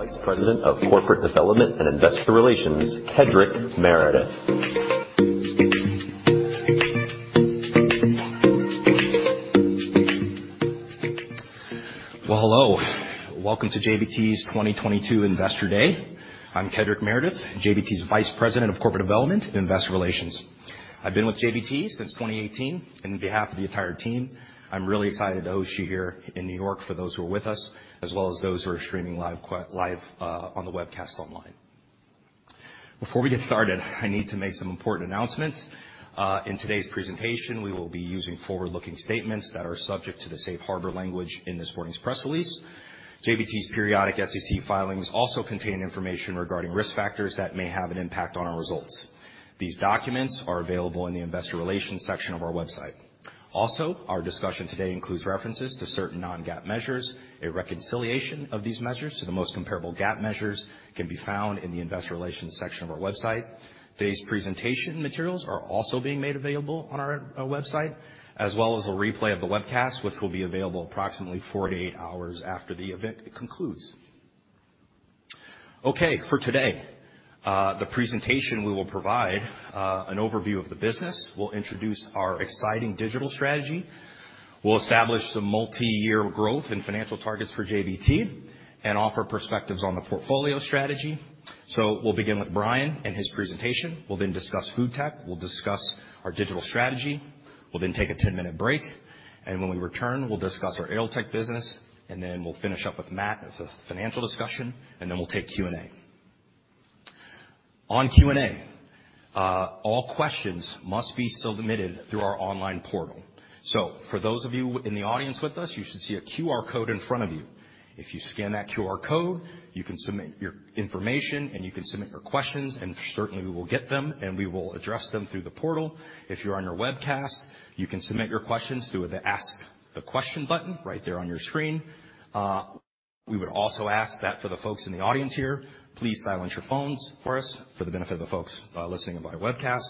Vice President of Corporate Development and Investor Relations, Kedric Meredith. Well, hello. Welcome to JBT's 2022 Investor Day. I'm Kedric Meredith, JBT's Vice President of Corporate Development and Investor Relations. I've been with JBT since 2018. On behalf of the entire team, I'm really excited to host you here in New York for those who are with us, as well as those who are streaming live on the webcast online. Before we get started, I need to make some important announcements. In today's presentation, we will be using forward-looking statements that are subject to the safe harbor language in this morning's press release. JBT's periodic SEC filings also contain information regarding risk factors that may have an impact on our results. These documents are available in the Investor Relations section of our website. Also, our discussion today includes references to certain non-GAAP measures. A reconciliation of these measures to the most comparable GAAP measures can be found in the Investor Relations section of our website. Today's presentation materials are also being made available on our website as well as a replay of the webcast, which will be available approximately 48 hours after the event concludes. Okay, for today, the presentation we will provide an overview of the business. We'll introduce our exciting digital strategy. We'll establish some multiyear growth and financial targets for JBT and offer perspectives on the portfolio strategy. We'll begin with Brian and his presentation. We'll then discuss FoodTech. We'll discuss our digital strategy. We'll then take a 10-minute break, and when we return, we'll discuss our AeroTech business, and then we'll finish up with Matt with the financial discussion, and then we'll take Q&A. On Q&A, all questions must be submitted through our online portal. For those of you in the audience with us, you should see a QR code in front of you. If you scan that QR code, you can submit your information, and you can submit your questions, and certainly we will get them, and we will address them through the portal. If you're on your webcast, you can submit your questions through the Ask the Question button right there on your screen. We would also ask that for the folks in the audience here, please silence your phones for us for the benefit of the folks listening via webcast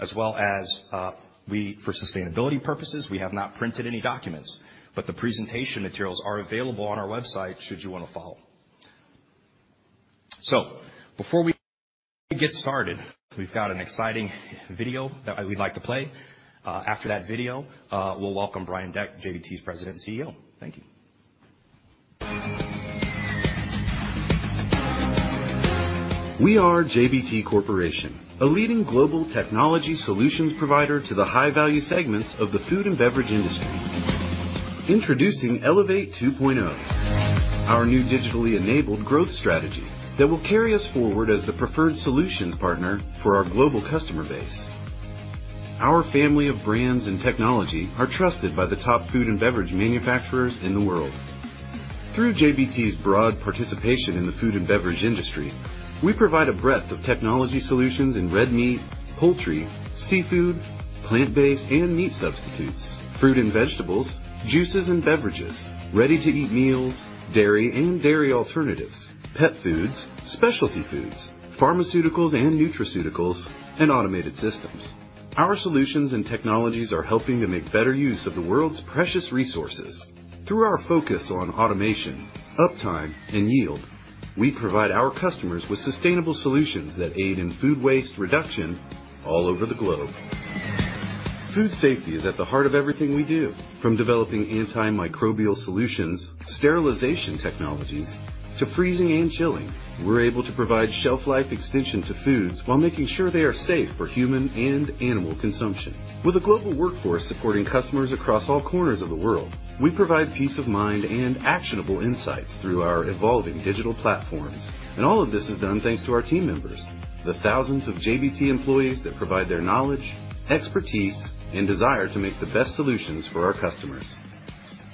as well as, for sustainability purposes, we have not printed any documents, but the presentation materials are available on our website should you wanna follow. Before we get started, we've got an exciting video that we'd like to play. After that video, we'll welcome Brian Deck, JBT's President and CEO. Thank you. We are JBT Corporation, a leading global technology solutions provider to the high-value segments of the food and beverage industry. Introducing Elevate 2.0, our new digitally enabled growth strategy that will carry us forward as the preferred solutions partner for our global customer base. Our family of brands and technology are trusted by the top food and beverage manufacturers in the world. Through JBT's broad participation in the food and beverage industry, we provide a breadth of technology solutions in red meat, poultry, seafood, plant-based and meat substitutes, fruit and vegetables, juices and beverages, ready-to-eat meals, dairy and dairy alternatives, pet foods, specialty foods, pharmaceuticals and nutraceuticals, and automated systems. Our solutions and technologies are helping to make better use of the world's precious resources. Through our focus on automation, uptime, and yield, we provide our customers with sustainable solutions that aid in food waste reduction all over the globe. Food safety is at the heart of everything we do. From developing antimicrobial solutions, sterilization technologies, to freezing and chilling, we're able to provide shelf life extension to foods while making sure they are safe for human and animal consumption. With a global workforce supporting customers across all corners of the world, we provide peace of mind and actionable insights through our evolving digital platforms, and all of this is done thanks to our team members, the thousands of JBT employees that provide their knowledge, expertise, and desire to make the best solutions for our customers.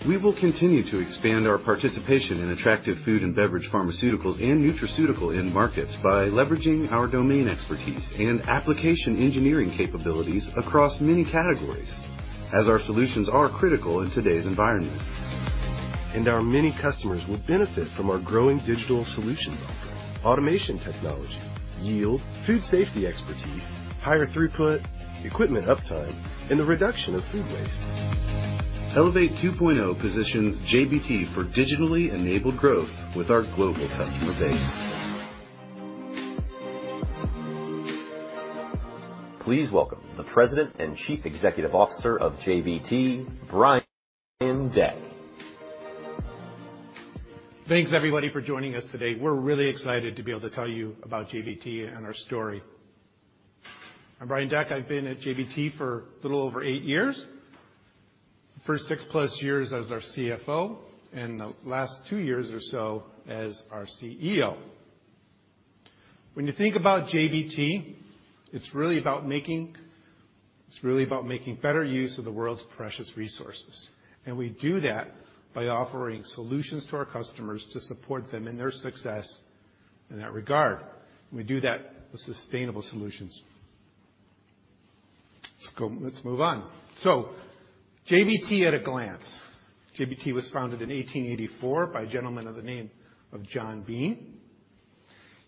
We will continue to expand our participation in attractive food and beverage pharmaceuticals and nutraceutical end markets by leveraging our domain expertise and application engineering capabilities across many categories as our solutions are critical in today's environment. Our many customers will benefit from our growing digital solutions offering, automation technology, yield, food safety expertise, higher throughput, equipment uptime, and the reduction of food waste. Elevate 2.0 positions JBT for digitally enabled growth with our global customer base. Please welcome the President and Chief Executive Officer of JBT, Brian Deck. Thanks, everybody, for joining us today. We're really excited to be able to tell you about JBT and our story. I'm Brian Deck. I've been at JBT for a little over eight years. The first six-plus years as our CFO and the last two years or so as our CEO. When you think about JBT, it's really about making better use of the world's precious resources, and we do that by offering solutions to our customers to support them in their success in that regard. We do that with sustainable solutions. Let's move on. JBT at a glance. JBT was founded in 1884 by a gentleman of the name of John Bean.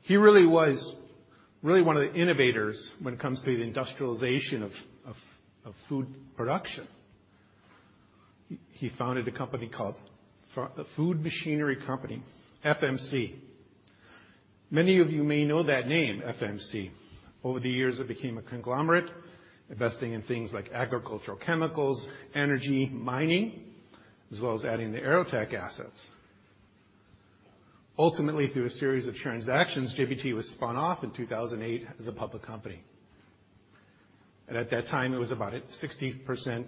He really was one of the innovators when it comes to the industrialization of food production. He founded a company called Food Machinery Corporation, FMC. Many of you may know that name, FMC. Over the years, it became a conglomerate, investing in things like agricultural chemicals, energy, mining, as well as adding the AeroTech assets. Ultimately, through a series of transactions, JBT was spun off in 2008 as a public company. At that time, it was about 60%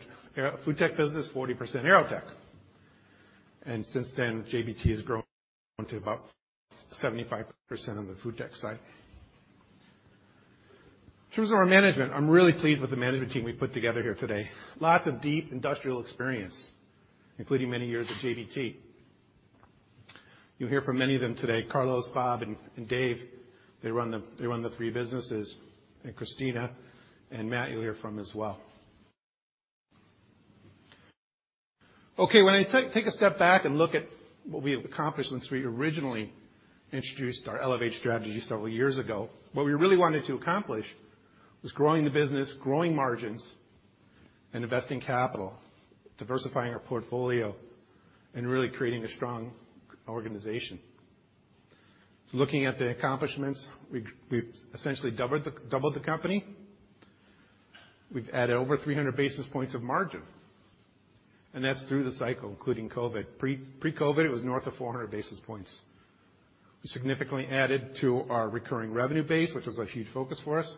FoodTech business, 40% AeroTech. Since then, JBT has grown to about 75% on the FoodTech side. In terms of our management, I'm really pleased with the management team we've put together here today. Lots of deep industrial experience, including many years at JBT. You'll hear from many of them today, Carlos, Bob, and Dave. They run the three businesses. Kristina and Matt, you'll hear from as well. Okay, when I take a step back and look at what we have accomplished since we originally introduced our Elevate strategy several years ago, what we really wanted to accomplish was growing the business, growing margins, and investing capital, diversifying our portfolio, and really creating a strong organization. Looking at the accomplishments, we've essentially doubled the company. We've added over 300 basis points of margin, and that's through the cycle, including COVID. Pre-COVID, it was north of 400 basis points. We significantly added to our recurring revenue base, which was a huge focus for us,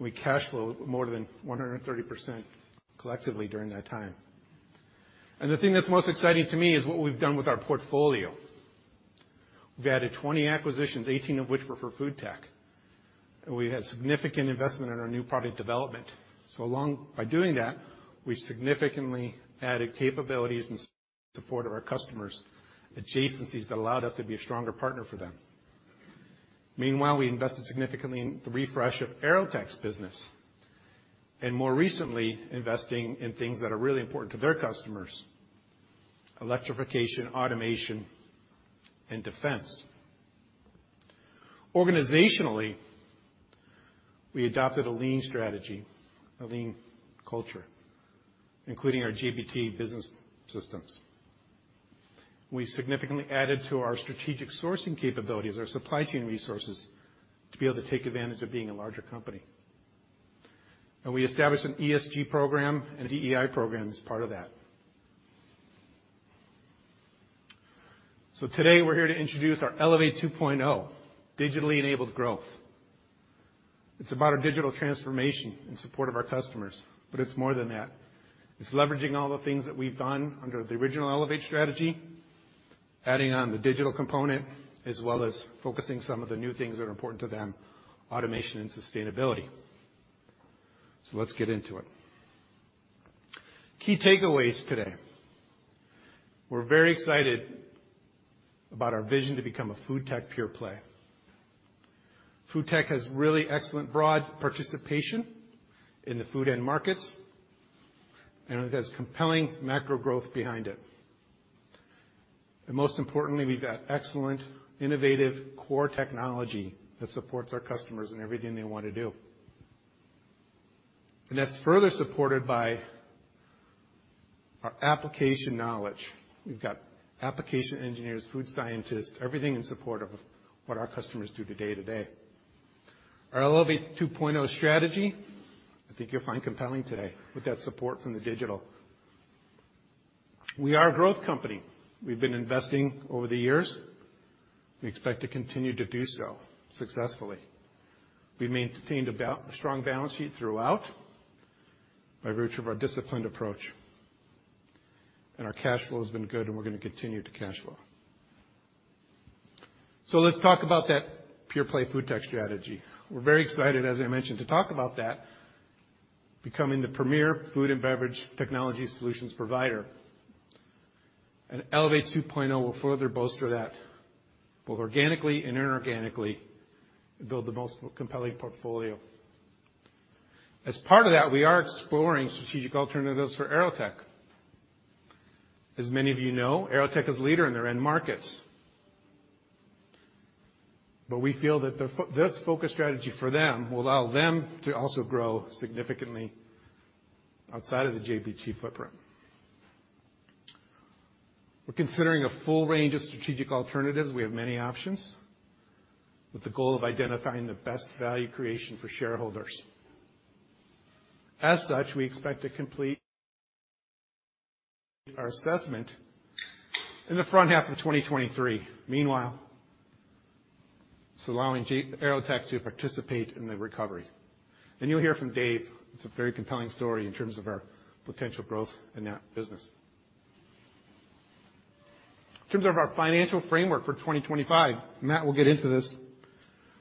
and we cash flowed more than 130% collectively during that time. The thing that's most exciting to me is what we've done with our portfolio. We've added 20 acquisitions, 18 of which were for FoodTech, and we had significant investment in our new product development. By doing that, we significantly added capabilities in support of our customers, adjacencies that allowed us to be a stronger partner for them. Meanwhile, we invested significantly in the refresh of AeroTech's business, and more recently, investing in things that are really important to their customers, electrification, automation, and defense. Organizationally, we adopted a lean strategy, a lean culture, including our JBT Business System. We significantly added to our strategic sourcing capabilities, our supply chain resources, to be able to take advantage of being a larger company. We established an ESG program and a DEI program as part of that. Today, we're here to introduce our Elevate 2.0, digitally enabled growth. It's about our digital transformation in support of our customers, but it's more than that. It's leveraging all the things that we've done under the original Elevate strategy, adding on the digital component, as well as focusing some of the new things that are important to them, automation and sustainability. Let's get into it. Key takeaways today. We're very excited about our vision to become a FoodTech pure play. FoodTech has really excellent broad participation in the food end markets, and it has compelling macro growth behind it. Most importantly, we've got excellent, innovative core technology that supports our customers in everything they want to do. That's further supported by our application knowledge. We've got application engineers, food scientists, everything in support of what our customers do day to day. Our Elevate 2.0 strategy, I think you'll find compelling today with that support from the digital. We are a growth company. We've been investing over the years. We expect to continue to do so successfully. We maintained a strong balance sheet throughout by virtue of our disciplined approach. Our cash flow has been good, and we're gonna continue to cash flow. Let's talk about that pure play FoodTech strategy. We're very excited, as I mentioned, to talk about that, becoming the premier food and beverage technology solutions provider. Elevate 2.0 will further bolster that, both organically and inorganically, and build the most compelling portfolio. As part of that, we are exploring strategic alternatives for AeroTech. As many of you know, AeroTech is a leader in their end markets. We feel that this focus strategy for them will allow them to also grow significantly outside of the JBT footprint. We're considering a full range of strategic alternatives. We have many options, with the goal of identifying the best value creation for shareholders. As such, we expect to complete our assessment in the front half of 2023. Meanwhile, it's allowing JBT AeroTech to participate in the recovery. You'll hear from Dave. It's a very compelling story in terms of our potential growth in that business. In terms of our financial framework for 2025, Matt will get into this,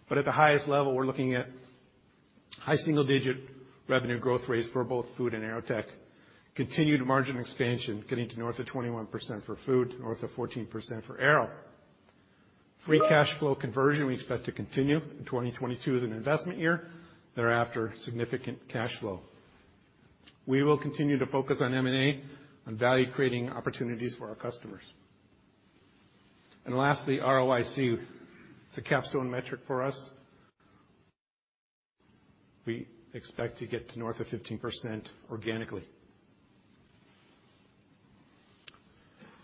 but at the highest level, we're looking at high single-digit revenue growth rates for both FoodTech and AeroTech. Continued margin expansion, getting to north of 21% for FoodTech, north of 14% for AeroTech. Free cash flow conversion, we expect to continue. 2022 is an investment year. Thereafter, significant cash flow. We will continue to focus on M&A on value-creating opportunities for our customers. Lastly, ROIC. It's a capstone metric for us. We expect to get to north of 15% organically.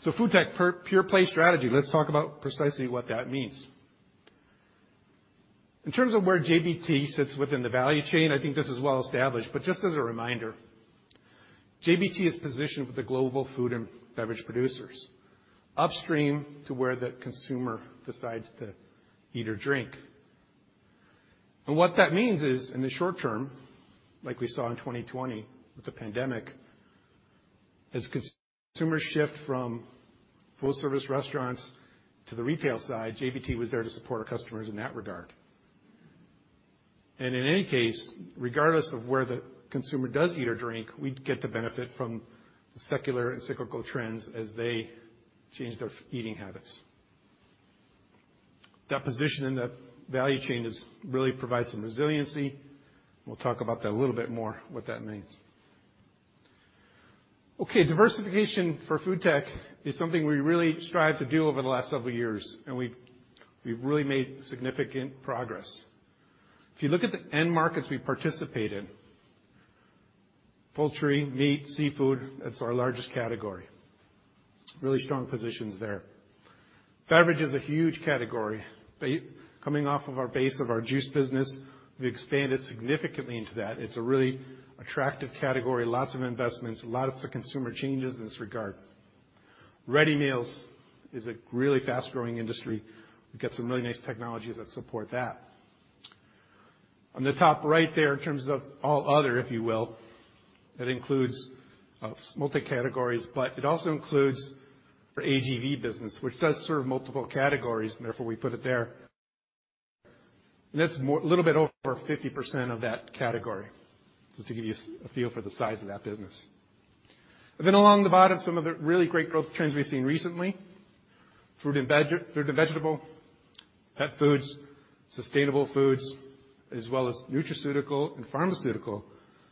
FoodTech pure play strategy. Let's talk about precisely what that means. In terms of where JBT sits within the value chain, I think this is well established, but just as a reminder, JBT is positioned with the global food and beverage producers upstream to where the consumer decides to eat or drink. What that means is, in the short term, like we saw in 2020 with the pandemic, as consumers shift from full-service restaurants to the retail side, JBT was there to support our customers in that regard. In any case, regardless of where the consumer does eat or drink, we get the benefit from the secular and cyclical trends as they change their eating habits. That position in that value chain it really provides some resiliency. We'll talk about that a little bit more, what that means. Okay, diversification for FoodTech is something we really strived to do over the last several years, and we've really made significant progress. If you look at the end markets we participate in, poultry, meat, seafood, that's our largest category. Really strong positions there. Beverage is a huge category. Coming off of our base of our juice business, we expanded significantly into that. It's a really attractive category, lots of investments, lots of consumer changes in this regard. Ready meals is a really fast-growing industry. We've got some really nice technologies that support that. On the top right there, in terms of all other, if you will, that includes multi-categories, but it also includes our AGV business, which does serve multiple categories, and therefore we put it there. That's a little bit over 50% of that category, just to give you a feel for the size of that business. Along the bottom, some of the really great growth trends we've seen recently, fruit and vegetable, pet foods, sustainable foods, as well as nutraceutical and pharmaceutical.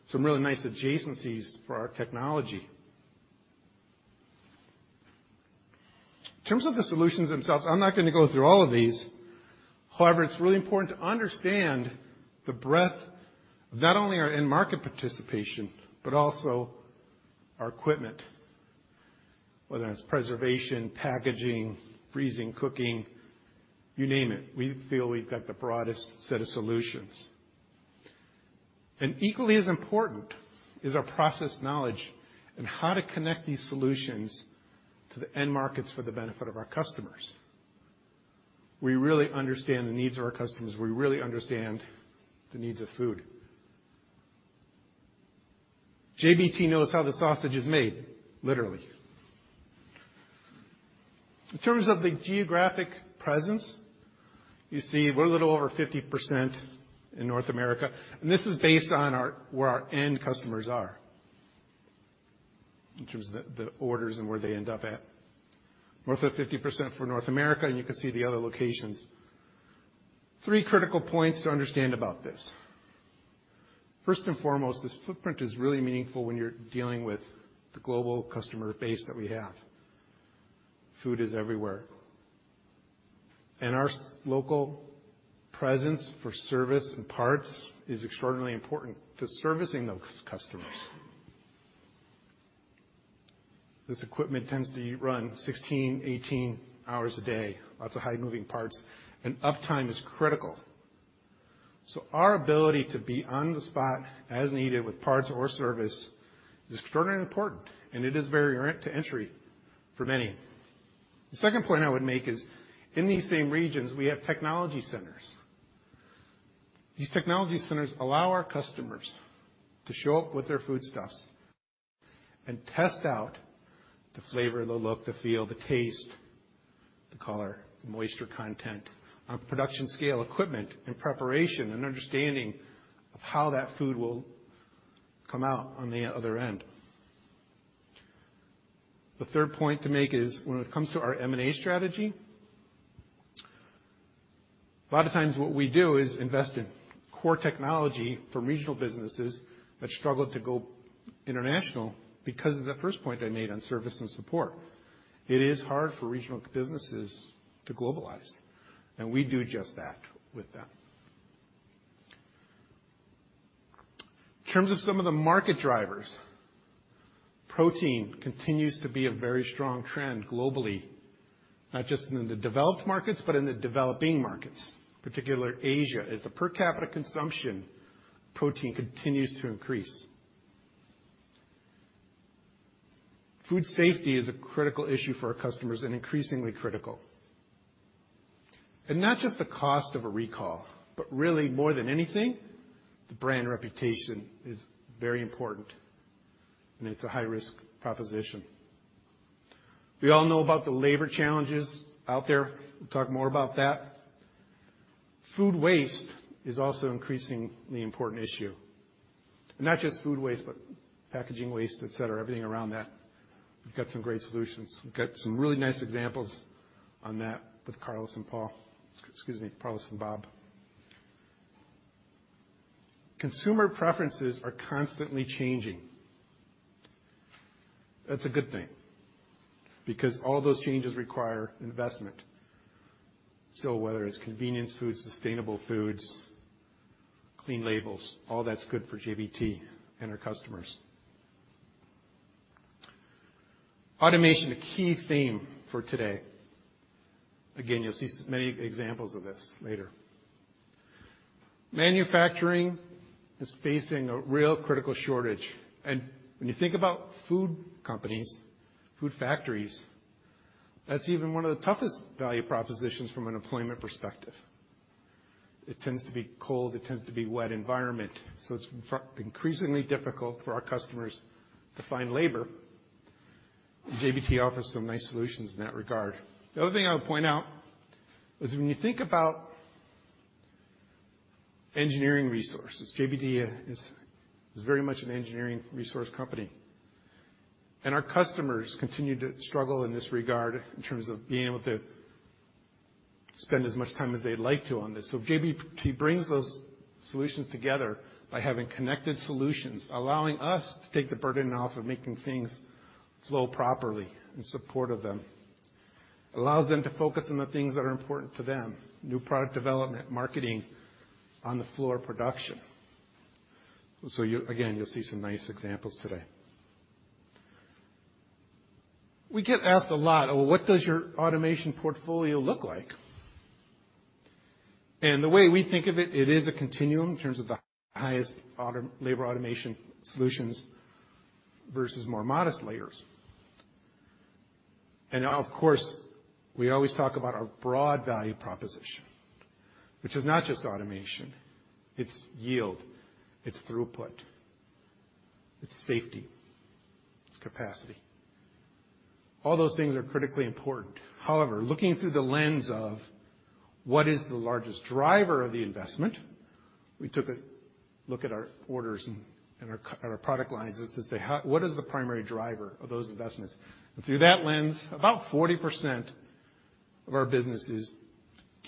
Some really nice adjacencies for our technology. In terms of the solutions themselves, I'm not gonna go through all of these. However, it's really important to understand the breadth, not only our end market participation, but also our equipment, whether that's preservation, packaging, freezing, cooking, you name it. We feel we've got the broadest set of solutions. Equally as important is our process knowledge and how to connect these solutions to the end markets for the benefit of our customers. We really understand the needs of our customers. We really understand the needs of food. JBT knows how the sausage is made, literally. In terms of the geographic presence, you see we're a little over 50% in North America, and this is based on our, where our end customers are in terms of the orders and where they end up at. North of 50% for North America, and you can see the other locations. Three critical points to understand about this. First and foremost, this footprint is really meaningful when you're dealing with the global customer base that we have. Food is everywhere. Our local presence for service and parts is extraordinarily important to servicing those customers. This equipment tends to run 16, 18 hours a day, lots of high-moving parts, and uptime is critical. Our ability to be on the spot as needed with parts or service is extraordinarily important, and it is very hard to enter for many. The second point I would make is, in these same regions, we have technology centers. These technology centers allow our customers to show up with their foodstuffs and test out the flavor, the look, the feel, the taste, the color, the moisture content on production scale equipment and preparation and understanding of how that food will come out on the other end. The third point to make is when it comes to our M&A strategy, a lot of times what we do is invest in core technology for regional businesses that struggle to go international because of the first point I made on service and support. It is hard for regional businesses to globalize, and we do just that with them. In terms of some of the market drivers, protein continues to be a very strong trend globally, not just in the developed markets, but in the developing markets, particularly Asia, as the per capita consumption protein continues to increase. Food safety is a critical issue for our customers and increasingly critical, and not just the cost of a recall, but really more than anything, the brand reputation is very important, and it's a high-risk proposition. We all know about the labor challenges out there. We'll talk more about that. Food waste is also increasingly important issue, and not just food waste, but packaging waste, et cetera, everything around that. We've got some great solutions. We've got some really nice examples on that with Carlos and Paul. Excuse me, Carlos and Bob. Consumer preferences are constantly changing. That's a good thing because all those changes require investment. Whether it's convenience foods, sustainable foods, clean labels, all that's good for JBT and our customers. Automation, a key theme for today. Again, you'll see many examples of this later. Manufacturing is facing a real critical shortage. When you think about food companies, food factories, that's even one of the toughest value propositions from an employment perspective. It tends to be cold. It tends to be wet environment. It's increasingly difficult for our customers to find labor. JBT offers some nice solutions in that regard. The other thing I would point out is when you think about engineering resources, JBT is very much an engineering resource company. Our customers continue to struggle in this regard in terms of being able to spend as much time as they'd like to on this. JBT brings those solutions together by having connected solutions, allowing us to take the burden off of making things flow properly in support of them. Allows them to focus on the things that are important to them, new product development, marketing, on-the-floor production. Again, you'll see some nice examples today. We get asked a lot, "Well, what does your automation portfolio look like?" The way we think of it is a continuum in terms of the highest labor automation solutions versus more modest layers. Of course, we always talk about our broad value proposition, which is not just automation. It's yield. It's throughput. It's safety. It's capacity. All those things are critically important. However, looking through the lens of what is the largest driver of the investment, we took a look at our orders and our product lines to say, "What is the primary driver of those investments?" Through that lens, about 40% of our business is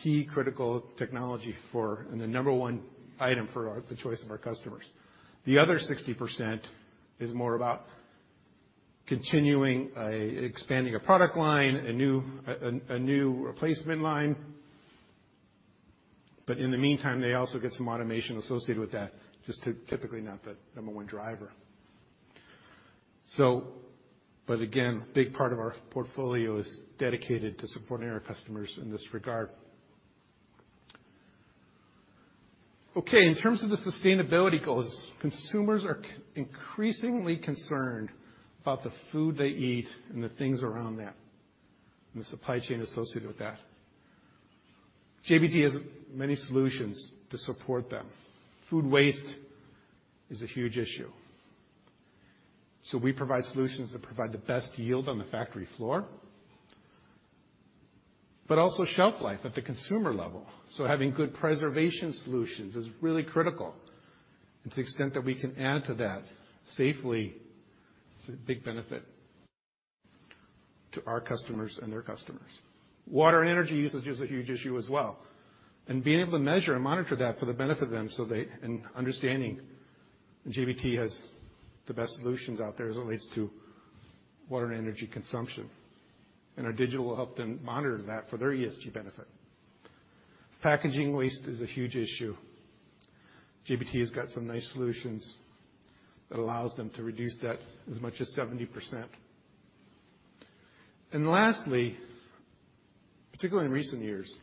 key critical technology for and the number one item for the choice of our customers. The other 60% is more about continuing, expanding a product line, a new replacement line. In the meantime, they also get some automation associated with that, just typically not the number one driver. Again, a big part of our portfolio is dedicated to supporting our customers in this regard. Okay, in terms of the sustainability goals, consumers are increasingly concerned about the food they eat and the things around that and the supply chain associated with that. JBT has many solutions to support them. Food waste is a huge issue. We provide solutions that provide the best yield on the factory floor, but also shelf life at the consumer level. Having good preservation solutions is really critical to the extent that we can add to that safely. It's a big benefit to our customers and their customers. Water and energy usage is a huge issue as well, and being able to measure and monitor that for the benefit of them and understanding JBT has the best solutions out there as it relates to water and energy consumption. Our digital will help them monitor that for their ESG benefit. Packaging waste is a huge issue. JBT has got some nice solutions that allows them to reduce that as much as 70%. Lastly, particularly in recent years,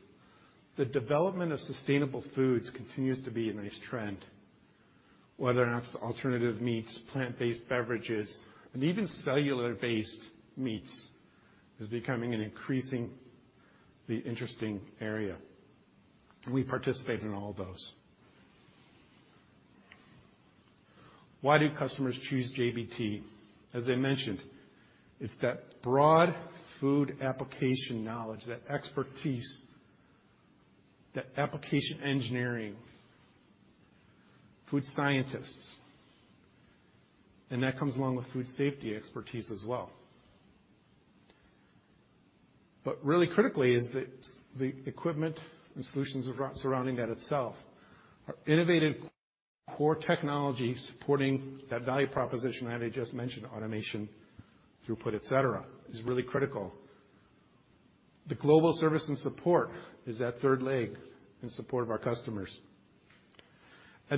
the development of sustainable foods continues to be a nice trend, whether that's alternative meats, plant-based beverages, and even cellular-based meats is becoming an increasingly interesting area. We participate in all those. Why do customers choose JBT? As I mentioned, it's that broad food application knowledge, that expertise, that application engineering, food scientists, and that comes along with food safety expertise as well. Really critically is the equipment and solutions surrounding that itself. Our innovative core technology supporting that value proposition I just mentioned, automation, throughput, et cetera, is really critical. The global service and support is that third leg in support of our customers.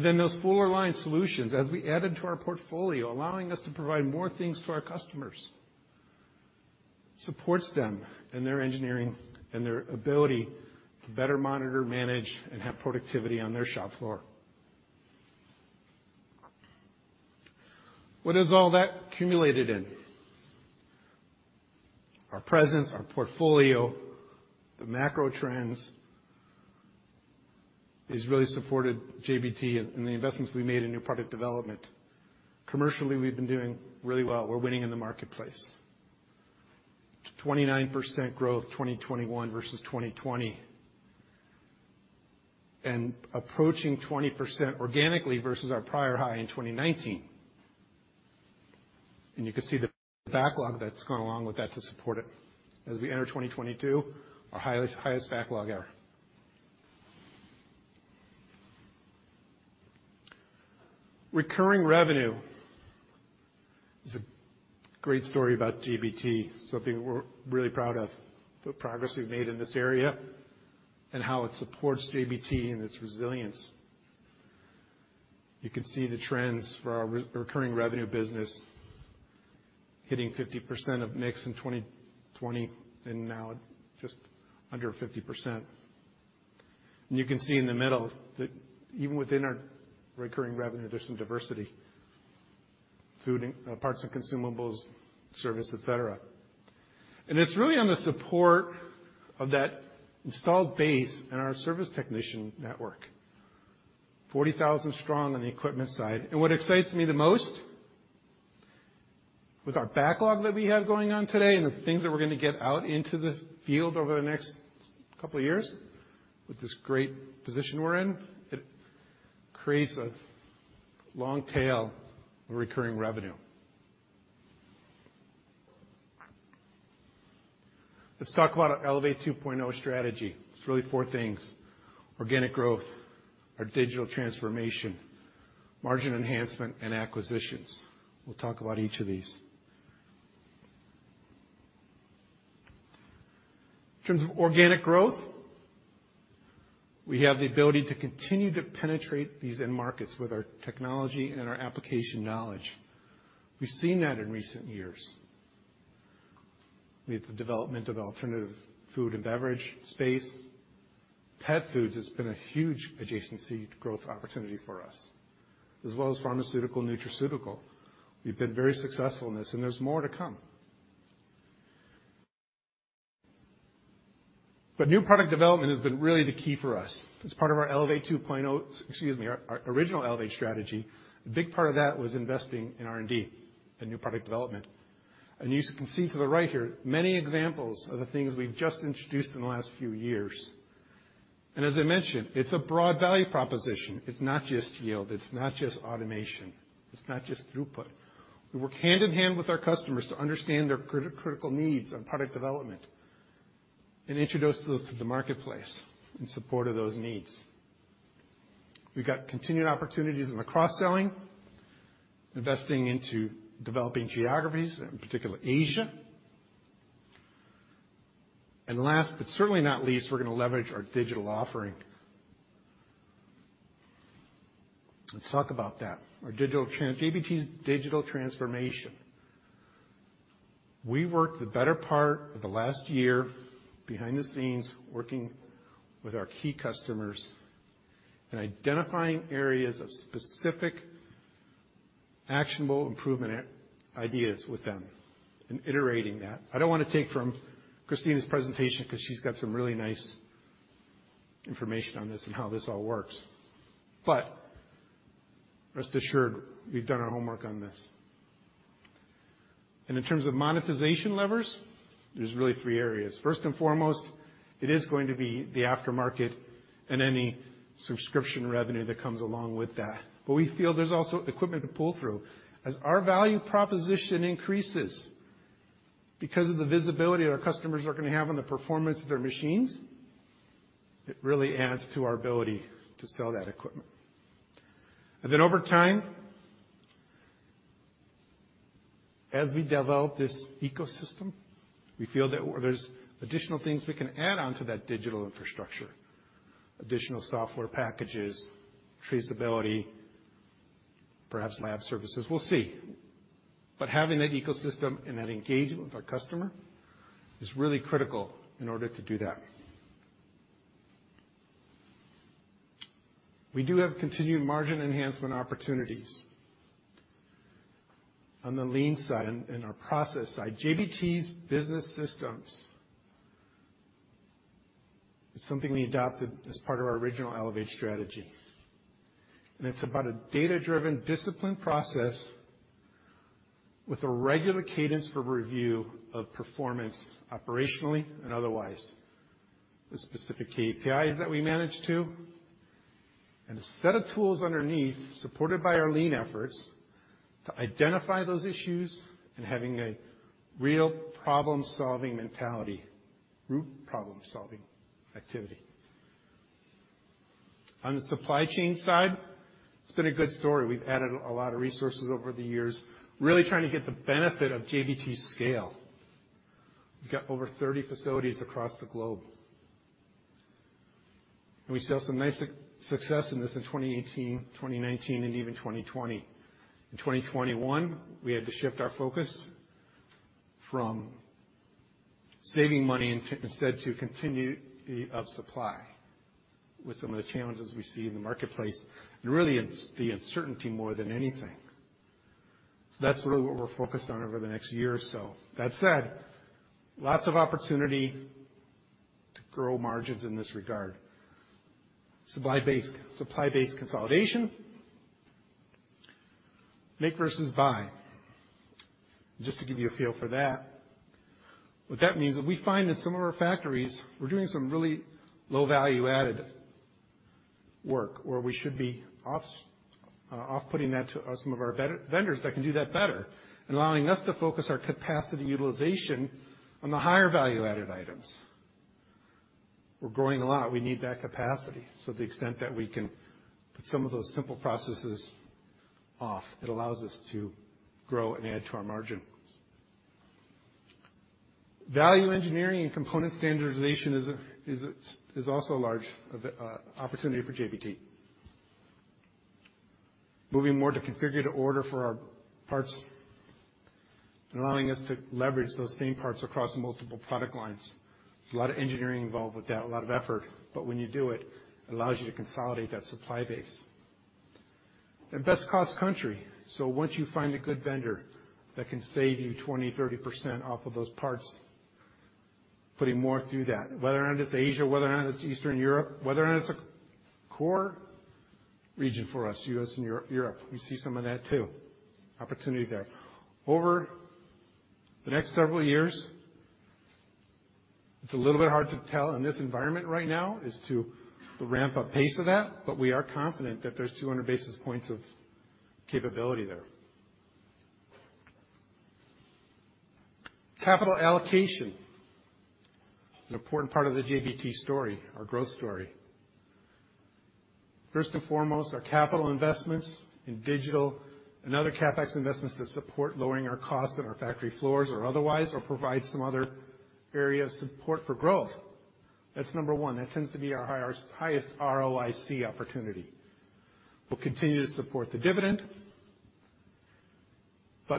Those full line solutions, as we added to our portfolio, allowing us to provide more things to our customers, supports them in their engineering and their ability to better monitor, manage, and have productivity on their shop floor. What has all that culminated in? Our presence, our portfolio, the macro trends has really supported JBT and the investments we made in new product development. Commercially, we've been doing really well. We're winning in the marketplace. 29% growth 2021 versus 2020. Approaching 20% organically versus our prior high in 2019. You can see the backlog that's gone along with that to support it. As we enter 2022, our highest backlog ever. Recurring revenue is a great story about JBT, something we're really proud of, the progress we've made in this area and how it supports JBT and its resilience. You can see the trends for our recurring revenue business hitting 50% of mix in 2020 and now just under 50%. You can see in the middle that even within our recurring revenue, there's some diversity, food, parts and consumables, service, et cetera. It's really on the support of that installed base and our service technician network, 40,000 strong on the equipment side. What excites me the most with our backlog that we have going on today and the things that we're going to get out into the field over the next couple of years with this great position we're in, it creates a long tail of recurring revenue. Let's talk about our Elevate 2.0 strategy. It's really four things, organic growth, our digital transformation, margin enhancement, and acquisitions. We'll talk about each of these. In terms of organic growth, we have the ability to continue to penetrate these end markets with our technology and our application knowledge. We've seen that in recent years with the development of alternative food and beverage space. Pet foods has been a huge adjacency growth opportunity for us, as well as pharmaceutical nutraceutical. We've been very successful in this, and there's more to come. New product development has been really the key for us. It's part of our Elevate 2.0, excuse me, our original Elevate strategy. A big part of that was investing in R&D and new product development. You can see to the right here many examples of the things we've just introduced in the last few years. As I mentioned, it's a broad value proposition. It's not just yield. It's not just automation. It's not just throughput. We work hand in hand with our customers to understand their critical needs on product development and introduce those to the marketplace in support of those needs. We've got continued opportunities in the cross-selling, investing into developing geographies, in particular Asia. Last but certainly not least, we're going to leverage our digital offering. Let's talk about that, JBT's digital transformation. We worked the better part of the last year behind the scenes working with our key customers and identifying areas of specific actionable improvement ideas with them and iterating that. I don't want to take from Kristina's presentation because she's got some really nice information on this and how this all works. Rest assured, we've done our homework on this. In terms of monetization levers, there's really three areas. First and foremost, it is going to be the aftermarket and any subscription revenue that comes along with that. We feel there's also equipment to pull through. As our value proposition increases because of the visibility our customers are going to have on the performance of their machines, it really adds to our ability to sell that equipment. Then over time, as we develop this ecosystem, we feel that there's additional things we can add on to that digital infrastructure, additional software packages, traceability, perhaps lab services. We'll see. Having that ecosystem and that engagement with our customer is really critical in order to do that. We do have continued margin enhancement opportunities. On the lean side and our process side, JBT Business System is something we adopted as part of our original Elevate strategy. It's about a data-driven discipline process with a regular cadence for review of performance operationally and otherwise. The specific KPIs that we manage to and a set of tools underneath supported by our lean efforts to identify those issues and having a real problem-solving mentality, root problem-solving activity. On the supply chain side, it's been a good story. We've added a lot of resources over the years, really trying to get the benefit of JBT's scale. We've got over 30 facilities across the globe. We saw some nice success in this in 2018, 2019, and even 2020. In 2021, we had to shift our focus from saving money instead to continuity of supply with some of the challenges we see in the marketplace and really the uncertainty more than anything. That's really what we're focused on over the next year or so. That said, lots of opportunity to grow margins in this regard. Supply-based consolidation. Make versus buy. Just to give you a feel for that, what that means is we find that some of our factories were doing some really low value-added work where we should be off putting that to some of our vendors that can do that better and allowing us to focus our capacity utilization on the higher value-added items. We're growing a lot. We need that capacity. So to the extent that we can put some of those simple processes off, it allows us to grow and add to our margin. Value engineering and component standardization is also a large opportunity for JBT. Moving more to configure-to-order for our parts and allowing us to leverage those same parts across multiple product lines. There's a lot of engineering involved with that, a lot of effort. When you do it allows you to consolidate that supply base, best cost country. Once you find a good vendor that can save you 20%, 30% off of those parts, putting more through that, whether or not it's Asia, whether or not it's Eastern Europe, whether or not it's a core region for us, U.S. and Europe, we see some of that too. Opportunity there. Over the next several years, it's a little bit hard to tell in this environment right now as to the ramp-up pace of that, but we are confident that there's 200 basis points of capability there. Capital allocation is an important part of the JBT story, our growth story. First and foremost, our capital investments in digital and other CapEx investments that support lowering our costs on our factory floors or otherwise, or provide some other area of support for growth. That's number one. That tends to be our highest ROIC opportunity. We'll continue to support the dividend.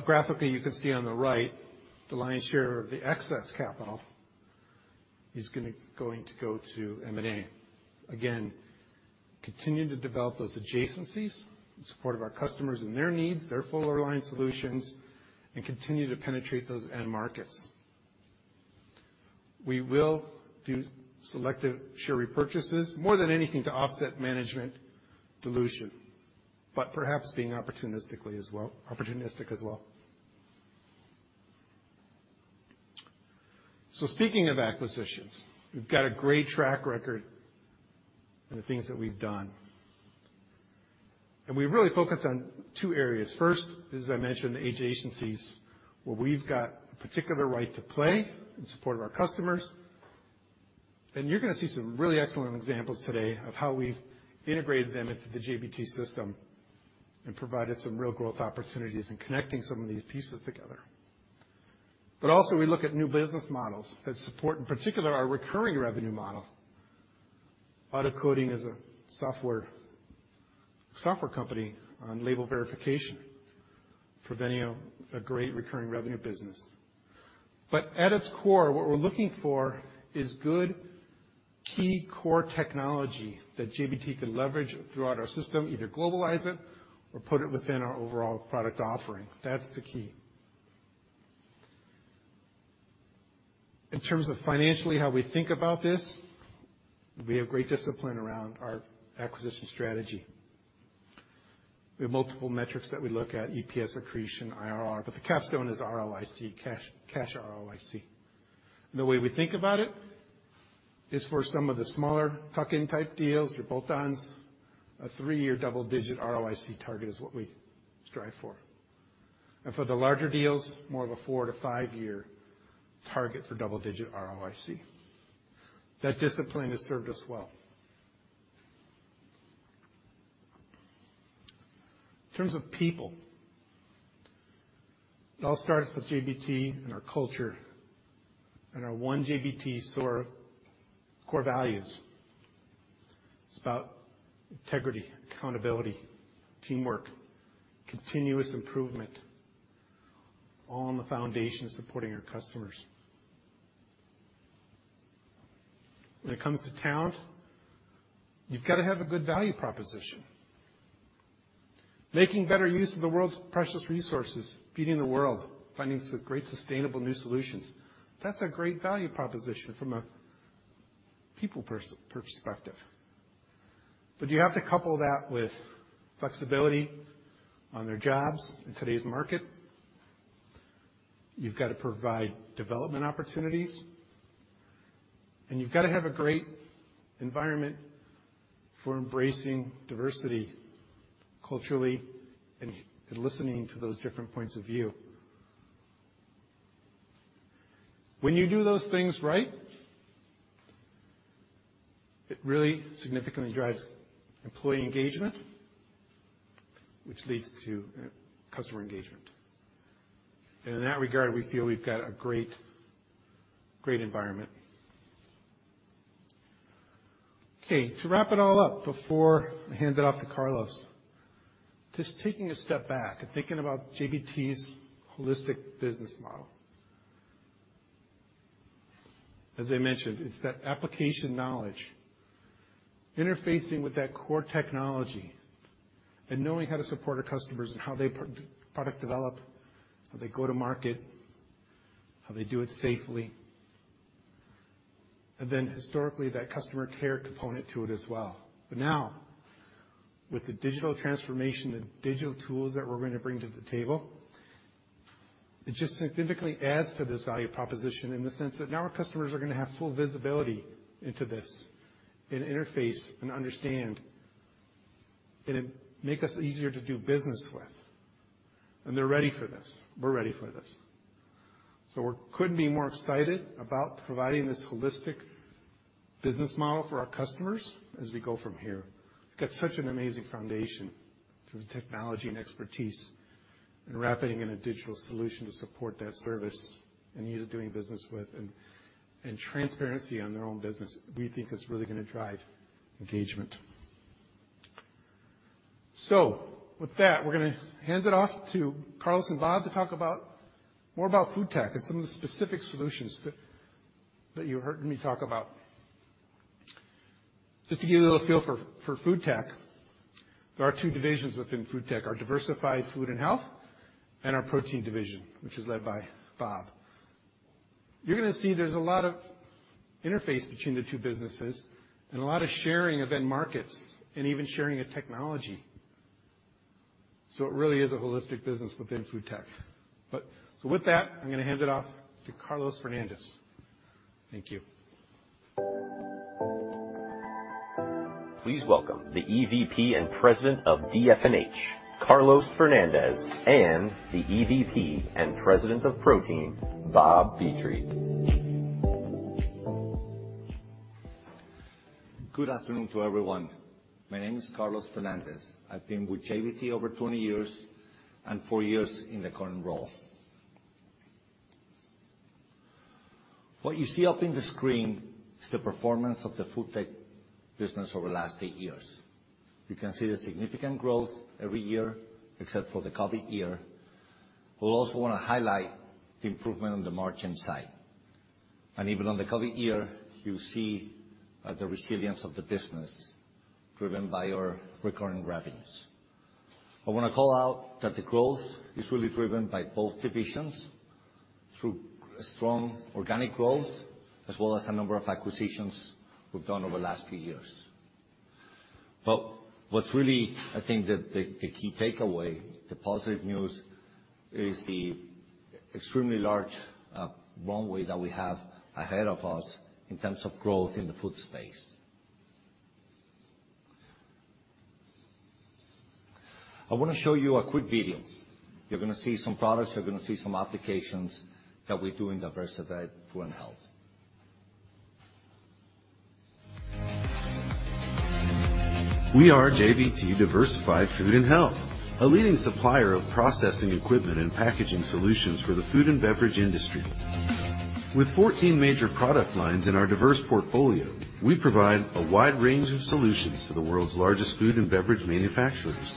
Graphically, you can see on the right, the lion's share of the excess capital is going to go to M&A. Again, continue to develop those adjacencies in support of our customers and their needs, their full order line solutions, and continue to penetrate those end markets. We will do selective share repurchases, more than anything to offset management dilution, but perhaps being opportunistic as well. Speaking of acquisitions, we've got a great track record in the things that we've done. We really focus on two areas. First, as I mentioned, the adjacencies where we've got a particular right to play in support of our customers. You're gonna see some really excellent examples today of how we've integrated them into the JBT system and provided some real growth opportunities in connecting some of these pieces together. We look at new business models that support, in particular, our recurring revenue model. AutoCoding is a software company on label verification. Prevenio, a great recurring revenue business. At its core, what we're looking for is good, key core technology that JBT can leverage throughout our system, either globalize it or put it within our overall product offering. That's the key. In terms of financially how we think about this, we have great discipline around our acquisition strategy. We have multiple metrics that we look at, EPS accretion, IRR, but the capstone is ROIC, cash ROIC. The way we think about it is for some of the smaller tuck-in type deals, your bolt-ons, a three-year double-digit ROIC target is what we strive for. For the larger deals, more of a four-to-five-year target for double-digit ROIC. That discipline has served us well. In terms of people, it all starts with JBT and our culture and our One JBT sort of core values. It's about integrity, accountability, teamwork, continuous improvement, all on the foundation of supporting our customers. When it comes to talent, you've got to have a good value proposition. Making better use of the world's precious resources, feeding the world, finding some great sustainable new solutions. That's a great value proposition from a people perspective. You have to couple that with flexibility on their jobs in today's market. You've got to provide development opportunities, and you've got to have a great environment for embracing diversity culturally and listening to those different points of view. When you do those things right, it really significantly drives employee engagement, which leads to customer engagement. In that regard, we feel we've got a great environment. Okay, to wrap it all up before I hand it off to Carlos, just taking a step back and thinking about JBT's holistic business model. As I mentioned, it's that application knowledge interfacing with that core technology and knowing how to support our customers and how they product develop, how they go to market, how they do it safely. Then historically, that customer care component to it as well. Now, with the digital transformation, the digital tools that we're gonna bring to the table, it just significantly adds to this value proposition in the sense that now our customers are gonna have full visibility into this and interface and understand. It'd make us easier to do business with, and they're ready for this. We're ready for this. We couldn't be more excited about providing this holistic business model for our customers as we go from here. We've got such an amazing foundation through the technology and expertise and wrapping in a digital solution to support that service, and easy doing business with, and transparency on their own business. We think it's really gonna drive engagement. With that, we're gonna hand it off to Carlos and Bob to talk about more about FoodTech and some of the specific solutions that you heard me talk about. Just to give you a little feel for FoodTech, there are two divisions within FoodTech, our Diversified Food and Health, and our Protein division, which is led by Bob. You're gonna see there's a lot of interface between the two businesses and a lot of sharing of end markets and even sharing of technology. It really is a holistic business within FoodTech. With that, I'm gonna hand it off to Carlos Fernandez. Thank you. Please welcome the EVP and President of DFH, Carlos Fernandez, and the EVP and President of Protein, Bob Petrie. Good afternoon to everyone. My name is Carlos Fernandez. I've been with JBT over 20 years and four years in the current role. What you see up in the screen is the performance of the FoodTech business over the last 8 years. You can see the significant growth every year, except for the COVID year. We'll also wanna highlight the improvement on the margin side. Even on the COVID year, you see, the resilience of the business driven by our recurring revenues. I wanna call out that the growth is really driven by both divisions through strong organic growth as well as a number of acquisitions we've done over the last few years. What's really, I think, the key takeaway, the positive news is the extremely large, runway that we have ahead of us in terms of growth in the food space. I wanna show you a quick video. You're gonna see some products, you're gonna see some applications that we do in Diversified Food and Health. We are JBT Diversified Food and Health, a leading supplier of processing equipment and packaging solutions for the food and beverage industry. With 14 major product lines in our diverse portfolio, we provide a wide range of solutions to the world's largest food and beverage manufacturers.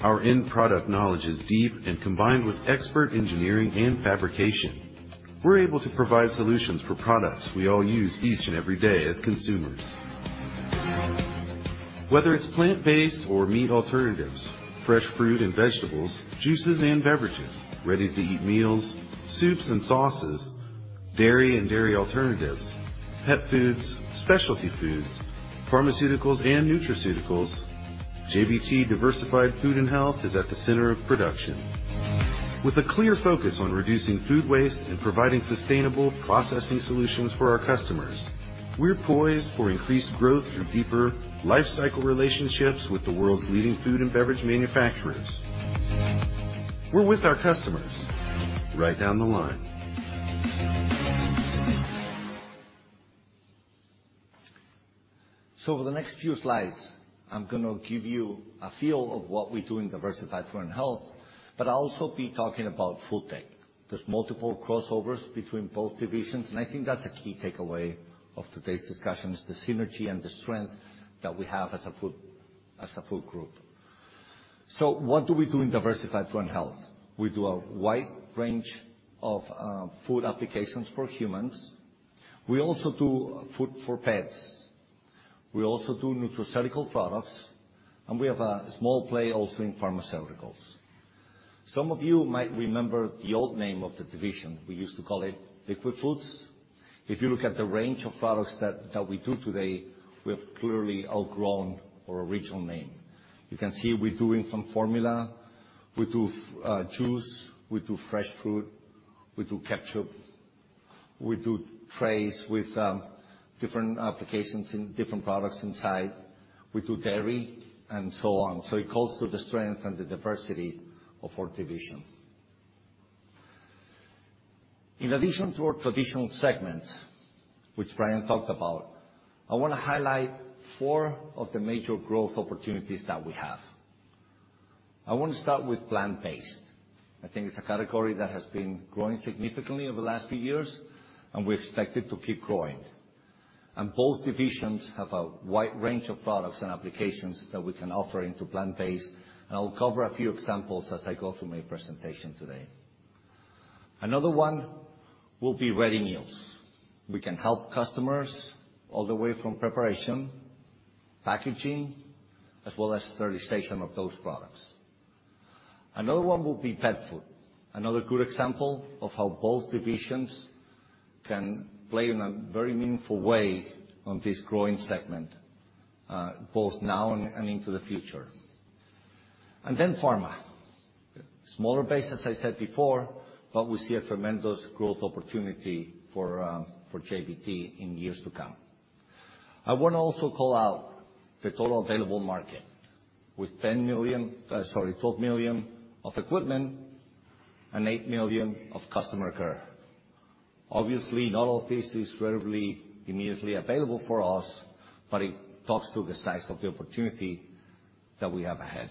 Our end product knowledge is deep and combined with expert engineering and fabrication. We're able to provide solutions for products we all use each and every day as consumers. Whether it's plant-based or meat alternatives, fresh fruit and vegetables, juices and beverages, ready-to-eat meals, soups and sauces, dairy and dairy alternatives, pet foods, specialty foods, pharmaceuticals and nutraceuticals, JBT Diversified Food and Health is at the center of production. With a clear focus on reducing food waste and providing sustainable processing solutions for our customers, we're poised for increased growth through deeper lifecycle relationships with the world's leading food and beverage manufacturers. We're with our customers right down the line. Over the next few slides, I'm gonna give you a feel of what we do in Diversified Food and Health, but I'll also be talking about FoodTech. There's multiple crossovers between both divisions, and I think that's a key takeaway of today's discussion, is the synergy and the strength that we have as a food group. What do we do in Diversified Food and Health? We do a wide range of food applications for humans. We also do food for pets. We also do nutraceutical products, and we have a small play also in pharmaceuticals. Some of you might remember the old name of the division. We used to call it Liquid Foods. If you look at the range of products that we do today, we have clearly outgrown our original name. You can see we're doing some formula, we do juice, we do fresh food, we do ketchup, we do trays with different applications in different products inside, we do dairy, and so on. It calls to the strength and the diversity of our division. In addition to our traditional segments, which Brian talked about, I wanna highlight four of the major growth opportunities that we have. I want to start with plant-based. I think it's a category that has been growing significantly over the last few years, and we expect it to keep growing. Both divisions have a wide range of products and applications that we can offer into plant-based, and I'll cover a few examples as I go through my presentation today. Another one will be ready meals. We can help customers all the way from preparation, packaging, as well as sterilization of those products. Another one will be pet food. Another good example of how both divisions can play in a very meaningful way on this growing segment, both now and into the future. Pharma. Smaller base, as I said before, but we see a tremendous growth opportunity for JBT in years to come. I wanna also call out the total available market, with $12 million of equipment and $8 million of customer care. Obviously, not all of this is readily, immediately available for us, but it talks to the size of the opportunity that we have ahead.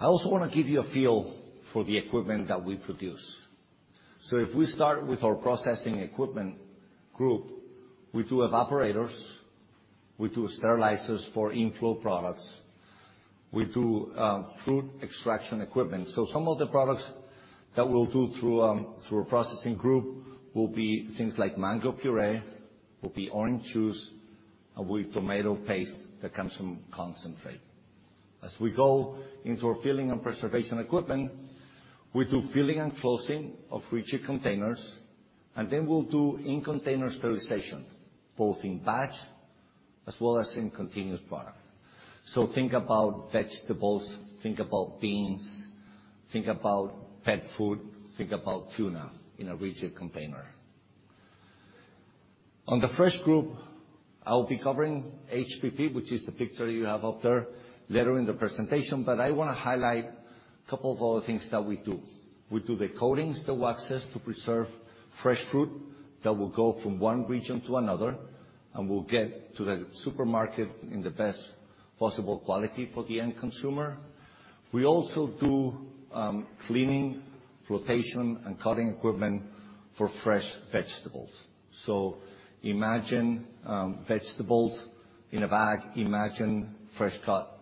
I also wanna give you a feel for the equipment that we produce. If we start with our processing equipment group, we do evaporators, we do sterilizers for inflow products, we do fruit extraction equipment. Some of the products that we'll do through our processing group will be things like mango puree, will be orange juice, and with tomato paste that comes from concentrate. As we go into our filling and preservation equipment, we do filling and closing of rigid containers, and then we'll do in-container sterilization, both in batch as well as in continuous product. Think about vegetables, think about beans, think about pet food, think about tuna in a rigid container. On the fresh group, I'll be covering HPP, which is the picture you have up there, later in the presentation, but I wanna highlight couple of other things that we do. We do the coatings, the waxes to preserve fresh fruit that will go from one region to another, and will get to the supermarket in the best possible quality for the end consumer. We also do cleaning, flotation, and cutting equipment for fresh vegetables. Imagine vegetables in a bag. Imagine fresh cut,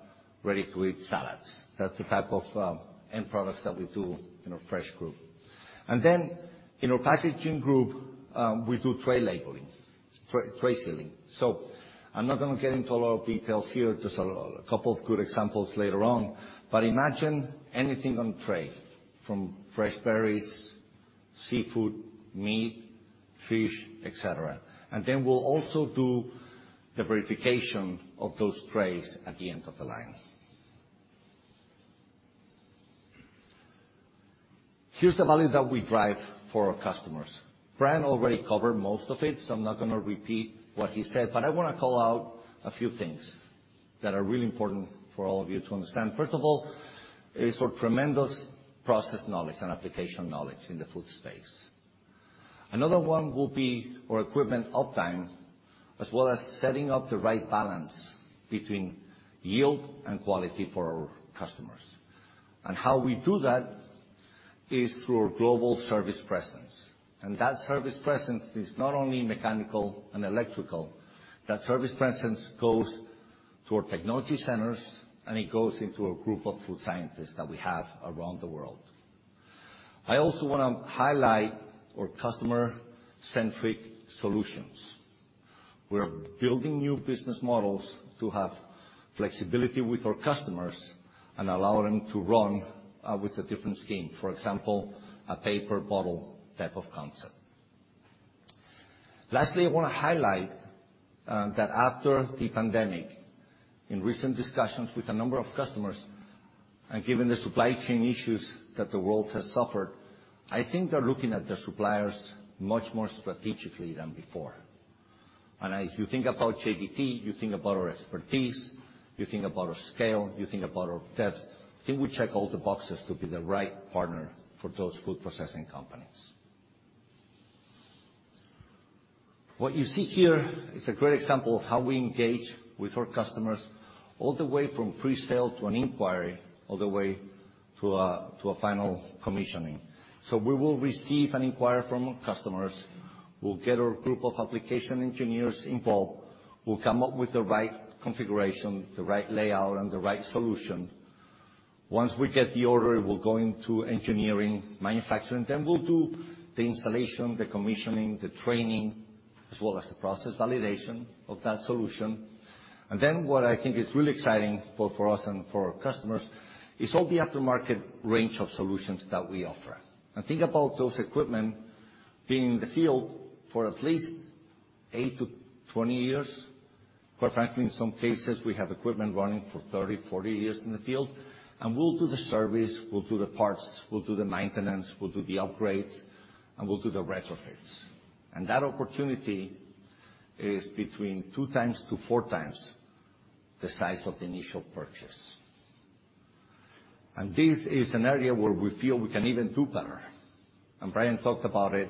ready-to-eat salads. That's the type of end products that we do in our fresh group. Then in our packaging group, we do tray labelings, tray sealing. I'm not gonna get into a lot of details here, just a couple of good examples later on. Imagine anything on tray, from fresh berries, seafood, meat, fish, et cetera. Then we'll also do the verification of those trays at the end of the line. Here's the value that we drive for our customers. Brian already covered most of it, so I'm not gonna repeat what he said, but I wanna call out a few things that are really important for all of you to understand. First of all, is our tremendous process knowledge and application knowledge in the food space. Another one will be our equipment uptime, as well as setting up the right balance between yield and quality for our customers. How we do that is through our global service presence, and that service presence is not only mechanical and electrical, that service presence goes to our technology centers, and it goes into a group of food scientists that we have around the world. I also wanna highlight our customer-centric solutions. We're building new business models to have flexibility with our customers and allow them to run with a different scheme. For example, a paper bottle type of concept. Lastly, I wanna highlight that after the pandemic, in recent discussions with a number of customers, and given the supply chain issues that the world has suffered, I think they're looking at their suppliers much more strategically than before. If you think about JBT, you think about our expertise, you think about our scale, you think about our depth. I think we check all the boxes to be the right partner for those food processing companies. What you see here is a great example of how we engage with our customers, all the way from pre-sale to an inquiry, all the way to a final commissioning. We will receive an inquiry from our customers, we'll get our group of application engineers involved, we'll come up with the right configuration, the right layout, and the right solution. Once we get the order, we're going to engineering, manufacturing, then we'll do the installation, the commissioning, the training, as well as the process validation of that solution. What I think is really exciting, both for us and for our customers, is all the aftermarket range of solutions that we offer. Think about those equipment being in the field for at least 8-20 years. Quite frankly, in some cases, we have equipment running for 30, 40 years in the field. We'll do the service, we'll do the parts, we'll do the maintenance, we'll do the upgrades, and we'll do the retrofits. That opportunity is between 2 times-4 times the size of the initial purchase. This is an area where we feel we can even do better, and Brian talked about it,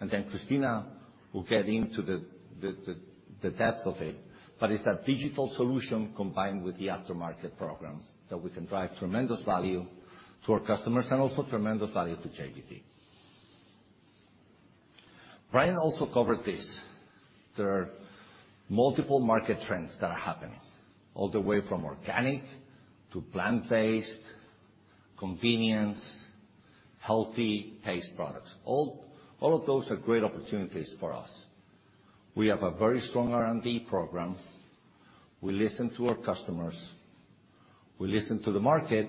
and then Kristina will get into the depth of it. It's that digital solution combined with the aftermarket program that we can drive tremendous value to our customers and also tremendous value to JBT. Brian also covered this. There are multiple market trends that are happening, all the way from organic to plant-based, convenience, healthy-based products. All of those are great opportunities for us. We have a very strong R&D program. We listen to our customers. We listen to the market,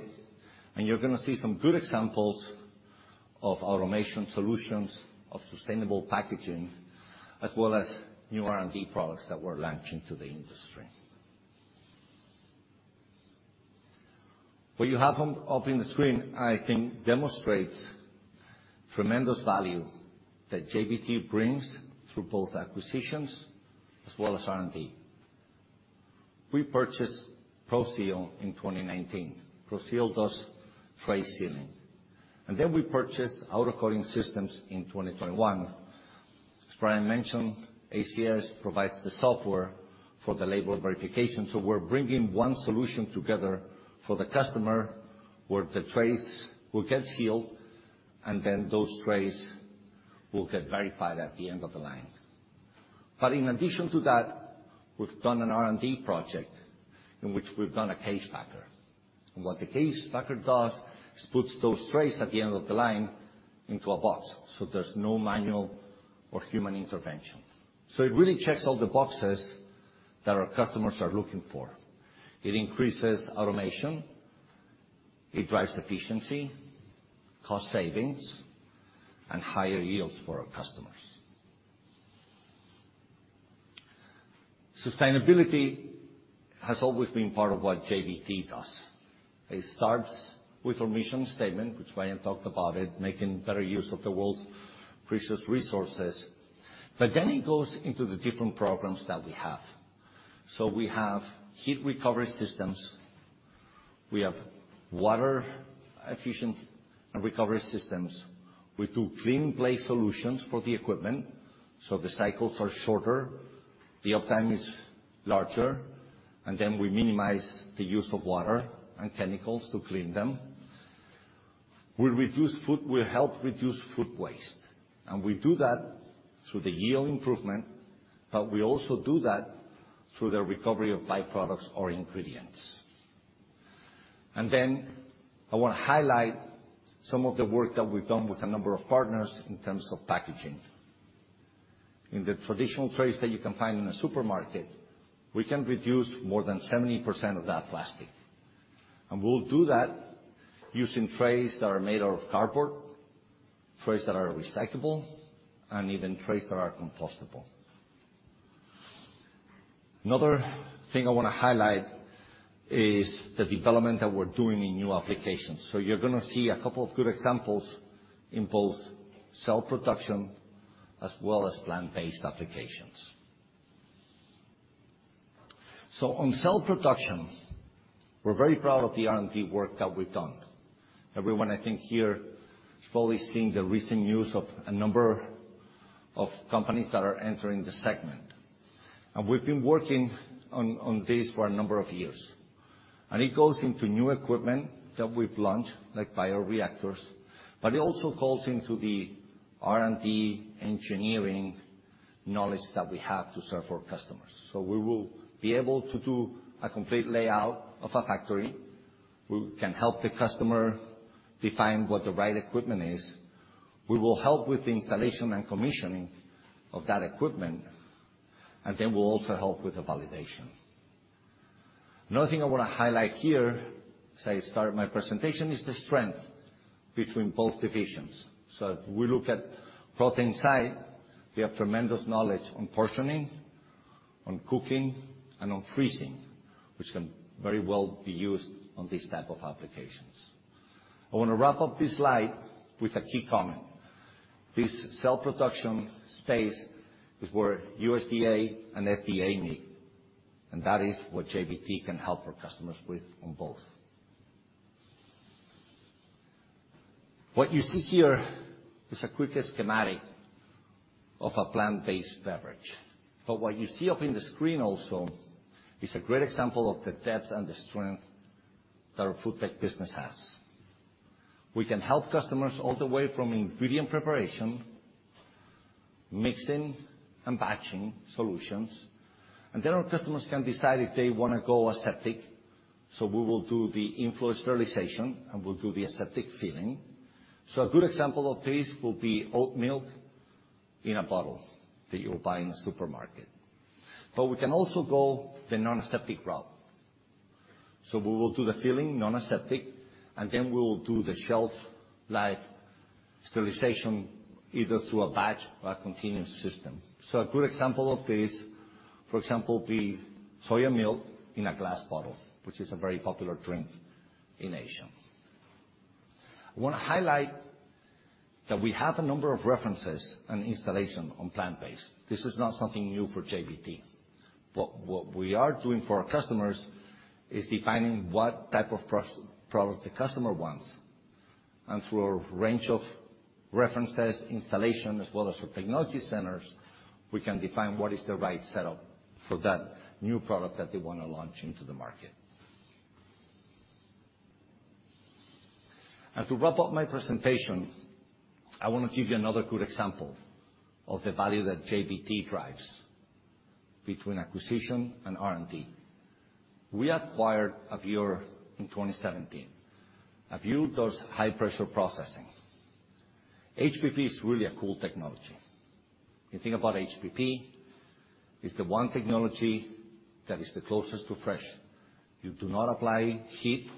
and you're gonna see some good examples of automation solutions, of sustainable packaging, as well as new R&D products that we're launching to the industry. What you have on, up on the screen, I think demonstrates tremendous value that JBT brings through both acquisitions as well as R&D. We purchased Proseal in 2019. Proseal does tray sealing. Then we purchased AutoCoding Systems in 2021. As Brian mentioned, ACS provides the software for the label verification. We're bringing one solution together for the customer, where the trays will get sealed, and then those trays will get verified at the end of the line. In addition to that, we've done an R&D project in which we've done a case packer. What the case packer does is puts those trays at the end of the line into a box, so there's no manual or human intervention. It really checks all the boxes that our customers are looking for. It increases automation, it drives efficiency, cost savings, and higher yields for our customers. Sustainability has always been part of what JBT does. It starts with our mission statement, which Brian talked about it, making better use of the world's precious resources. It goes into the different programs that we have. We have heat recovery systems, we have water efficient recovery systems. We do clean in place solutions for the equipment, so the cycles are shorter, the uptime is larger, and then we minimize the use of water and chemicals to clean them. We help reduce food waste, and we do that through the yield improvement, but we also do that through the recovery of by-products or ingredients. I wanna highlight some of the work that we've done with a number of partners in terms of packaging. In the traditional trays that you can find in a supermarket, we can reduce more than 70% of that plastic. We'll do that using trays that are made out of cardboard, trays that are recyclable, and even trays that are compostable. Another thing I wanna highlight is the development that we're doing in new applications. You're gonna see a couple of good examples in both cell production as well as plant-based applications. On cell production, we're very proud of the R&D work that we've done. Everyone, I think here, is probably seeing the recent news of a number of companies that are entering the segment. We've been working on this for a number of years. It goes into new equipment that we've launched, like bioreactors, but it also calls into the R&D engineering knowledge that we have to serve our customers. We will be able to do a complete layout of a factory. We can help the customer define what the right equipment is. We will help with the installation and commissioning of that equipment, and then we'll also help with the validation. Another thing I wanna highlight here, as I started my presentation, is the strength between both divisions. If we look at Protein side, we have tremendous knowledge on portioning, on cooking, and on freezing, which can very well be used on these type of applications. I wanna wrap up this slide with a key comment. This cell production space is where USDA and FDA meet, and that is what JBT can help our customers with on both. What you see here is a quick schematic of a plant-based beverage. What you see up in the screen also is a great example of the depth and the strength that our FoodTech business has. We can help customers all the way from ingredient preparation, mixing, and batching solutions, and then our customers can decide if they wanna go aseptic. We will do the in-flow sterilization, and we'll do the aseptic filling. A good example of this will be oat milk in a bottle that you'll buy in a supermarket. We can also go the non-aseptic route. We will do the filling non-aseptic, and then we will do the shelf life sterilization either through a batch or a continuous system. A good example of this, for example, will be soy milk in a glass bottle, which is a very popular drink in Asia. I wanna highlight that we have a number of references and installations on plant-based. This is not something new for JBT. What we are doing for our customers is defining what type of protein product the customer wants. Through a range of references, installations, as well as our technology centers, we can define what is the right setup for that new product that they wanna launch into the market. To wrap up my presentation, I wanna give you another good example of the value that JBT drives between acquisition and R&D. We acquired Avure in 2017. Avure does high pressure processing. HPP is really a cool technology. You think about HPP, it's the one technology that is the closest to fresh. You do not apply heat,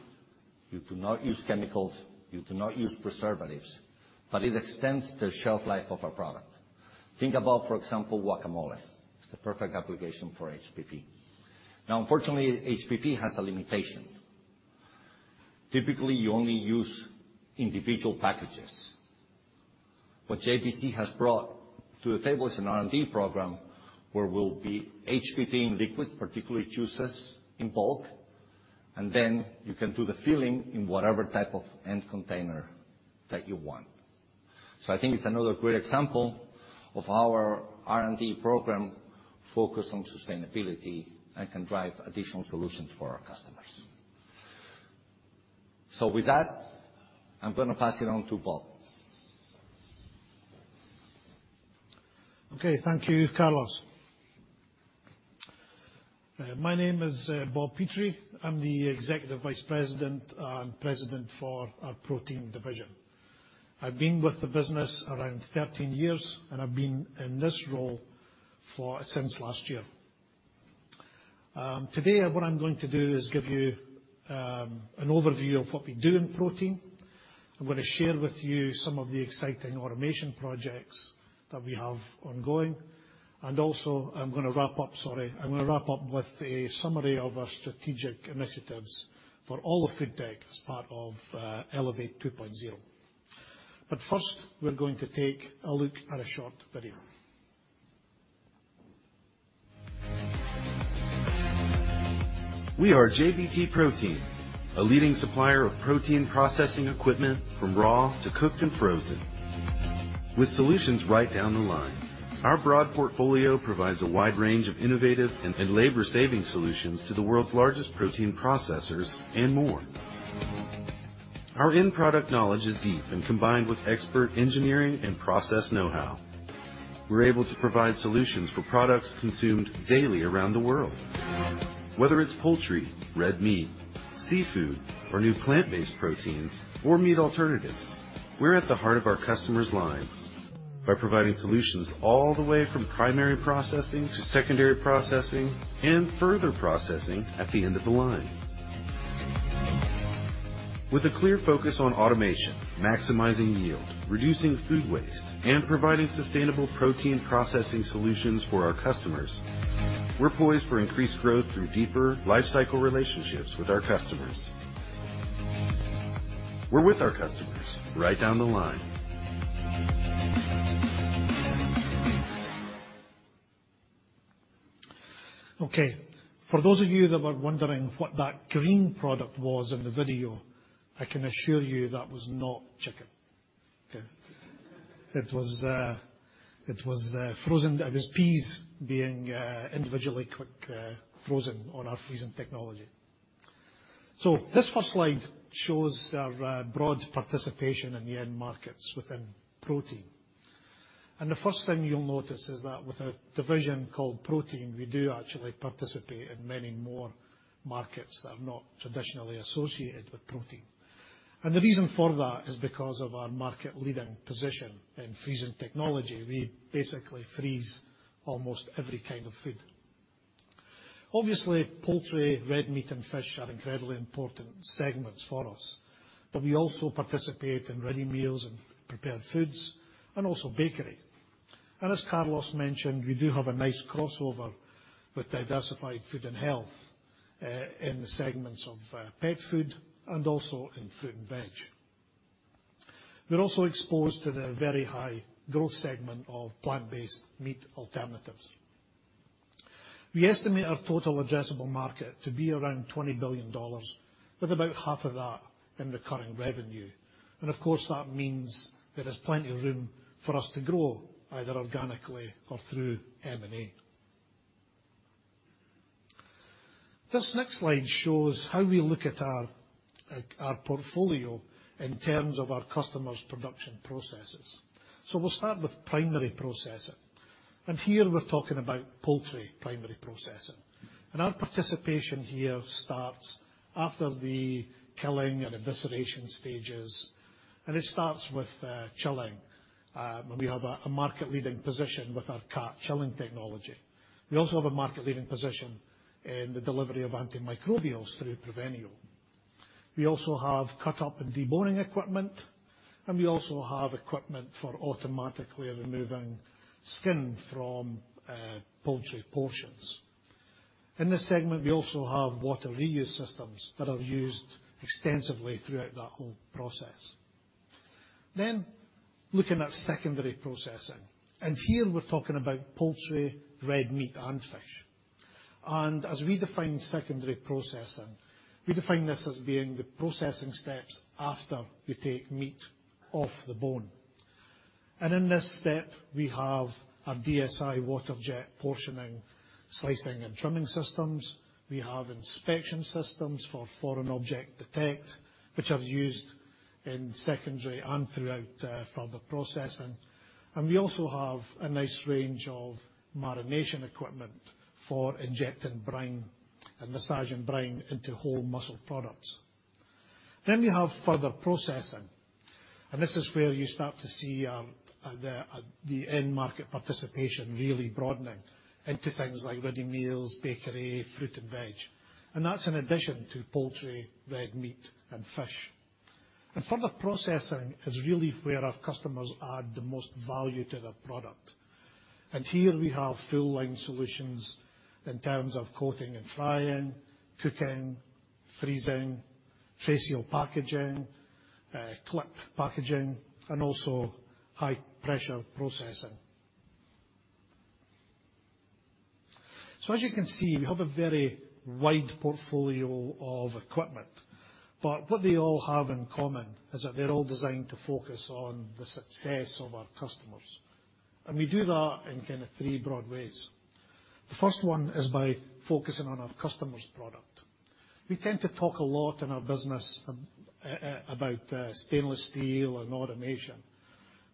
you do not use chemicals, you do not use preservatives, but it extends the shelf life of a product. Think about, for example, guacamole. It's the perfect application for HPP. Now unfortunately, HPP has a limitation. Typically, you only use individual packages. What JBT has brought to the table is an R&D program where we'll do HPP in liquid, particularly juices in bulk, and then you can do the filling in whatever type of end container that you want. I think it's another great example of our R&D program focused on sustainability and can drive additional solutions for our customers. With that, I'm gonna pass it on to Bob. Okay, thank you, Carlos. My name is Bob Petrie. I'm the Executive Vice President and President for our Protein division. I've been with the business around 13 years, and I've been in this role since last year. Today what I'm going to do is give you an overview of what we do in Protein. I'm gonna share with you some of the exciting automation projects that we have ongoing, and I'm gonna wrap up with a summary of our strategic initiatives for all of FoodTech as part of Elevate 2.0. First, we're going to take a look at a short video. We are JBT Protein, a leading supplier of protein processing equipment from raw to cooked and frozen. With solutions right down the line, our broad portfolio provides a wide range of innovative and labor-saving solutions to the world's largest protein processors and more. Our end product knowledge is deep and combined with expert engineering and process know-how. We're able to provide solutions for products consumed daily around the world. Whether it's poultry, red meat, seafood, or new plant-based proteins, or meat alternatives, we're at the heart of our customers' lines by providing solutions all the way from primary processing to secondary processing and further processing at the end of the line. With a clear focus on automation, maximizing yield, reducing food waste, and providing sustainable protein processing solutions for our customers, we're poised for increased growth through deeper lifecycle relationships with our customers. We're with our customers right down the line. Okay. For those of you that were wondering what that green product was in the video, I can assure you that was not chicken. It was frozen. It was peas being individually quick frozen on our freezing technology. This first slide shows our broad participation in the end markets within Protein. The first thing you'll notice is that with a division called Protein, we do actually participate in many more markets that are not traditionally associated with protein. The reason for that is because of our market-leading position in freezing technology. We basically freeze almost every kind of food. Obviously, poultry, red meat, and fish are incredibly important segments for us, but we also participate in ready meals and prepared foods and also bakery. As Carlos mentioned, we do have a nice crossover with Diversified Food and Health in the segments of pet food and also in fruit and veg. We're also exposed to the very high growth segment of plant-based meat alternatives. We estimate our total addressable market to be around $20 billion, with about half of that in recurring revenue. Of course, that means there is plenty of room for us to grow, either organically or through M&A. This next slide shows how we look at our portfolio in terms of our customers' production processes. We'll start with primary processing. Here we're talking about poultry primary processing. Our participation here starts after the killing and evisceration stages, and it starts with chilling, and we have a market-leading position with our cart chilling technology. We also have a market-leading position in the delivery of antimicrobials through Prevenio. We also have cut-up and deboning equipment, and we also have equipment for automatically removing skin from poultry portions. In this segment, we also have water reuse systems that are used extensively throughout that whole process. Looking at secondary processing, and here we're talking about poultry, red meat, and fish. As we define secondary processing, we define this as being the processing steps after you take meat off the bone. In this step, we have our DSI water jet portioning, slicing, and trimming systems. We have inspection systems for foreign object detection, which are used in secondary and throughout further processing. We also have a nice range of marination equipment for injecting brine and massaging brine into whole muscle products. We have further processing, and this is where you start to see the end market participation really broadening into things like ready meals, bakery, fruit and veg, and that's in addition to poultry, red meat, and fish. Further processing is really where our customers add the most value to their product. Here we have full line solutions in terms of coating and frying, cooking, freezing, tray seal packaging, clip packaging, and also high pressure processing. As you can see, we have a very wide portfolio of equipment, but what they all have in common is that they're all designed to focus on the success of our customers, and we do that in kinda three broad ways. The first one is by focusing on our customer's product. We tend to talk a lot in our business about stainless steel and automation,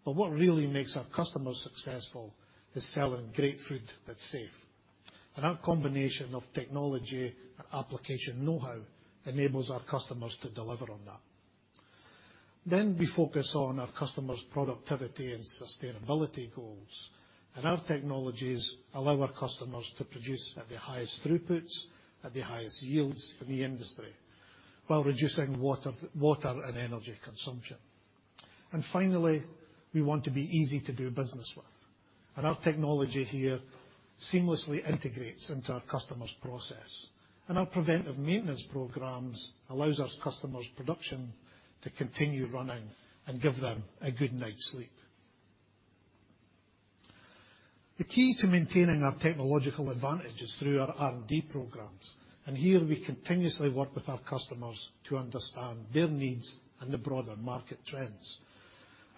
but what really makes our customers successful is selling great food that's safe, and our combination of technology and application know-how enables our customers to deliver on that. We focus on our customers' productivity and sustainability goals, and our technologies allow our customers to produce at the highest throughputs, at the highest yields in the industry, while reducing water and energy consumption. Finally, we want to be easy to do business with, and our technology here seamlessly integrates into our customer's process. Our preventive maintenance programs allows our customers' production to continue running and give them a good night's sleep. The key to maintaining our technological advantage is through our R&D programs, and here we continuously work with our customers to understand their needs and the broader market trends.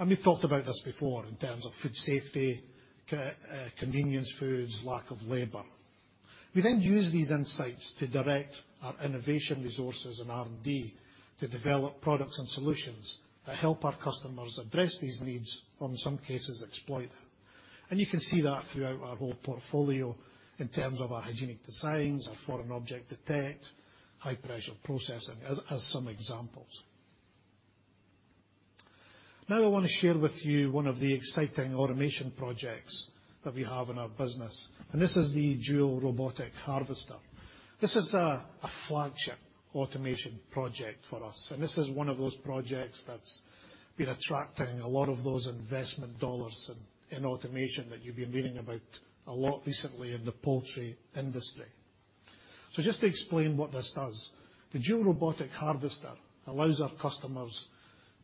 We've talked about this before in terms of food safety, convenience foods, lack of labor. We then use these insights to direct our innovation resources in R&D to develop products and solutions that help our customers address these needs or in some cases exploit them. You can see that throughout our whole portfolio in terms of our hygienic designs, our foreign object detect, high pressure processing as some examples. Now I wanna share with you one of the exciting automation projects that we have in our business, and this is the DSI Dual Robotic Harvester. This is a flagship automation project for us, and this is one of those projects that's been attracting a lot of those investment dollars in automation that you've been reading about a lot recently in the poultry industry. Just to explain what this does, the dual robotic harvester allows our customers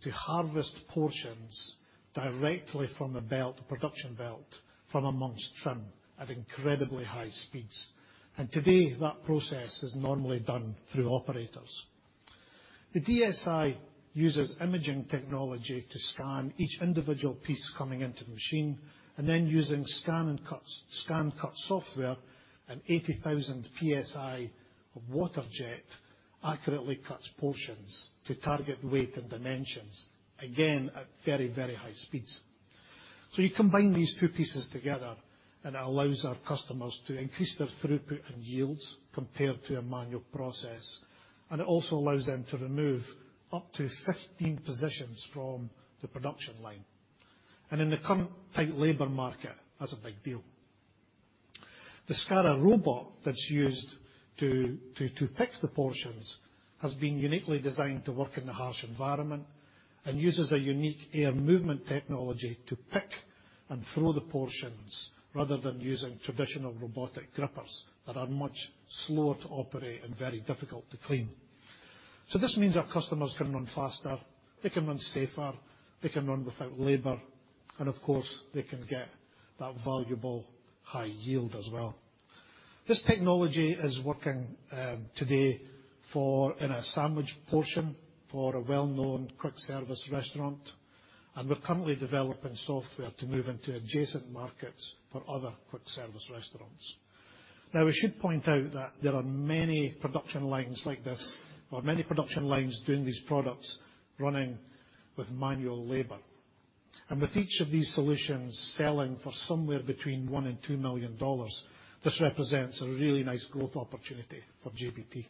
to harvest portions directly from the belt, production belt from amongst trim at incredibly high speeds, and today, that process is normally done through operators. The DSI uses imaging technology to scan each individual piece coming into the machine and then using scan cut software and 80,000 PSI of water jet accurately cuts portions to target weight and dimensions, again, at very, very high speeds. You combine these two pieces together, and it allows our customers to increase their throughput and yields compared to a manual process, and it also allows them to remove up to 15 positions from the production line. In the current tight labor market, that's a big deal. The SCARA robot that's used to pick the portions has been uniquely designed to work in the harsh environment and uses a unique air movement technology to pick and throw the portions rather than using traditional robotic grippers that are much slower to operate and very difficult to clean. This means our customers can run faster, they can run safer, they can run without labor, and of course, they can get that valuable high yield as well. This technology is working today for in a sandwich portion for a well-known quick service restaurant, and we're currently developing software to move into adjacent markets for other quick service restaurants. Now we should point out that there are many production lines like this or many production lines doing these products running with manual labor. With each of these solutions selling for somewhere between $1 million-$2 million, this represents a really nice growth opportunity for JBT.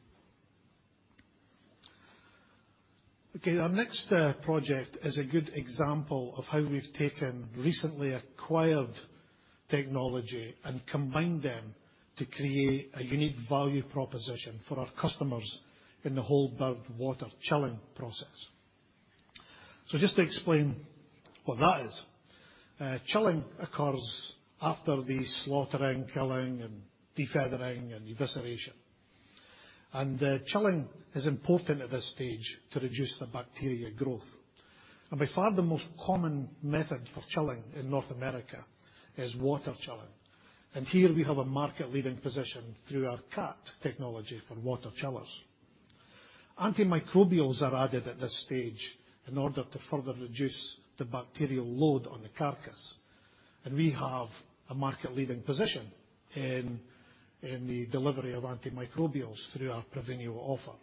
Okay, our next project is a good example of how we've taken recently acquired technology and combined them to create a unique value proposition for our customers in the whole bird water chilling process. Just to explain what that is, chilling occurs after the slaughtering, killing, and defeathering and evisceration. Chilling is important at this stage to reduce the bacteria growth. By far, the most common method for chilling in North America is water chilling, and here we have a market-leading position through our CAT technology for water chillers. Antimicrobials are added at this stage in order to further reduce the bacterial load on the carcass, and we have a market-leading position in the delivery of antimicrobials through our Prevenio offer.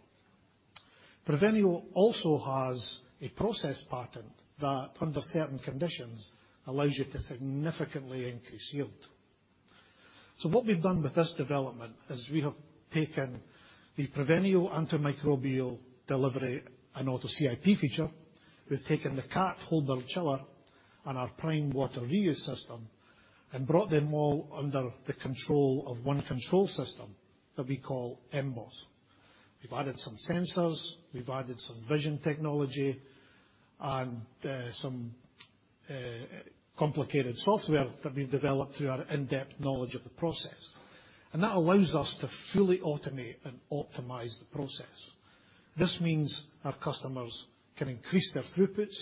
Prevenio also has a process patent that under certain conditions allows you to significantly increase yield. What we've done with this development is we have taken the Prevenio antimicrobial delivery and auto CIP feature. We've taken the CAT whole bird chiller and our Prime Water Reuse System and brought them all under the control of one control system that we call MBOS. We've added some sensors, we've added some vision technology, and some complicated software that we developed through our in-depth knowledge of the process. That allows us to fully automate and optimize the process. This means our customers can increase their throughputs,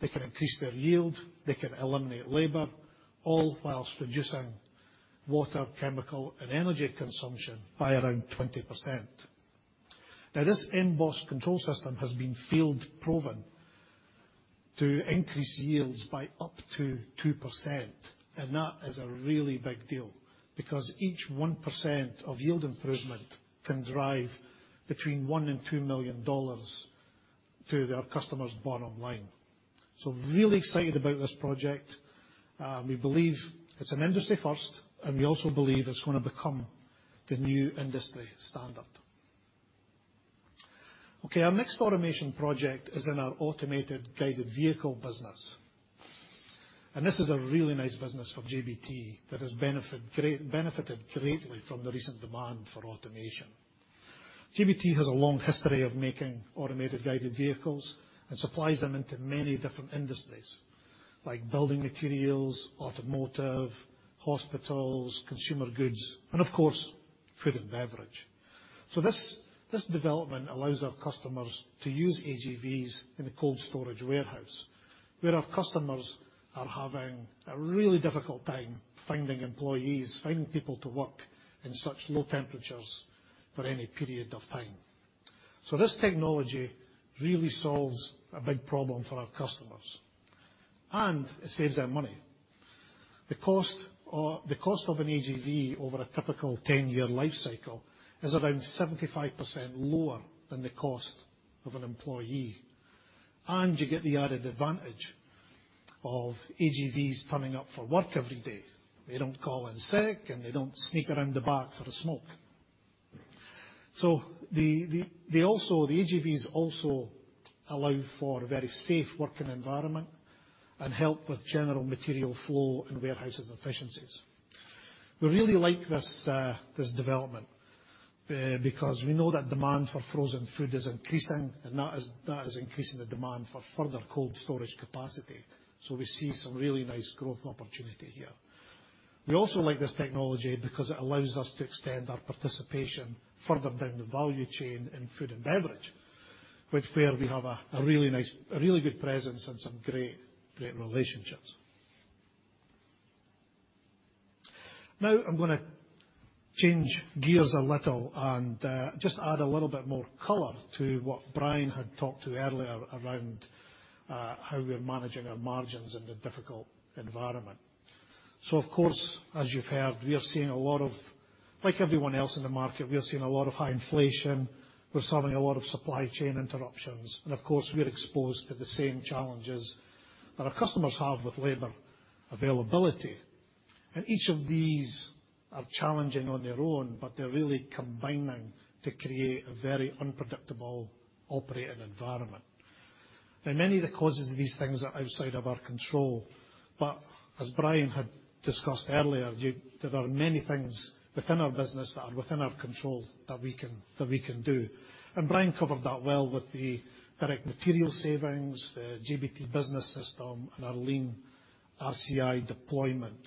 they can increase their yield, they can eliminate labor, all while reducing water, chemical, and energy consumption by around 20%. Now, this MBOS control system has been field proven to increase yields by up to 2%, and that is a really big deal because each 1% of yield improvement can drive between $1 million and $2 million to their customers' bottom line. So really excited about this project. We believe it's an industry first, and we also believe it's gonna become the new industry standard. Okay. Our next automation project is in our automated guided vehicle business. This is a really nice business for JBT that has benefited greatly from the recent demand for automation. JBT has a long history of making automated guided vehicles and supplies them into many different industries, like building materials, automotive, hospitals, consumer goods, and of course food and beverage. This development allows our customers to use AGVs in a cold storage warehouse, where our customers are having a really difficult time finding employees, finding people to work in such low temperatures for any period of time. This technology really solves a big problem for our customers, and it saves them money. The cost of an AGV over a typical ten-year life cycle is around 75% lower than the cost of an employee. You get the added advantage of AGVs turning up for work every day. They don't call in sick, and they don't sneak around the back for a smoke. The AGVs also allow for a very safe working environment and help with general material flow and warehouses efficiencies. We really like this development because we know that demand for frozen food is increasing, and that is increasing the demand for further cold storage capacity. We see some really nice growth opportunity here. We also like this technology because it allows us to extend our participation further down the value chain in food and beverage, which where we have a really nice, really good presence and some great relationships. Now I'm gonna change gears a little and just add a little bit more color to what Brian had talked to earlier around how we're managing our margins in the difficult environment. Of course, as you've heard, we are seeing a lot of... Like everyone else in the market, we are seeing a lot of high inflation. We're suffering a lot of supply chain interruptions, and of course, we're exposed to the same challenges that our customers have with labor availability. Each of these are challenging on their own, but they're really combining to create a very unpredictable operating environment. Now, many of the causes of these things are outside of our control, but as Brian had discussed earlier, there are many things within our business that are within our control that we can do. Brian covered that well with the direct material savings, the JBT Business System, and our lean RCI deployment.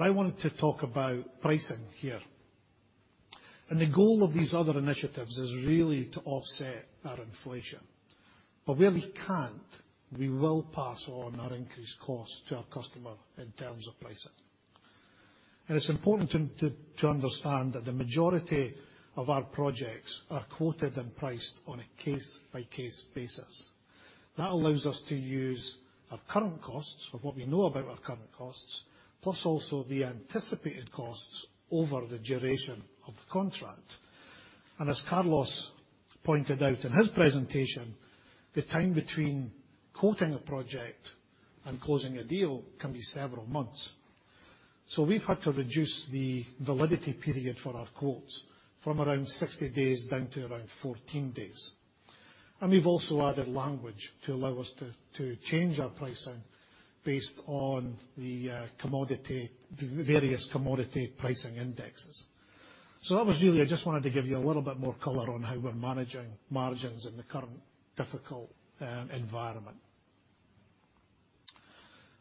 I wanted to talk about pricing here. The goal of these other initiatives is really to offset our inflation. Where we can't, we will pass on our increased cost to our customer in terms of pricing. It's important to understand that the majority of our projects are quoted and priced on a case-by-case basis. That allows us to use our current costs or what we know about our current costs, plus also the anticipated costs over the duration of the contract. As Carlos pointed out in his presentation, the time between quoting a project and closing a deal can be several months. We've had to reduce the validity period for our quotes from around 60 days down to around 14 days. We've also added language to allow us to change our pricing based on the commodity, the various commodity pricing indexes. That was really... I just wanted to give you a little bit more color on how we're managing margins in the current difficult environment.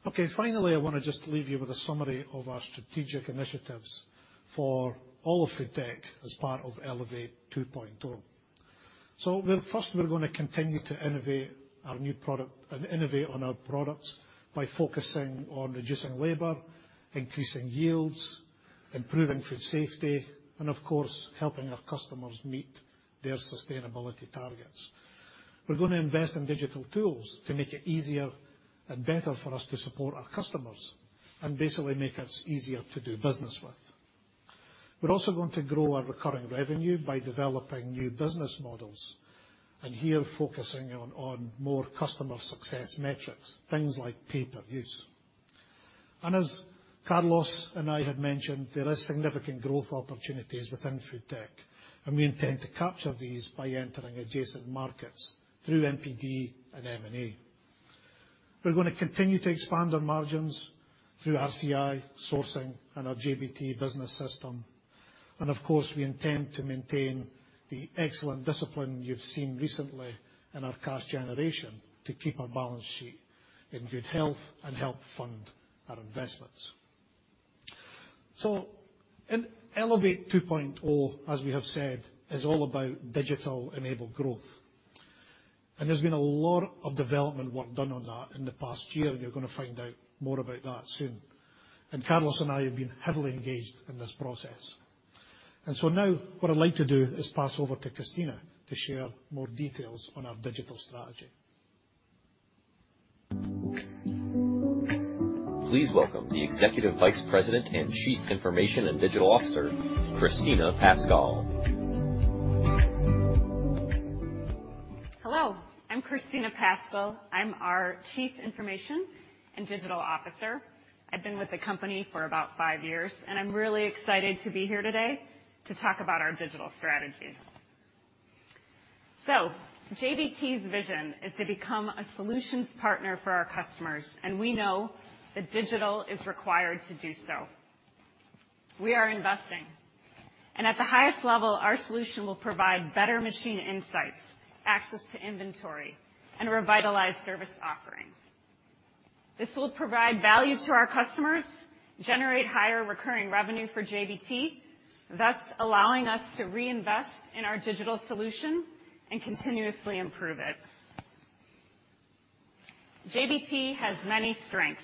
Okay. Finally, I wanna just leave you with a summary of our strategic initiatives for all of FoodTech as part of Elevate 2.0. We're gonna continue to innovate our new product and innovate on our products by focusing on reducing labor, increasing yields, improving food safety, and of course, helping our customers meet their sustainability targets. We're gonna invest in digital tools to make it easier and better for us to support our customers and basically make us easier to do business with. We're also going to grow our recurring revenue by developing new business models, and here focusing on more customer success metrics, things like pay-per-use. As Carlos and I had mentioned, there is significant growth opportunities within FoodTech, and we intend to capture these by entering adjacent markets through MPD and M&A. We're gonna continue to expand our margins through RCI sourcing and our JBT Business System. Of course, we intend to maintain the excellent discipline you've seen recently in our cash generation to keep our balance sheet in good health and help fund our investments. In Elevate 2.0, as we have said, is all about digital-enabled growth. There's been a lot of development work done on that in the past year, and you're gonna find out more about that soon. Carlos and I have been heavily engaged in this process. Now what I'd like to do is pass over to Kristina to share more details on our digital strategy. Please welcome the Executive Vice President and Chief Information and Digital Officer, Kristina Paschall. Hello, I'm Kristina Paschall. I'm our Chief Information and Digital Officer. I've been with the company for about five years, and I'm really excited to be here today to talk about our digital strategy. JBT's vision is to become a solutions partner for our customers, and we know that digital is required to do so. We are investing, and at the highest level, our solution will provide better machine insights, access to inventory and a revitalized service offering. This will provide value to our customers, generate higher recurring revenue for JBT, thus allowing us to reinvest in our digital solution and continuously improve it. JBT has many strengths.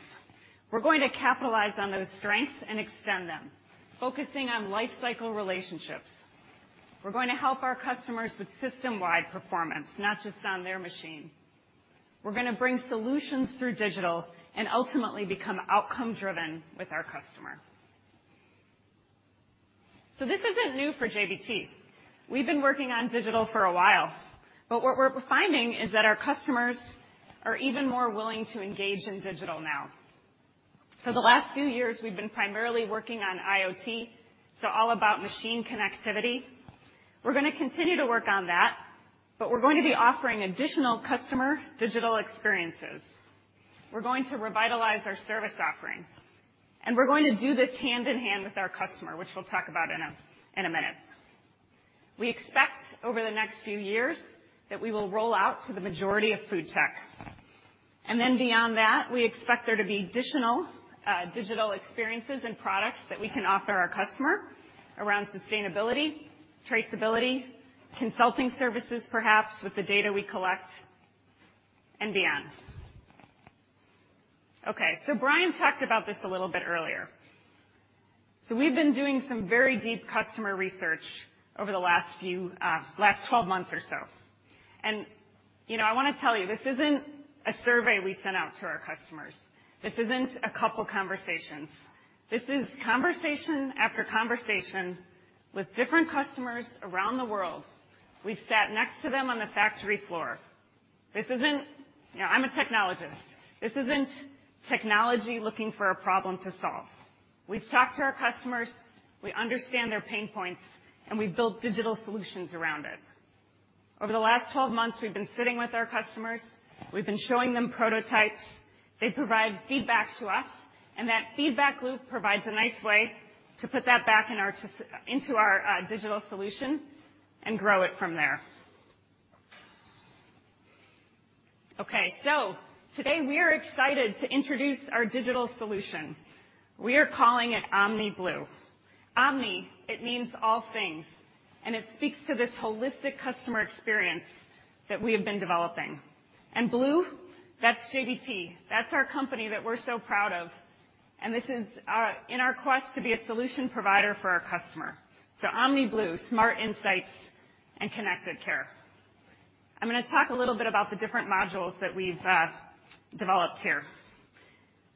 We're going to capitalize on those strengths and extend them, focusing on lifecycle relationships. We're going to help our customers with system-wide performance, not just on their machine. We're gonna bring solutions through digital and ultimately become outcome driven with our customer. This isn't new for JBT. We've been working on digital for a while, but what we're finding is that our customers are even more willing to engage in digital now. For the last few years, we've been primarily working on IoT, so all about machine connectivity. We're gonna continue to work on that, but we're going to be offering additional customer digital experiences. We're going to revitalize our service offering, and we're going to do this hand in hand with our customer, which we'll talk about in a minute. We expect over the next few years that we will roll out to the majority of FoodTech. Beyond that, we expect there to be additional digital experiences and products that we can offer our customer around sustainability, traceability, consulting services, perhaps with the data we collect and beyond. Okay, Brian talked about this a little bit earlier. We've been doing some very deep customer research over the last 12 months or so. You know, I wanna tell you, this isn't a survey we sent out to our customers. This isn't a couple conversations. This is conversation after conversation with different customers around the world. We've sat next to them on the factory floor. You know, I'm a technologist. This isn't technology looking for a problem to solve. We've talked to our customers, we understand their pain points, and we've built digital solutions around it. Over the last 12 months, we've been sitting with our customers. We've been showing them prototypes. They provide feedback to us, and that feedback loop provides a nice way to put that back into our digital solution and grow it from there. Today we are excited to introduce our digital solution. We are calling it OmniBlu. Omni, it means all things, and it speaks to this holistic customer experience that we have been developing. Blue, that's JBT, that's our company that we're so proud of. This is our quest to be a solution provider for our customer. OmniBlu, smart insights and connected care. I'm gonna talk a little bit about the different modules that we've developed here.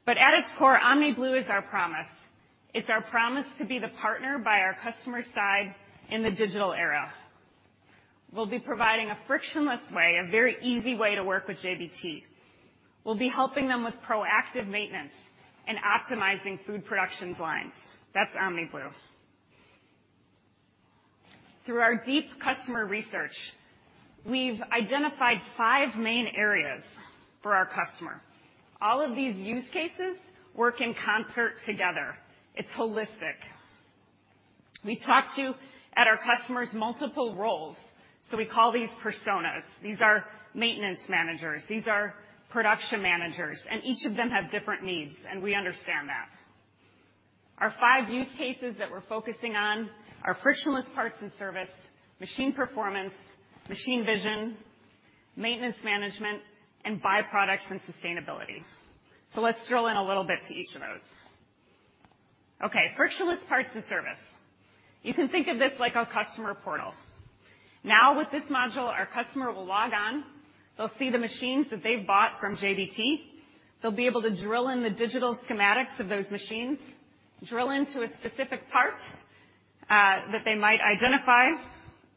At its core, OmniBlu is our promise. It's our promise to be the partner by our customer side in the digital era. We'll be providing a frictionless way, a very easy way to work with JBT. We'll be helping them with proactive maintenance and optimizing food production lines. That's OmniBlu. Through our deep customer research, we've identified five main areas for our customer. All of these use cases work in concert together. It's holistic. We've talked to multiple roles at our customers, so we call these personas. These are maintenance managers. These are production managers, and each of them have different needs, and we understand that. Our five use cases that we're focusing on are Frictionless Parts and Service, machine performance, machine vision, Maintenance Management, and By-products and Sustainability. Let's drill in a little bit to each of those. Okay, Frictionless Parts and Service. You can think of this like our customer portal. Now with this module, our customer will log on, they'll see the machines that they've bought from JBT. They'll be able to drill in the digital schematics of those machines, drill into a specific part that they might identify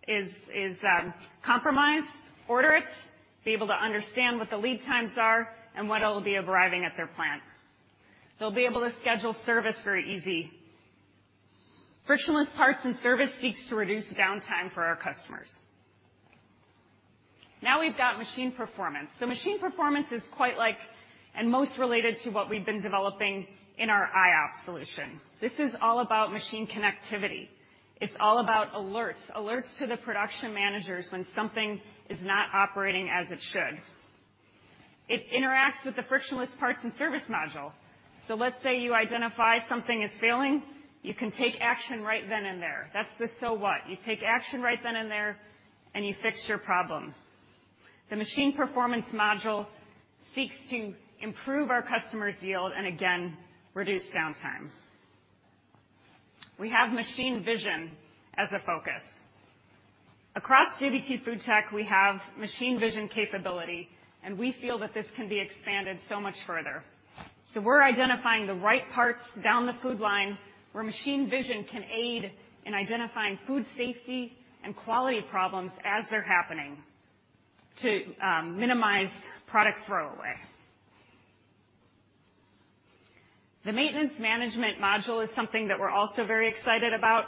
is compromised, order it, be able to understand what the lead times are and when it'll be arriving at their plant. They'll be able to schedule service very easy. Frictionless Parts & Service seeks to reduce downtime for our customers. Now we've got machine performance. Machine performance is quite like and most related to what we've been developing in our iOPS solution. This is all about machine connectivity. It's all about alerts to the production managers when something is not operating as it should. It interacts with the Frictionless Parts & Service module. Let's say you identify something is failing, you can take action right then and there. That's the so what. You take action right then and there, and you fix your problem. The machine performance module seeks to improve our customer's yield and again, reduce downtime. We have machine vision as a focus. Across JBT FoodTech, we have machine vision capability, and we feel that this can be expanded so much further. We're identifying the right parts down the food line where machine vision can aid in identifying food safety and quality problems as they're happening to minimize product throwaway. The Maintenance Management module is something that we're also very excited about.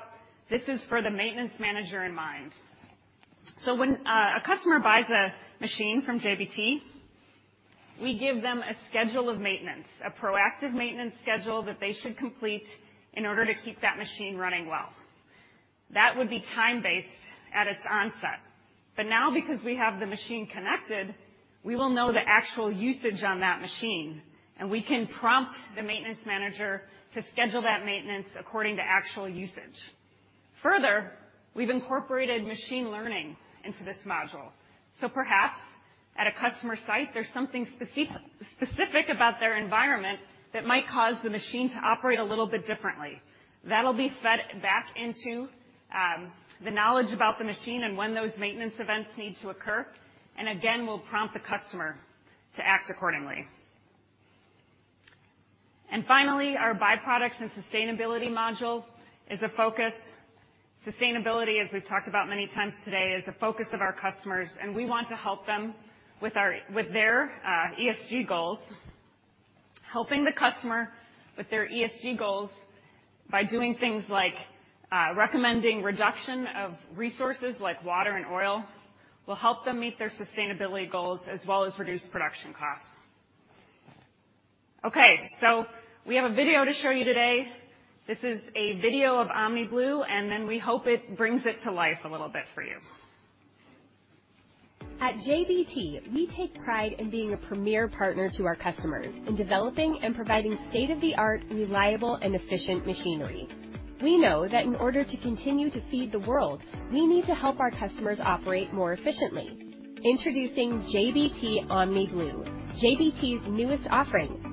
This is for the maintenance manager in mind. When a customer buys a machine from JBT, we give them a schedule of maintenance, a proactive maintenance schedule that they should complete in order to keep that machine running well. That would be time-based at its onset. Now because we have the machine connected, we will know the actual usage on that machine, and we can prompt the maintenance manager to schedule that maintenance according to actual usage. Further, we've incorporated machine learning into this module. Perhaps at a customer site, there's something specific about their environment that might cause the machine to operate a little bit differently. That'll be fed back into the knowledge about the machine and when those maintenance events need to occur, and again, will prompt the customer to act accordingly. Finally, our By-products and Sustainability module is a focus. Sustainability, as we've talked about many times today, is a focus of our customers, and we want to help them with their ESG goals. Helping the customer with their ESG goals by doing things like recommending reduction of resources like water and oil will help them meet their sustainability goals as well as reduce production costs. Okay, we have a video to show you today. This is a video of OmniBlu, and we hope it brings it to life a little bit for you. At JBT, we take pride in being a premier partner to our customers in developing and providing state-of-the-art, reliable and efficient machinery. We know that in order to continue to feed the world, we need to help our customers operate more efficiently. Introducing JBT OmniBlu, JBT's newest offering,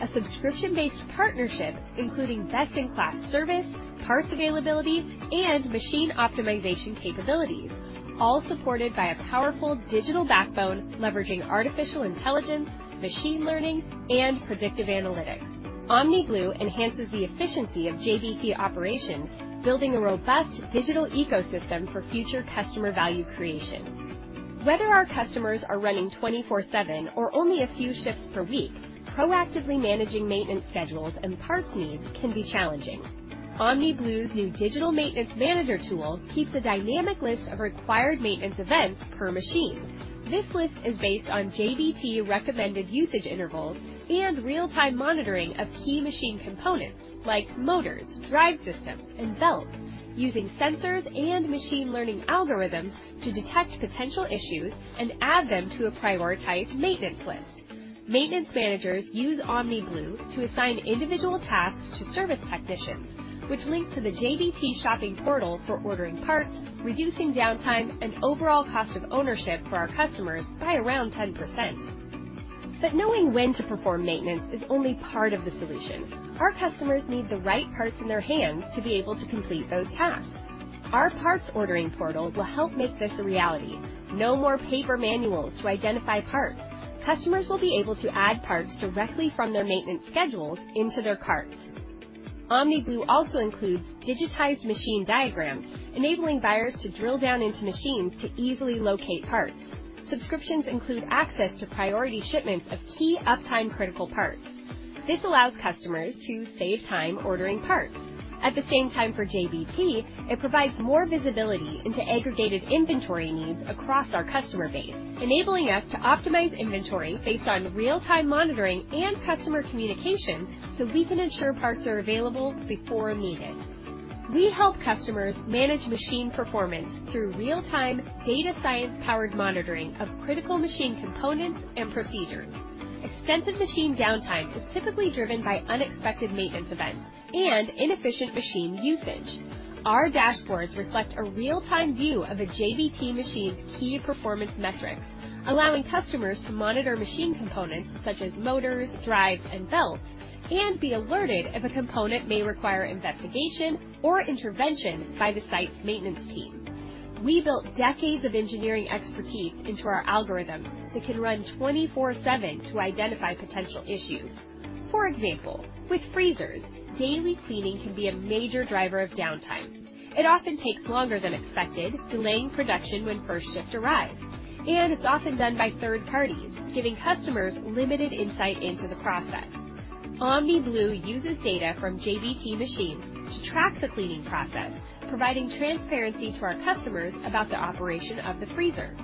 a subscription-based partnership, including best-in-class service, parts availability and machine optimization capabilities, all supported by a powerful digital backbone leveraging artificial intelligence, machine learning and predictive analytics. OmniBlu enhances the efficiency of JBT operations, building a robust digital ecosystem for future customer value creation. Whether our customers are running 24/7 or only a few shifts per week, proactively managing maintenance schedules and parts needs can be challenging. OmniBlu's new digital maintenance manager tool keeps a dynamic list of required maintenance events per machine. This list is based on JBT recommended usage intervals and real-time monitoring of key machine components like motors, drive systems and belts, using sensors and machine learning algorithms to detect potential issues and add them to a prioritized maintenance list. Maintenance managers use OmniBlu to assign individual tasks to service technicians, which link to the JBT shopping portal for ordering parts, reducing downtime and overall cost of ownership for our customers by around 10%. Knowing when to perform maintenance is only part of the solution. Our customers need the right parts in their hands to be able to complete those tasks. Our parts ordering portal will help make this a reality. No more paper manuals to identify parts. Customers will be able to add parts directly from their maintenance schedules into their carts. OmniBlu also includes digitized machine diagrams, enabling buyers to drill down into machines to easily locate parts. Subscriptions include access to priority shipments of key uptime critical parts. This allows customers to save time ordering parts. At the same time for JBT, it provides more visibility into aggregated inventory needs across our customer base, enabling us to optimize inventory based on real-time monitoring and customer communication, so we can ensure parts are available before needed. We help customers manage machine performance through real-time data science powered monitoring of critical machine components and procedures. Extensive machine downtime is typically driven by unexpected maintenance events and inefficient machine usage. Our dashboards reflect a real-time view of a JBT machine's key performance metrics, allowing customers to monitor machine components such as motors, drives, and belts, and be alerted if a component may require investigation or intervention by the site's maintenance team. We built decades of engineering expertise into our algorithms that can run 24/7 to identify potential issues. For example, with freezers, daily cleaning can be a major driver of downtime. It often takes longer than expected, delaying production when first shift arrives, and it's often done by third parties, giving customers limited insight into the process. OmniBlu uses data from JBT machines to track the cleaning process, providing transparency to our customers about the operation of the freezer.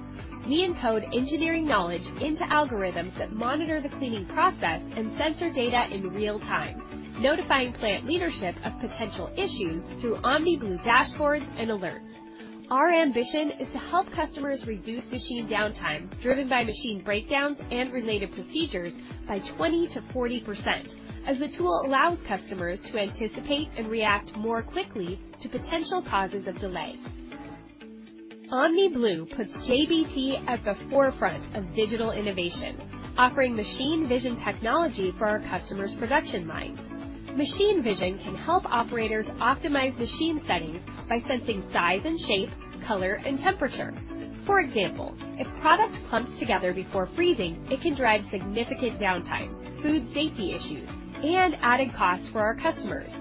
We encode engineering knowledge into algorithms that monitor the cleaning process and sensor data in real time, notifying plant leadership of potential issues through OmniBlu dashboards and alerts. Our ambition is to help customers reduce machine downtime driven by machine breakdowns and related procedures by 20%-40% as the tool allows customers to anticipate and react more quickly to potential causes of delay. OmniBlu puts JBT at the forefront of digital innovation, offering machine vision technology for our customers' production lines. Machine vision can help operators optimize machine settings by sensing size and shape, color and temperature. For example, if product clumps together before freezing, it can drive significant downtime, food safety issues, and added costs for our customers.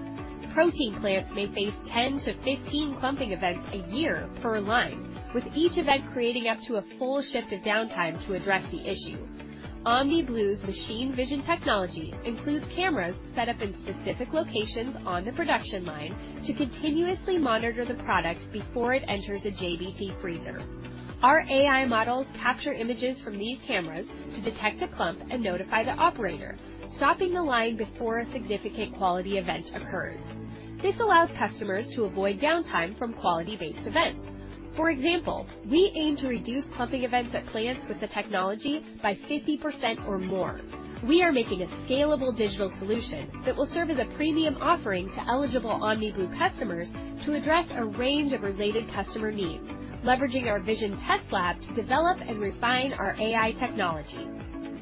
Protein plants may face 10-15 clumping events a year per line, with each event creating up to a full shift of downtime to address the issue. OmniBlu's machine vision technology includes cameras set up in specific locations on the production line to continuously monitor the product before it enters a JBT freezer. Our AI models capture images from these cameras to detect a clump and notify the operator, stopping the line before a significant quality event occurs. This allows customers to avoid downtime from quality-based events. For example, we aim to reduce clumping events at plants with the technology by 50% or more. We are making a scalable digital solution that will serve as a premium offering to eligible OmniBlu customers to address a range of related customer needs, leveraging our vision test lab to develop and refine our AI technology.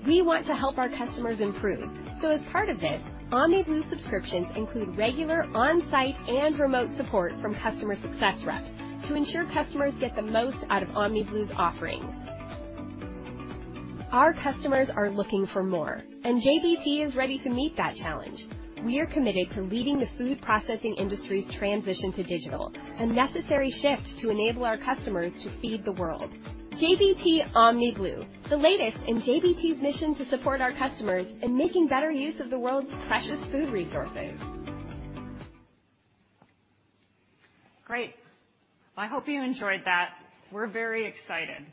We want to help our customers improve. As part of this, OmniBlu subscriptions include regular on-site and remote support from customer success reps to ensure customers get the most out of OmniBlu's offerings. Our customers are looking for more, and JBT is ready to meet that challenge. We are committed to leading the food processing industry's transition to digital, a necessary shift to enable our customers to feed the world. JBT OmniBlu, the latest in JBT's mission to support our customers in making better use of the world's precious food resources. Great. I hope you enjoyed that. We're very excited.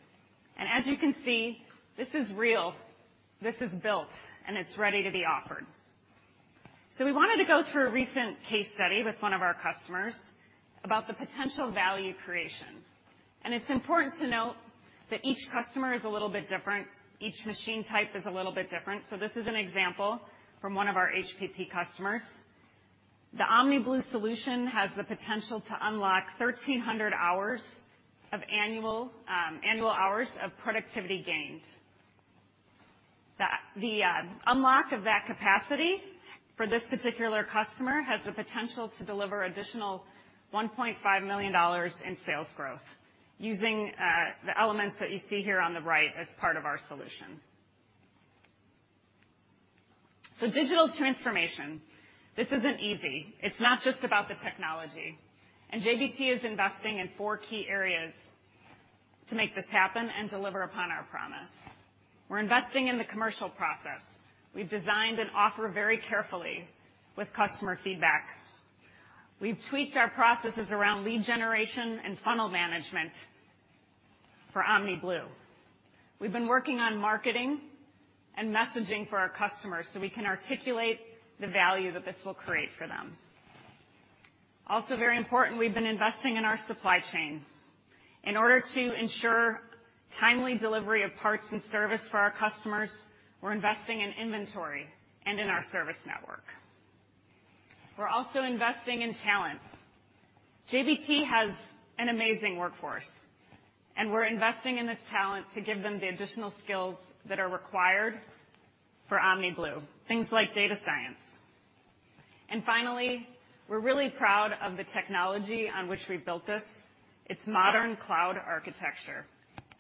As you can see, this is real, this is built, and it's ready to be offered. We wanted to go through a recent case study with one of our customers about the potential value creation. It's important to note that each customer is a little bit different. Each machine type is a little bit different. This is an example from one of our HPP customers. The OmniBlu solution has the potential to unlock 1,300 annual hours of productivity gains. The unlock of that capacity for this particular customer has the potential to deliver additional $1.5 million in sales growth using the elements that you see here on the right as part of our solution. Digital transformation, this isn't easy. It's not just about the technology. JBT is investing in four key areas to make this happen and deliver upon our promise. We're investing in the commercial process. We've designed an offer very carefully with customer feedback. We've tweaked our processes around lead generation and funnel management for OmniBlu. We've been working on marketing and messaging for our customers, so we can articulate the value that this will create for them. Also, very important, we've been investing in our supply chain. In order to ensure timely delivery of parts and service for our customers, we're investing in inventory and in our service network. We're also investing in talent. JBT has an amazing workforce, and we're investing in this talent to give them the additional skills that are required for OmniBlu, things like data science. Finally, we're really proud of the technology on which we built this. It's modern cloud architecture,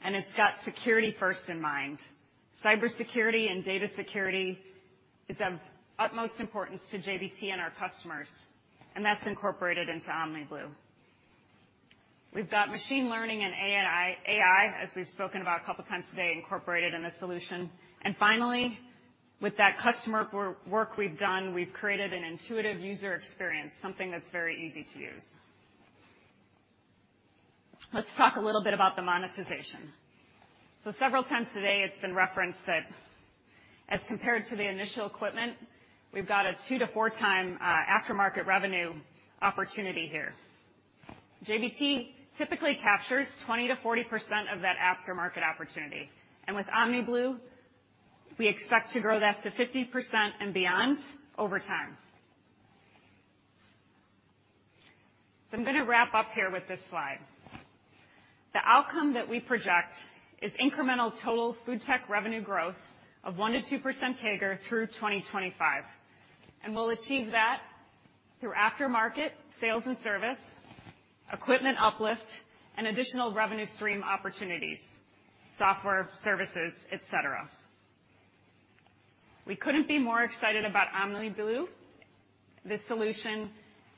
and it's got security first in mind. Cybersecurity and data security is of utmost importance to JBT and our customers, and that's incorporated into OmniBlu. We've got machine learning and AI, as we've spoken about a couple of times today, incorporated in this solution. Finally, with that customer work we've done, we've created an intuitive user experience, something that's very easy to use. Let's talk a little bit about the monetization. Several times today, it's been referenced that as compared to the initial equipment, we've got a 2-4 times aftermarket revenue opportunity here. JBT typically captures 20%-40% of that aftermarket opportunity. With OmniBlu, we expect to grow that to 50% and beyond over time. I'm gonna wrap up here with this slide. The outcome that we project is incremental total FoodTech revenue growth of 1%-2% CAGR through 2025. We'll achieve that by through aftermarket sales and service, equipment uplift, and additional revenue stream opportunities, software services, etc. We couldn't be more excited about OmniBlu, the solution,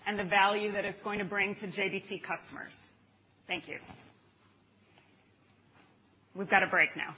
and the value that it's going to bring to JBT customers. Thank you. We've got a break now.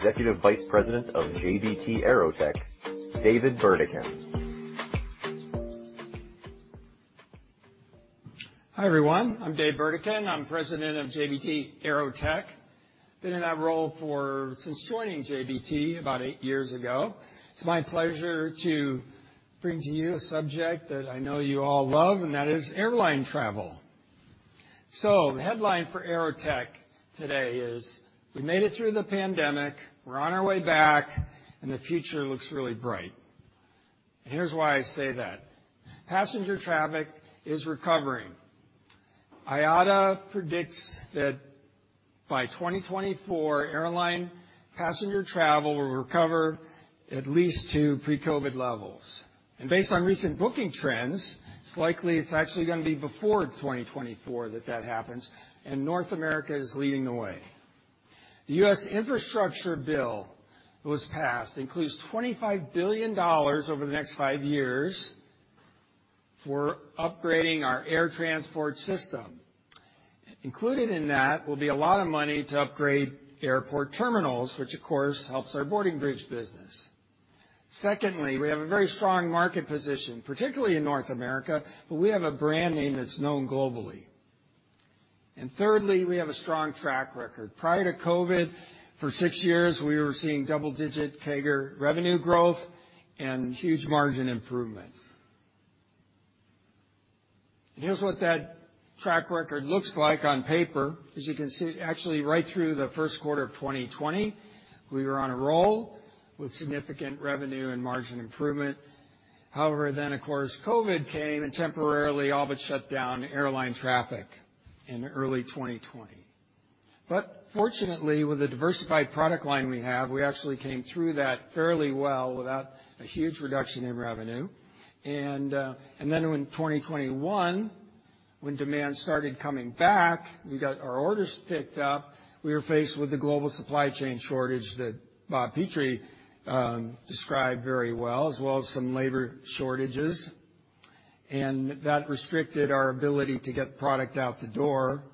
Please welcome Executive Vice President of JBT AeroTech, David Burdakin. Hi, everyone. I'm Dave Burdakin. I'm President of JBT AeroTech. Been in that role since joining JBT about eight years ago. It's my pleasure to bring to you a subject that I know you all love, and that is airline travel. The headline for AeroTech today is. We made it through the pandemic, we're on our way back, and the future looks really bright. Here's why I say that. Passenger traffic is recovering. IATA predicts that by 2024, airline passenger travel will recover at least to pre-COVID levels. Based on recent booking trends, it's likely it's actually gonna be before 2024 that happens, and North America is leading the way. The US infrastructure bill was passed, includes $25 billion over the next five years for upgrading our air transport system. Included in that will be a lot of money to upgrade airport terminals, which of course helps our boarding bridge business. Secondly, we have a very strong market position, particularly in North America, but we have a brand name that's known globally. Thirdly, we have a strong track record. Prior to COVID, for six years, we were seeing double-digit CAGR revenue growth and huge margin improvement. Here's what that track record looks like on paper. As you can see, actually, right through the Q1 of 2020, we were on a roll with significant revenue and margin improvement. However, then, of course, COVID came and temporarily all but shut down airline traffic in early 2020. Fortunately, with the diversified product line we have, we actually came through that fairly well without a huge reduction in revenue. Then in 2021, when demand started coming back, we got our orders picked up. We were faced with the global supply chain shortage that Bob Petrie described very well, as well as some labor shortages, and that restricted our ability to get product out the door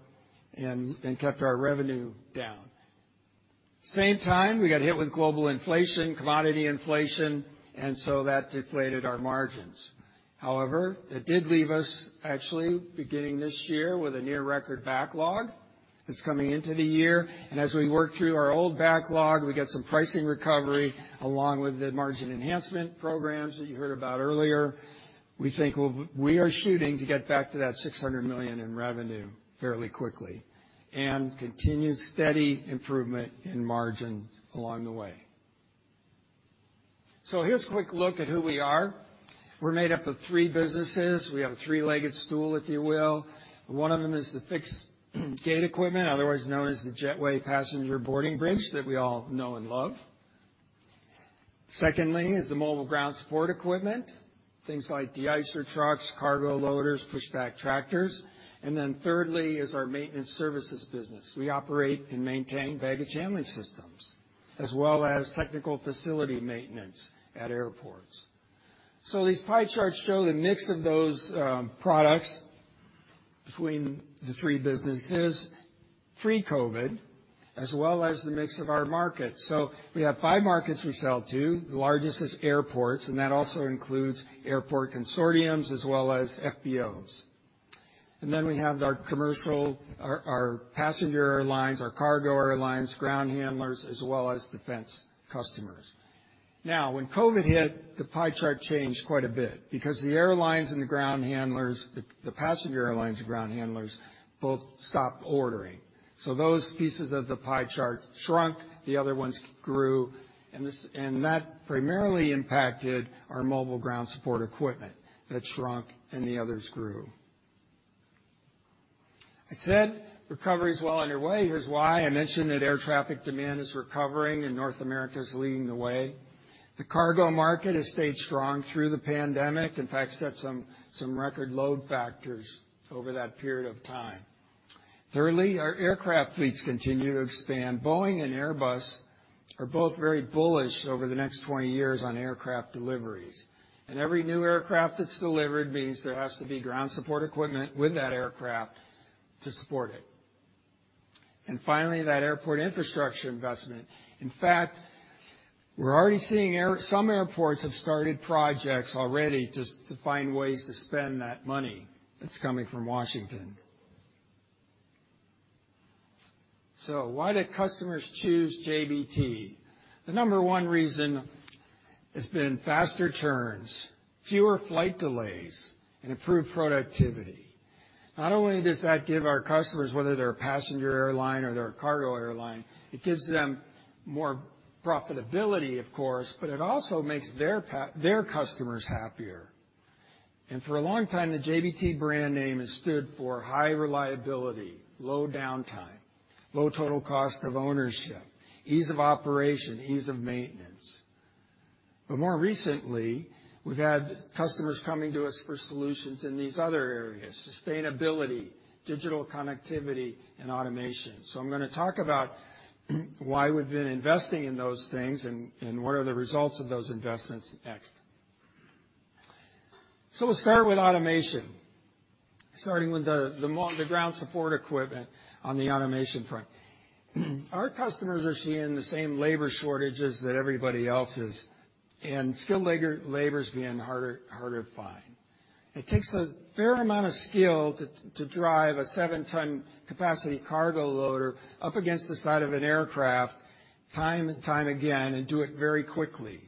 and kept our revenue down. At the same time, we got hit with global inflation, commodity inflation, and so that deflated our margins. However, it did leave us actually beginning this year with a near record backlog that's coming into the year. As we work through our old backlog, we get some pricing recovery along with the margin enhancement programs that you heard about earlier. We think we are shooting to get back to that $600 million in revenue fairly quickly and continue steady improvement in margin along the way. Here's a quick look at who we are. We're made up of three businesses. We have a three-legged stool, if you will. One of them is the fixed gate equipment, otherwise known as the Jetway passenger boarding bridge that we all know and love. Secondly is the mobile ground support equipment, things like de-icer trucks, cargo loaders, pushback tractors. Then thirdly is our maintenance services business. We operate and maintain baggage handling systems as well as technical facility maintenance at airports. These pie charts show the mix of those products between the three businesses pre-COVID, as well as the mix of our markets. We have five markets we sell to. The largest is airports, and that also includes airport consortiums as well as FBOs. We have our commercial, our passenger airlines, our cargo airlines, ground handlers, as well as defense customers. Now, when COVID hit, the pie chart changed quite a bit because the airlines and the ground handlers, the passenger airlines and ground handlers both stopped ordering. Those pieces of the pie chart shrunk, the other ones grew, and that primarily impacted our mobile ground support equipment that shrunk and the others grew. I said recovery is well underway. Here's why. I mentioned that air traffic demand is recovering and North America is leading the way. The cargo market has stayed strong through the pandemic, in fact, set some record load factors over that period of time. Thirdly, our aircraft fleets continue to expand. Boeing and Airbus are both very bullish over the next 20 years on aircraft deliveries. Every new aircraft that's delivered means there has to be ground support equipment with that aircraft to support it. Finally, that airport infrastructure investment. In fact, we're already seeing some airports have started projects already just to find ways to spend that money that's coming from Washington. Why do customers choose JBT? The number one reason has been faster turns, fewer flight delays, and improved productivity. Not only does that give our customers, whether they're a passenger airline or they're a cargo airline, it gives them more profitability of course, but it also makes their customers happier. For a long time, the JBT brand name has stood for high reliability, low downtime, low total cost of ownership, ease of operation, ease of maintenance. More recently, we've had customers coming to us for solutions in these other areas, sustainability, digital connectivity, and automation. I'm gonna talk about why we've been investing in those things and what are the results of those investments next. We'll start with automation, starting with the ground support equipment on the automation front. Our customers are seeing the same labor shortages that everybody else is, and skilled labor's being harder to find. It takes a fair amount of skill to drive a seven-ton capacity cargo loader up against the side of an aircraft time and time again and do it very quickly.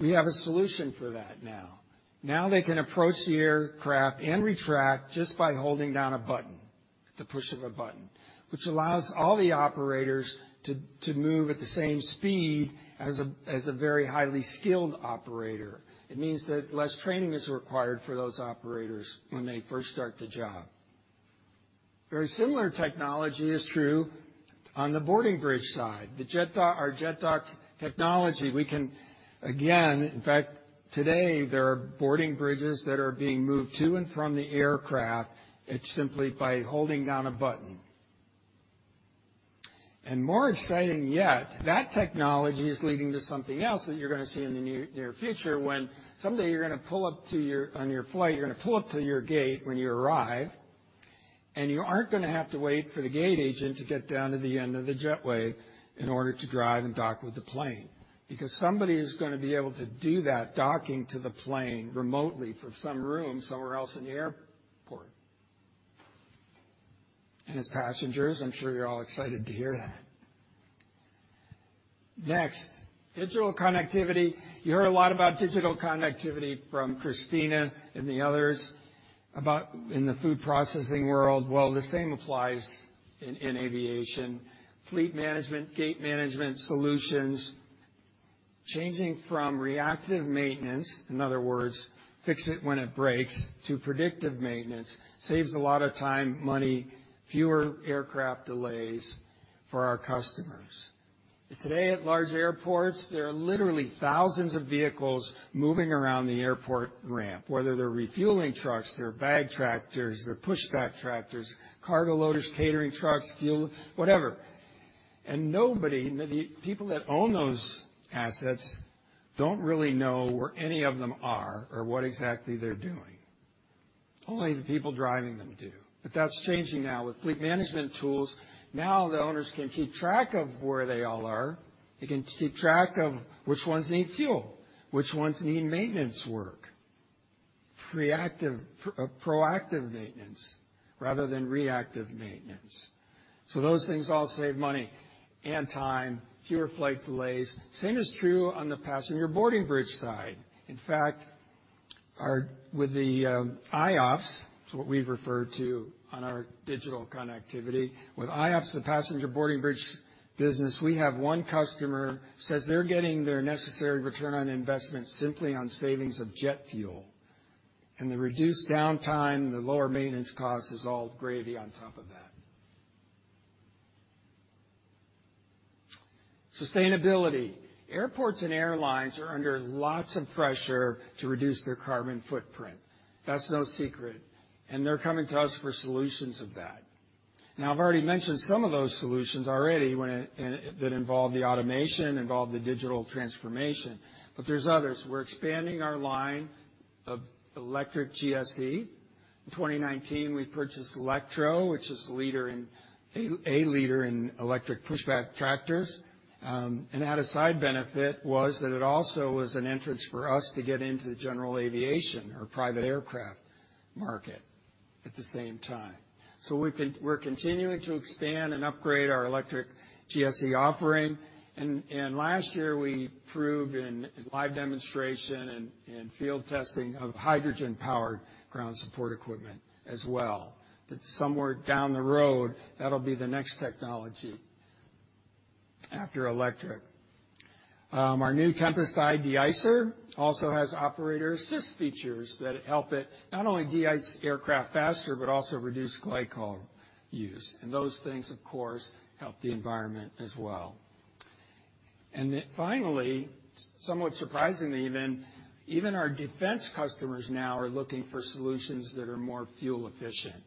We have a solution for that now. Now they can approach the aircraft and retract just by holding down a button, at the push of a button, which allows all the operators to move at the same speed as a very highly skilled operator. It means that less training is required for those operators when they first start the job. Very similar technology is true on the boarding bridge side. The JetDock. Our JetDock technology, we can, again. In fact, today, there are boarding bridges that are being moved to and from the aircraft simply by holding down a button. More exciting yet, that technology is leading to something else that you're gonna see in the near future when someday you're gonna pull up to your gate on your flight, you're gonna pull up to your gate when you arrive, and you aren't gonna have to wait for the gate agent to get down to the end of the Jetway in order to drive and dock with the plane. Because somebody is gonna be able to do that docking to the plane remotely from some room somewhere else in the airport. As passengers, I'm sure you're all excited to hear that. Next, digital connectivity. You heard a lot about digital connectivity from Kristina and the others about in the food processing world. Well, the same applies in aviation. Fleet management, gate management solutions, changing from reactive maintenance, in other words, fix it when it breaks, to predictive maintenance, saves a lot of time, money, fewer aircraft delays for our customers. Today, at large airports, there are literally thousands of vehicles moving around the airport ramp, whether they're refueling trucks, they're bag tractors, they're push back tractors, cargo loaders, catering trucks, fuel, whatever. Nobody, the people that own those assets don't really know where any of them are or what exactly they're doing. Only the people driving them do. That's changing now. With fleet management tools, now the owners can keep track of where they all are. They can keep track of which ones need fuel, which ones need maintenance work. Proactive maintenance rather than reactive maintenance. Those things all save money and time, fewer flight delays. Same is true on the passenger boarding bridge side. In fact, with the iOPS, it's what we refer to on our digital connectivity, with iOPS, the passenger boarding bridge business, we have one customer says they're getting their necessary return on investment simply on savings of jet fuel, and the reduced downtime, the lower maintenance cost is all gravy on top of that. Sustainability. Airports and airlines are under lots of pressure to reduce their carbon footprint. That's no secret. They're coming to us for solutions of that. Now, I've already mentioned some of those solutions already when that involve the automation, the digital transformation, but there's others. We're expanding our line of electric GSE. In 2019, we purchased LEKTRO, which is a leader in electric pushback tractors. An added side benefit was that it also was an entry for us to get into the general aviation or private aircraft market at the same time. We're continuing to expand and upgrade our electric GSE offering. Last year, we proved in live demonstration and field testing of hydrogen-powered ground support equipment as well, that somewhere down the road, that'll be the next technology after electric. Our new Tempest i de-icer also has operator assist features that help it not only de-ice aircraft faster, but also reduce glycol use. Those things, of course, help the environment as well. Finally, somewhat surprisingly even, our defense customers now are looking for solutions that are more fuel efficient.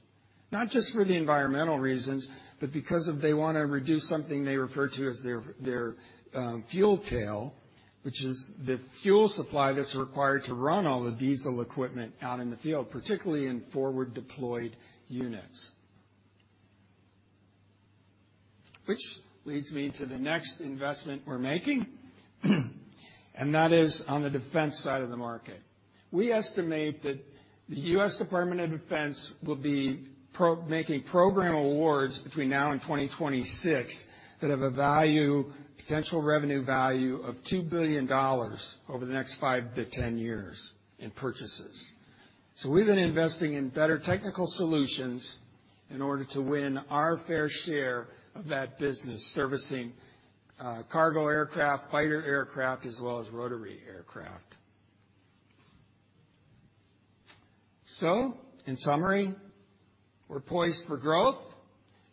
Not just for the environmental reasons, but because they wanna reduce something they refer to as their fuel tail, which is the fuel supply that's required to run all the diesel equipment out in the field, particularly in forward deployed units. Which leads me to the next investment we're making, and that is on the defense side of the market. We estimate that the US Department of Defense will be making program awards between now and 2026 that have a value, potential revenue value of $2 billion over the next 5-10 years in purchases. We've been investing in better technical solutions in order to win our fair share of that business servicing cargo aircraft, fighter aircraft, as well as rotary aircraft. In summary, we're poised for growth.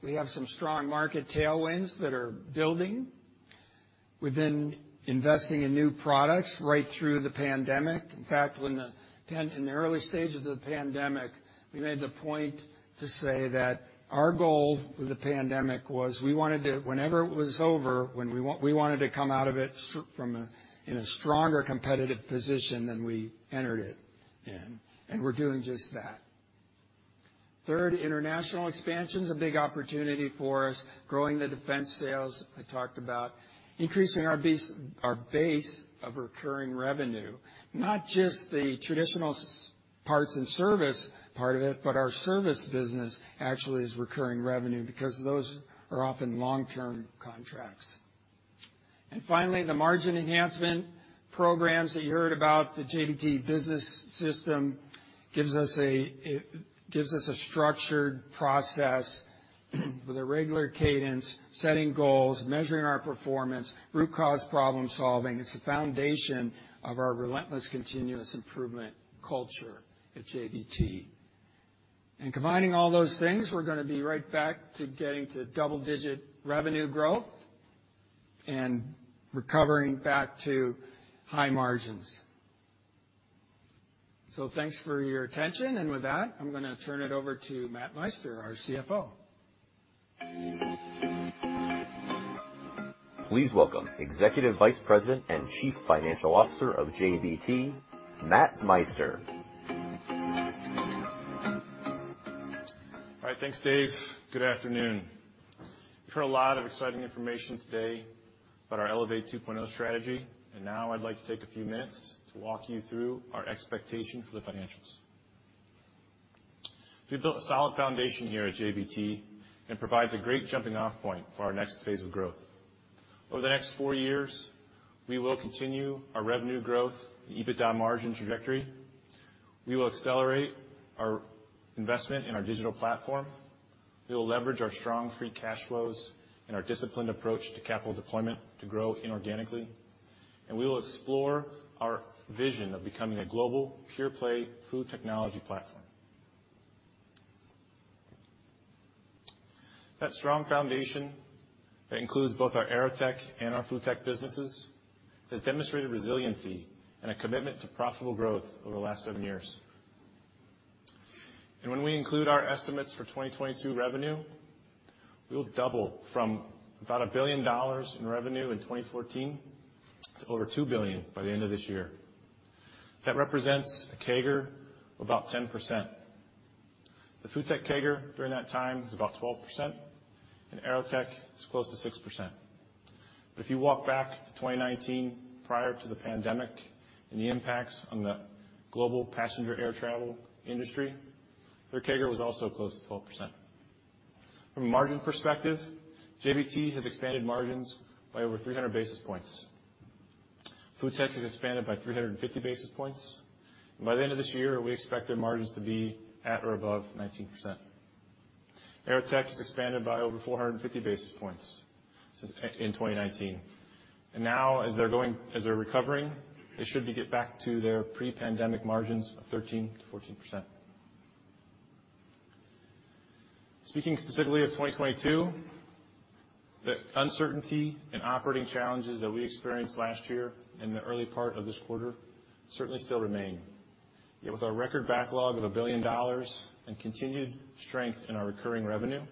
We have some strong market tailwinds that are building. We've been investing in new products right through the pandemic. In fact, in the early stages of the pandemic, we made the point to say that our goal with the pandemic was we wanted to, whenever it was over, we wanted to come out of it from a, in a stronger competitive position than we entered it in, and we're doing just that. Third, international expansion is a big opportunity for us. Growing the defense sales, I talked about. Increasing our base of recurring revenue, not just the traditional spare parts and service part of it, but our service business actually is recurring revenue because those are often long-term contracts. Finally, the margin enhancement programs that you heard about, the JBT Business System gives us a structured process with a regular cadence, setting goals, measuring our performance, root cause problem-solving. It's the foundation of our relentless continuous improvement culture at JBT. Combining all those things, we're gonna be right back to getting to double-digit revenue growth and recovering back to high margins. Thanks for your attention. With that, I'm gonna turn it over to Matt Meister, our CFO. Please welcome Executive Vice President and Chief Financial Officer of JBT, Matt Meister. All right. Thanks, Dave. Good afternoon. You've heard a lot of exciting information today about our Elevate 2.0 strategy, and now I'd like to take a few minutes to walk you through our expectation for the financials. We've built a solid foundation here at JBT and provides a great jumping off point for our next phase of growth. Over the next four years, we will continue our revenue growth and EBITDA margin trajectory. We will accelerate our investment in our digital platform. We will leverage our strong free cash flows and our disciplined approach to capital deployment to grow inorganically. We will explore our vision of becoming a global pure-play food technology platform. That strong foundation that includes both our AeroTech and our FoodTech businesses, has demonstrated resiliency and a commitment to profitable growth over the last seven years. When we include our estimates for 2022 revenue, we will double from about $1 billion in revenue in 2014 to over $2 billion by the end of this year. That represents a CAGR of about 10%. The FoodTech CAGR during that time is about 12%, and AeroTech is close to 6%. If you walk back to 2019 prior to the pandemic and the impacts on the global passenger air travel industry, their CAGR was also close to 12%. From a margin perspective, JBT has expanded margins by over 300 basis points. FoodTech has expanded by 350 basis points, and by the end of this year, we expect their margins to be at or above 19%. AeroTech has expanded by over 450 basis points since 2019. Now as they're recovering, they should get back to their pre-pandemic margins of 13%-14%. Speaking specifically of 2022, the uncertainty and operating challenges that we experienced last year in the early part of this quarter certainly still remain. Yet with our record backlog of $1 billion and continued strength in our recurring revenue,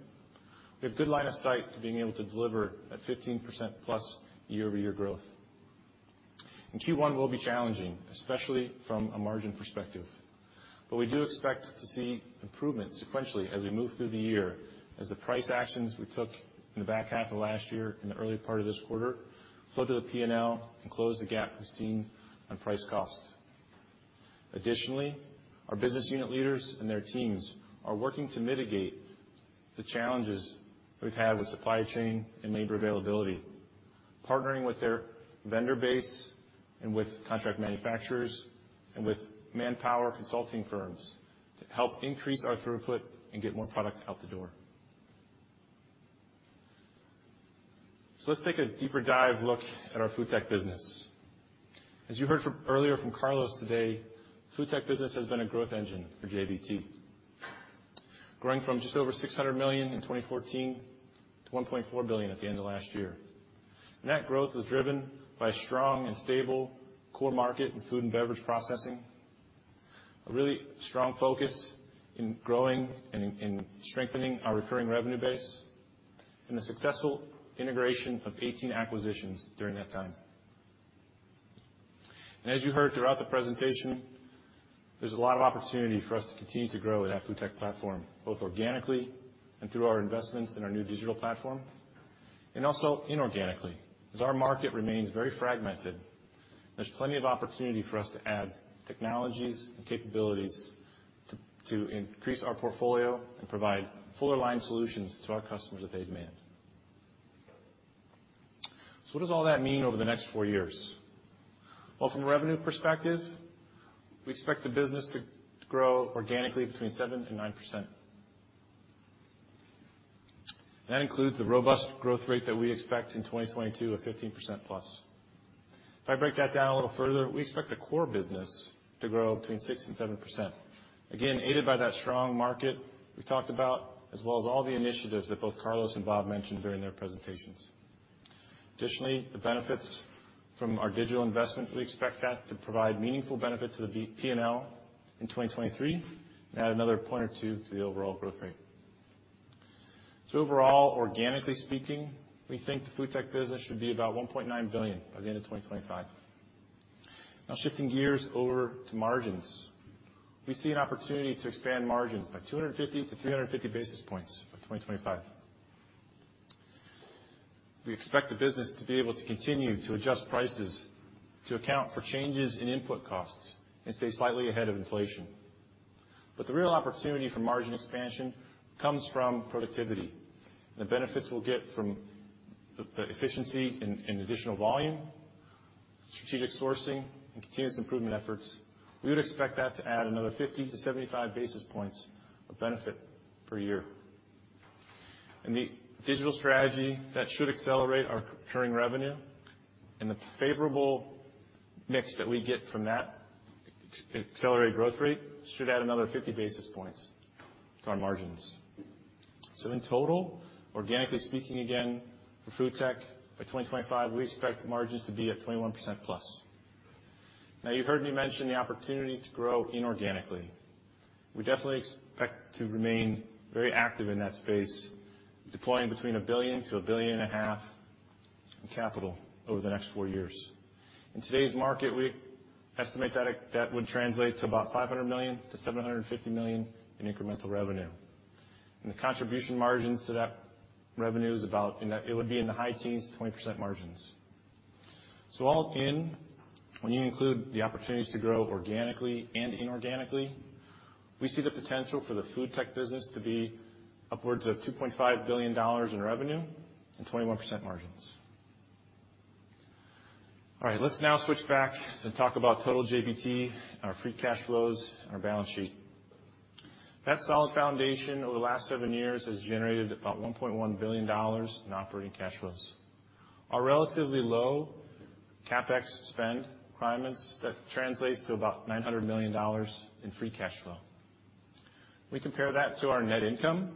we have good line of sight to being able to deliver that 15%+ year-over-year growth. Q1 will be challenging, especially from a margin perspective. We do expect to see improvement sequentially as we move through the year as the price actions we took in the back half of last year and the early part of this quarter flow to the P&L and close the gap we've seen on price cost. Additionally, our business unit leaders and their teams are working to mitigate the challenges we've had with supply chain and labor availability, partnering with their vendor base and with contract manufacturers and with manpower consulting firms to help increase our throughput and get more product out the door. Let's take a deeper dive look at our FoodTech business. As you heard from earlier from Carlos today, FoodTech business has been a growth engine for JBT, growing from just over $600 million in 2014 to $1.4 billion at the end of last year. That growth was driven by strong and stable core market in food and beverage processing, a really strong focus in growing and strengthening our recurring revenue base, and the successful integration of 18 acquisitions during that time. As you heard throughout the presentation, there's a lot of opportunity for us to continue to grow that FoodTech platform, both organically and through our investments in our new digital platform, and also inorganically. Our market remains very fragmented. There's plenty of opportunity for us to add technologies and capabilities to increase our portfolio and provide fuller line solutions to our customers that they demand. What does all that mean over the next four years? Well, from a revenue perspective, we expect the business to grow organically between 7% and 9%. That includes the robust growth rate that we expect in 2022 of 15%+. If I break that down a little further, we expect the core business to grow between 6% and 7%. Again, aided by that strong market we talked about, as well as all the initiatives that both Carlos and Bob mentioned during their presentations. Additionally, the benefits from our digital investments, we expect that to provide meaningful benefit to the P&L in 2023 and add another 1% or 2% to the overall growth rate. Overall, organically speaking, we think the FoodTech business should be about $1.9 billion by the end of 2025. Now, shifting gears over to margins. We see an opportunity to expand margins by 250-350 basis points by 2025. We expect the business to be able to continue to adjust prices to account for changes in input costs and stay slightly ahead of inflation. The real opportunity for margin expansion comes from productivity. The benefits we'll get from the efficiency in additional volume, strategic sourcing, and continuous improvement efforts, we would expect that to add another 50-75 basis points of benefit per year. The digital strategy that should accelerate our recurring revenue and the favorable mix that we get from that accelerated growth rate should add another 50 basis points to our margins. In total, organically speaking again, for FoodTech, by 2025, we expect margins to be at 21%+. Now you heard me mention the opportunity to grow inorganically. We definitely expect to remain very active in that space, deploying between $1 billion-$1.5 billion in capital over the next four years. In today's market, we estimate that would translate to about $500 million-$750 million in incremental revenue. The contribution margins to that revenue is about in the high teens to 20% margins. All in, when you include the opportunities to grow organically and inorganically, we see the potential for the FoodTech business to be upwards of $2.5 billion in revenue and 21% margins. All right, let's now switch back to talk about total JBT, our free cash flows, and our balance sheet. That solid foundation over the last seven years has generated about $1.1 billion in operating cash flows. Our relatively low CapEx spend requirements, that translates to about $900 million in free cash flow. We compare that to our net income.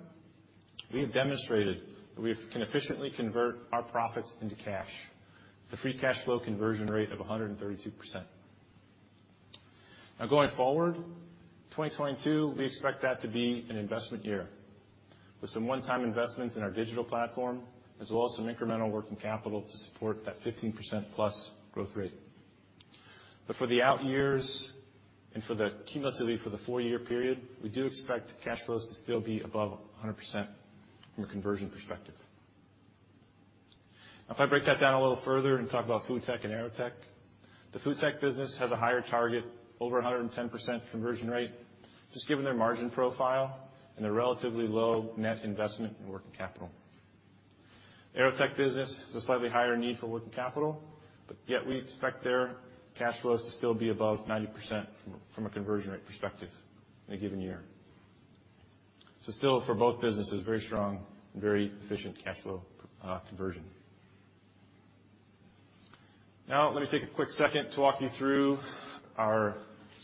We have demonstrated that we can efficiently convert our profits into cash. The free cash flow conversion rate of 132%. Now going forward, 2022, we expect that to be an investment year with some one-time investments in our digital platform, as well as some incremental working capital to support that 15%+ growth rate. For the out years and for the cumulatively for the four-year period, we do expect cash flows to still be above 100% from a conversion perspective. Now, if I break that down a little further and talk about FoodTech and AeroTech, the FoodTech business has a higher target, over 110% conversion rate, just given their margin profile and their relatively low net investment in working capital. AeroTech business has a slightly higher need for working capital, but yet we expect their cash flows to still be above 90% from a conversion rate perspective in a given year. Still for both businesses, very strong and very efficient cash flow conversion. Now let me take a quick second to walk you through our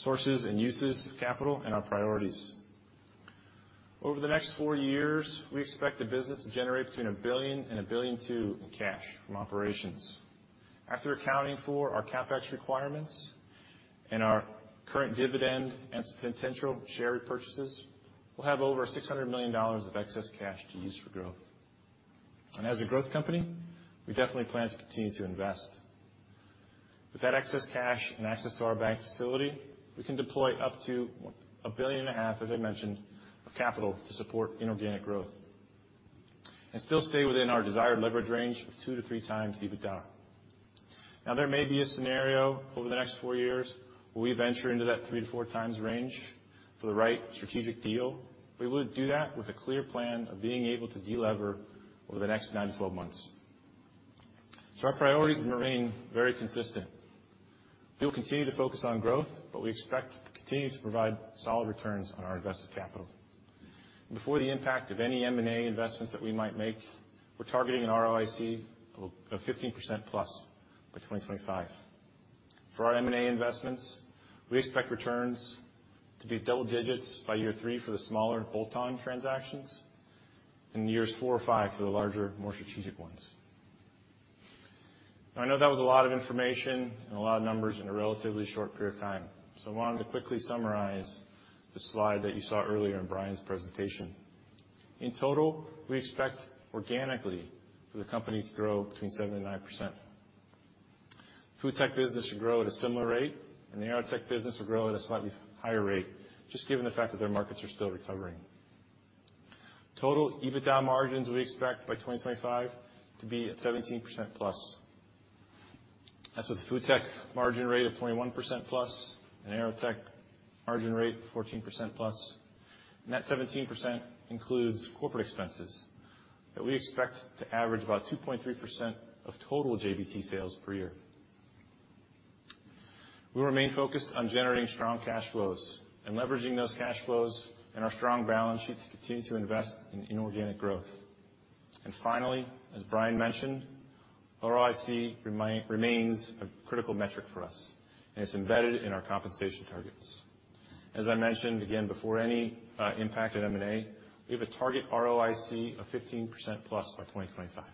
sources and uses of capital and our priorities. Over the next four years, we expect the business to generate between $1 billion and $1.2 billion in cash from operations. After accounting for our CapEx requirements and our current dividend and some potential share repurchases, we'll have over $600 million of excess cash to use for growth. As a growth company, we definitely plan to continue to invest. With that excess cash and access to our bank facility, we can deploy up to $1.5 billion, as I mentioned, of capital to support inorganic growth and still stay within our desired leverage range of 2-3x EBITDA. Now, there may be a scenario over the next four years where we venture into that 3-4 times range for the right strategic deal. We would do that with a clear plan of being able to delever over the next 9-12 months. Our priorities will remain very consistent. We will continue to focus on growth, but we expect to continue to provide solid returns on our invested capital. Before the impact of any M&A investments that we might make, we're targeting an ROIC of 15%+ by 2025. For our M&A investments, we expect returns to be double digits by year three for the smaller bolt-on transactions and years four or five for the larger, more strategic ones. Now, I know that was a lot of information and a lot of numbers in a relatively short period of time, so I wanted to quickly summarize the slide that you saw earlier in Brian's presentation. In total, we expect organically for the company to grow between 7% and 9%. FoodTech business should grow at a similar rate, and the AeroTech business will grow at a slightly higher rate, just given the fact that their markets are still recovering. Total EBITDA margins we expect by 2025 to be at 17%+. That's with FoodTech margin rate of 21%+ and AeroTech margin rate 14%+. That 17% includes corporate expenses that we expect to average about 2.3% of total JBT sales per year. We remain focused on generating strong cash flows and leveraging those cash flows and our strong balance sheet to continue to invest in inorganic growth. Finally, as Brian mentioned, ROIC remains a critical metric for us, and it's embedded in our compensation targets. As I mentioned again, before any impact at M&A, we have a target ROIC of 15%+ by 2025.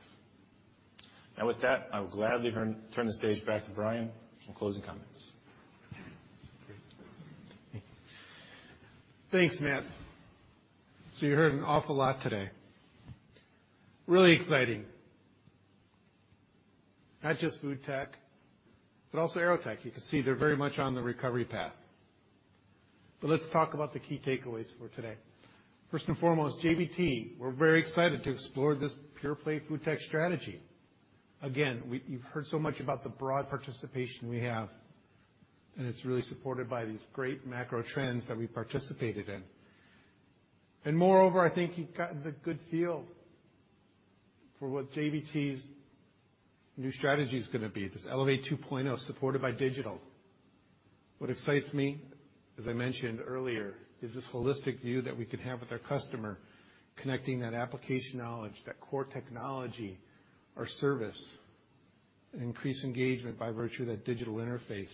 Now, with that, I will gladly turn the stage back to Brian for closing comments. Thanks, Matt. You heard an awful lot today. Really exciting. Not just FoodTech, but also AeroTech. You can see they're very much on the recovery path. Let's talk about the key takeaways for today. First and foremost, JBT, we're very excited to explore this pure play FoodTech strategy. Again, you've heard so much about the broad participation we have, and it's really supported by these great macro trends that we participated in. Moreover, I think you've gotten a good feel for what JBT's new strategy is gonna be, this Elevate 2.0 supported by digital. What excites me, as I mentioned earlier, is this holistic view that we could have with our customer, connecting that application knowledge, that core technology, our service, and increase engagement by virtue of that digital interface.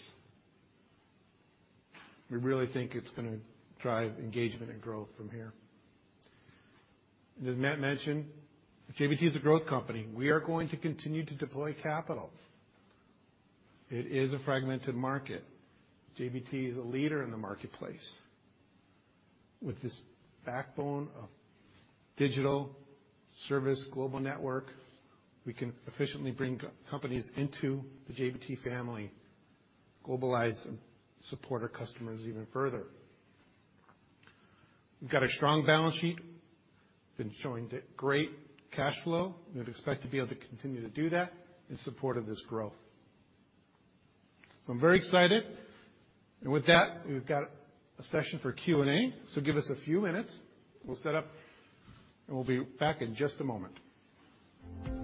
We really think it's gonna drive engagement and growth from here. As Matt mentioned, JBT is a growth company. We are going to continue to deploy capital. It is a fragmented market. JBT is a leader in the marketplace. With this backbone of digital service global network, we can efficiently bring companies into the JBT family, globalize, and support our customers even further. We've got a strong balance sheet. We've been showing great cash flow. We expect to be able to continue to do that in support of this growth. I'm very excited. With that, we've got a session for Q&A. Give us a few minutes. We'll set up, and we'll be back in just a moment. Panelists to the stage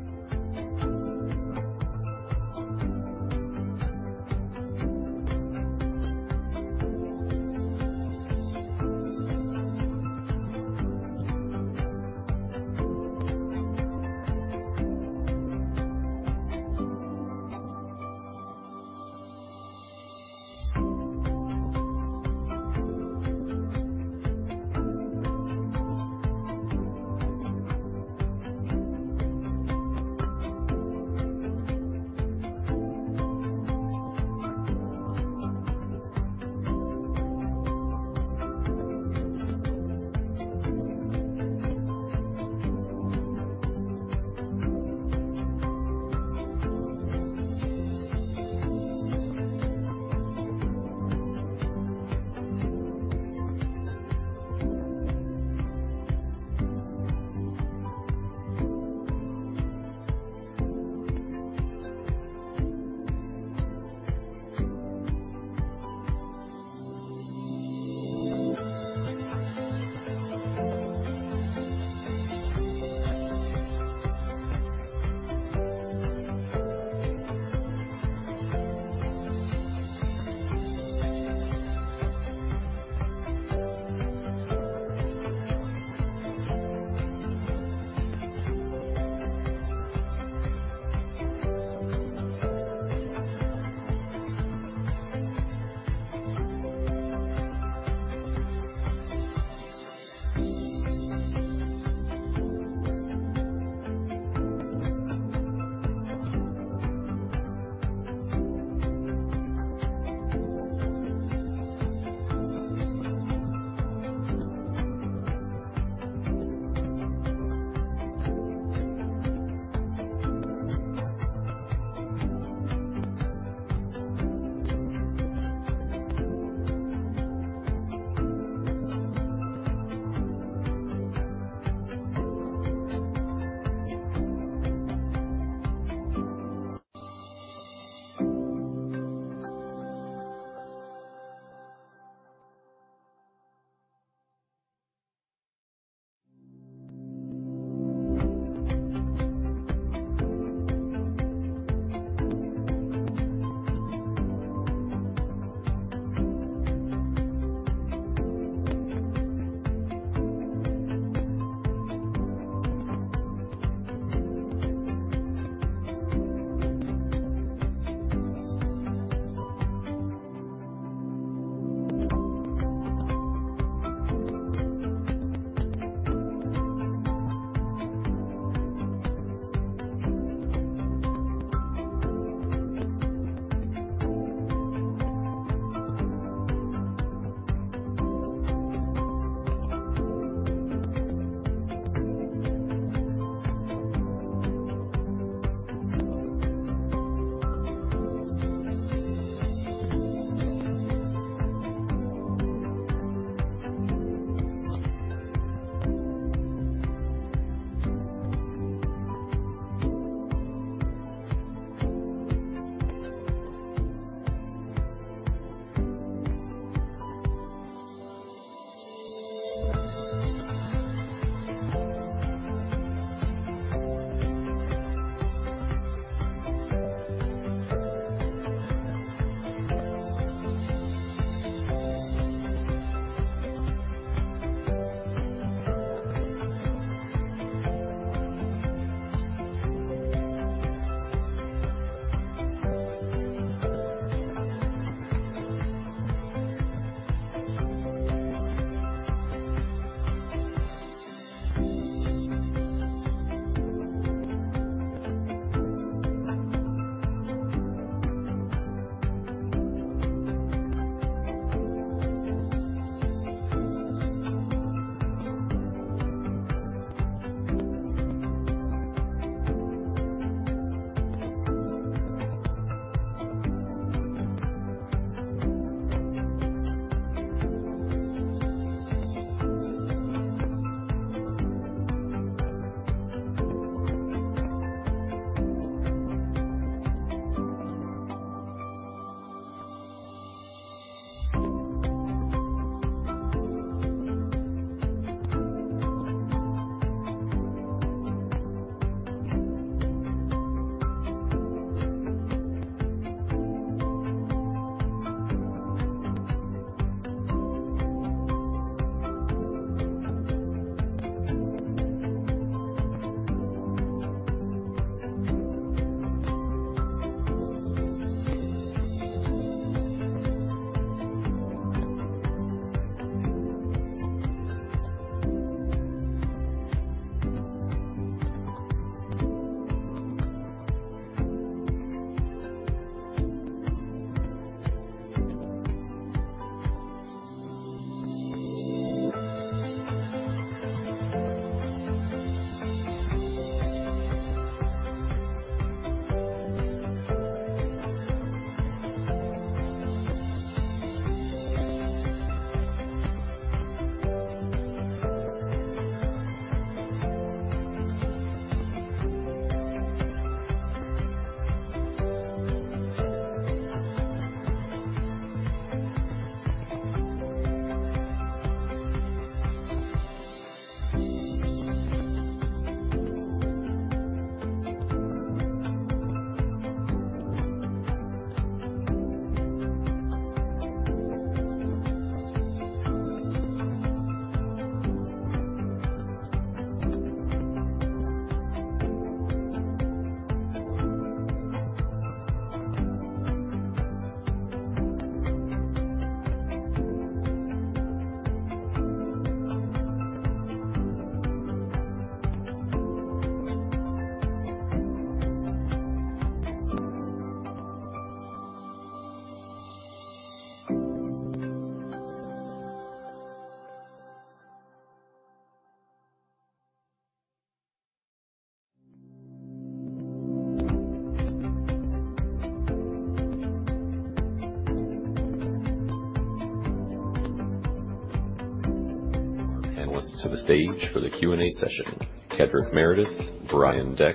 for the Q&A session. Kedric Meredith, Brian Deck,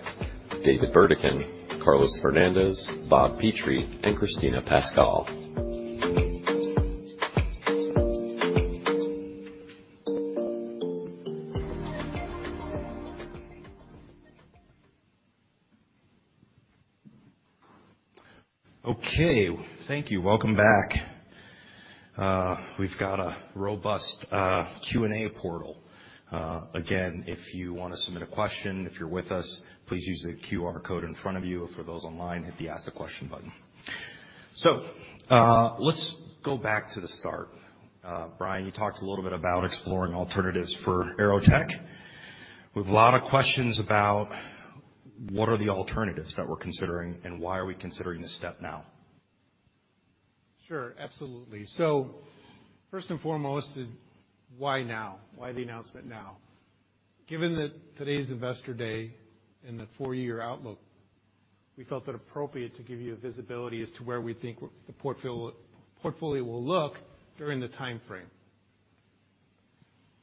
David Burdakin, Carlos Fernandez, Bob Petrie, and Kristina Paschall. Okay. Thank you. Welcome back. We've got a robust Q&A portal. Again, if you wanna submit a question, if you're with us, please use the QR code in front of you. For those online, hit the Ask a Question button. Let's go back to the start. Brian, you talked a little bit about exploring alternatives for AeroTech. We've a lot of questions about what are the alternatives that we're considering, and why are we considering this step now? Sure. Absolutely. First and foremost is why now? Why the announcement now? Given that today's Investor Day and the four-year outlook, we felt it appropriate to give you visibility as to where we think the portfolio will look during the timeframe.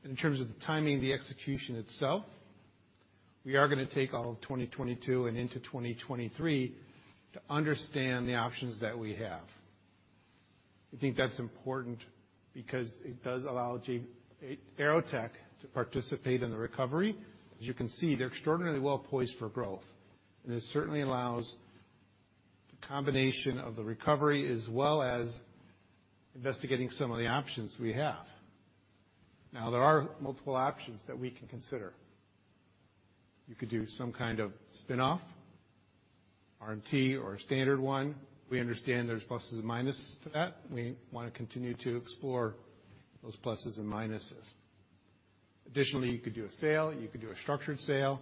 In terms of the timing of the execution itself, we are gonna take all of 2022 and into 2023 to understand the options that we have. I think that's important because it does allow AeroTech to participate in the recovery. As you can see, they're extraordinarily well poised for growth, and this certainly allows the combination of the recovery as well as investigating some of the options we have. Now, there are multiple options that we can consider. You could do some kind of spinoff, RMT or a standard one. We understand there's pluses and minuses to that. We wanna continue to explore those pluses and minuses. Additionally, you could do a sale, you could do a structured sale.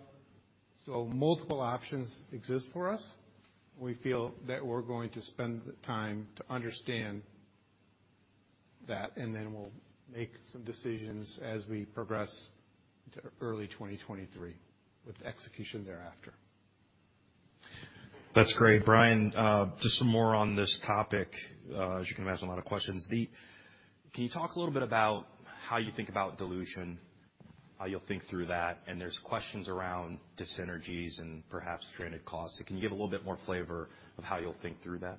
Multiple options exist for us. We feel that we're going to spend the time to understand that, and then we'll make some decisions as we progress into early 2023 with execution thereafter. That's great. Brian, just some more on this topic, as you can imagine, a lot of questions. Can you talk a little bit about how you think about dilution, how you'll think through that? And there's questions around dyssynergies and perhaps stranded costs. Can you give a little bit more flavor of how you'll think through that?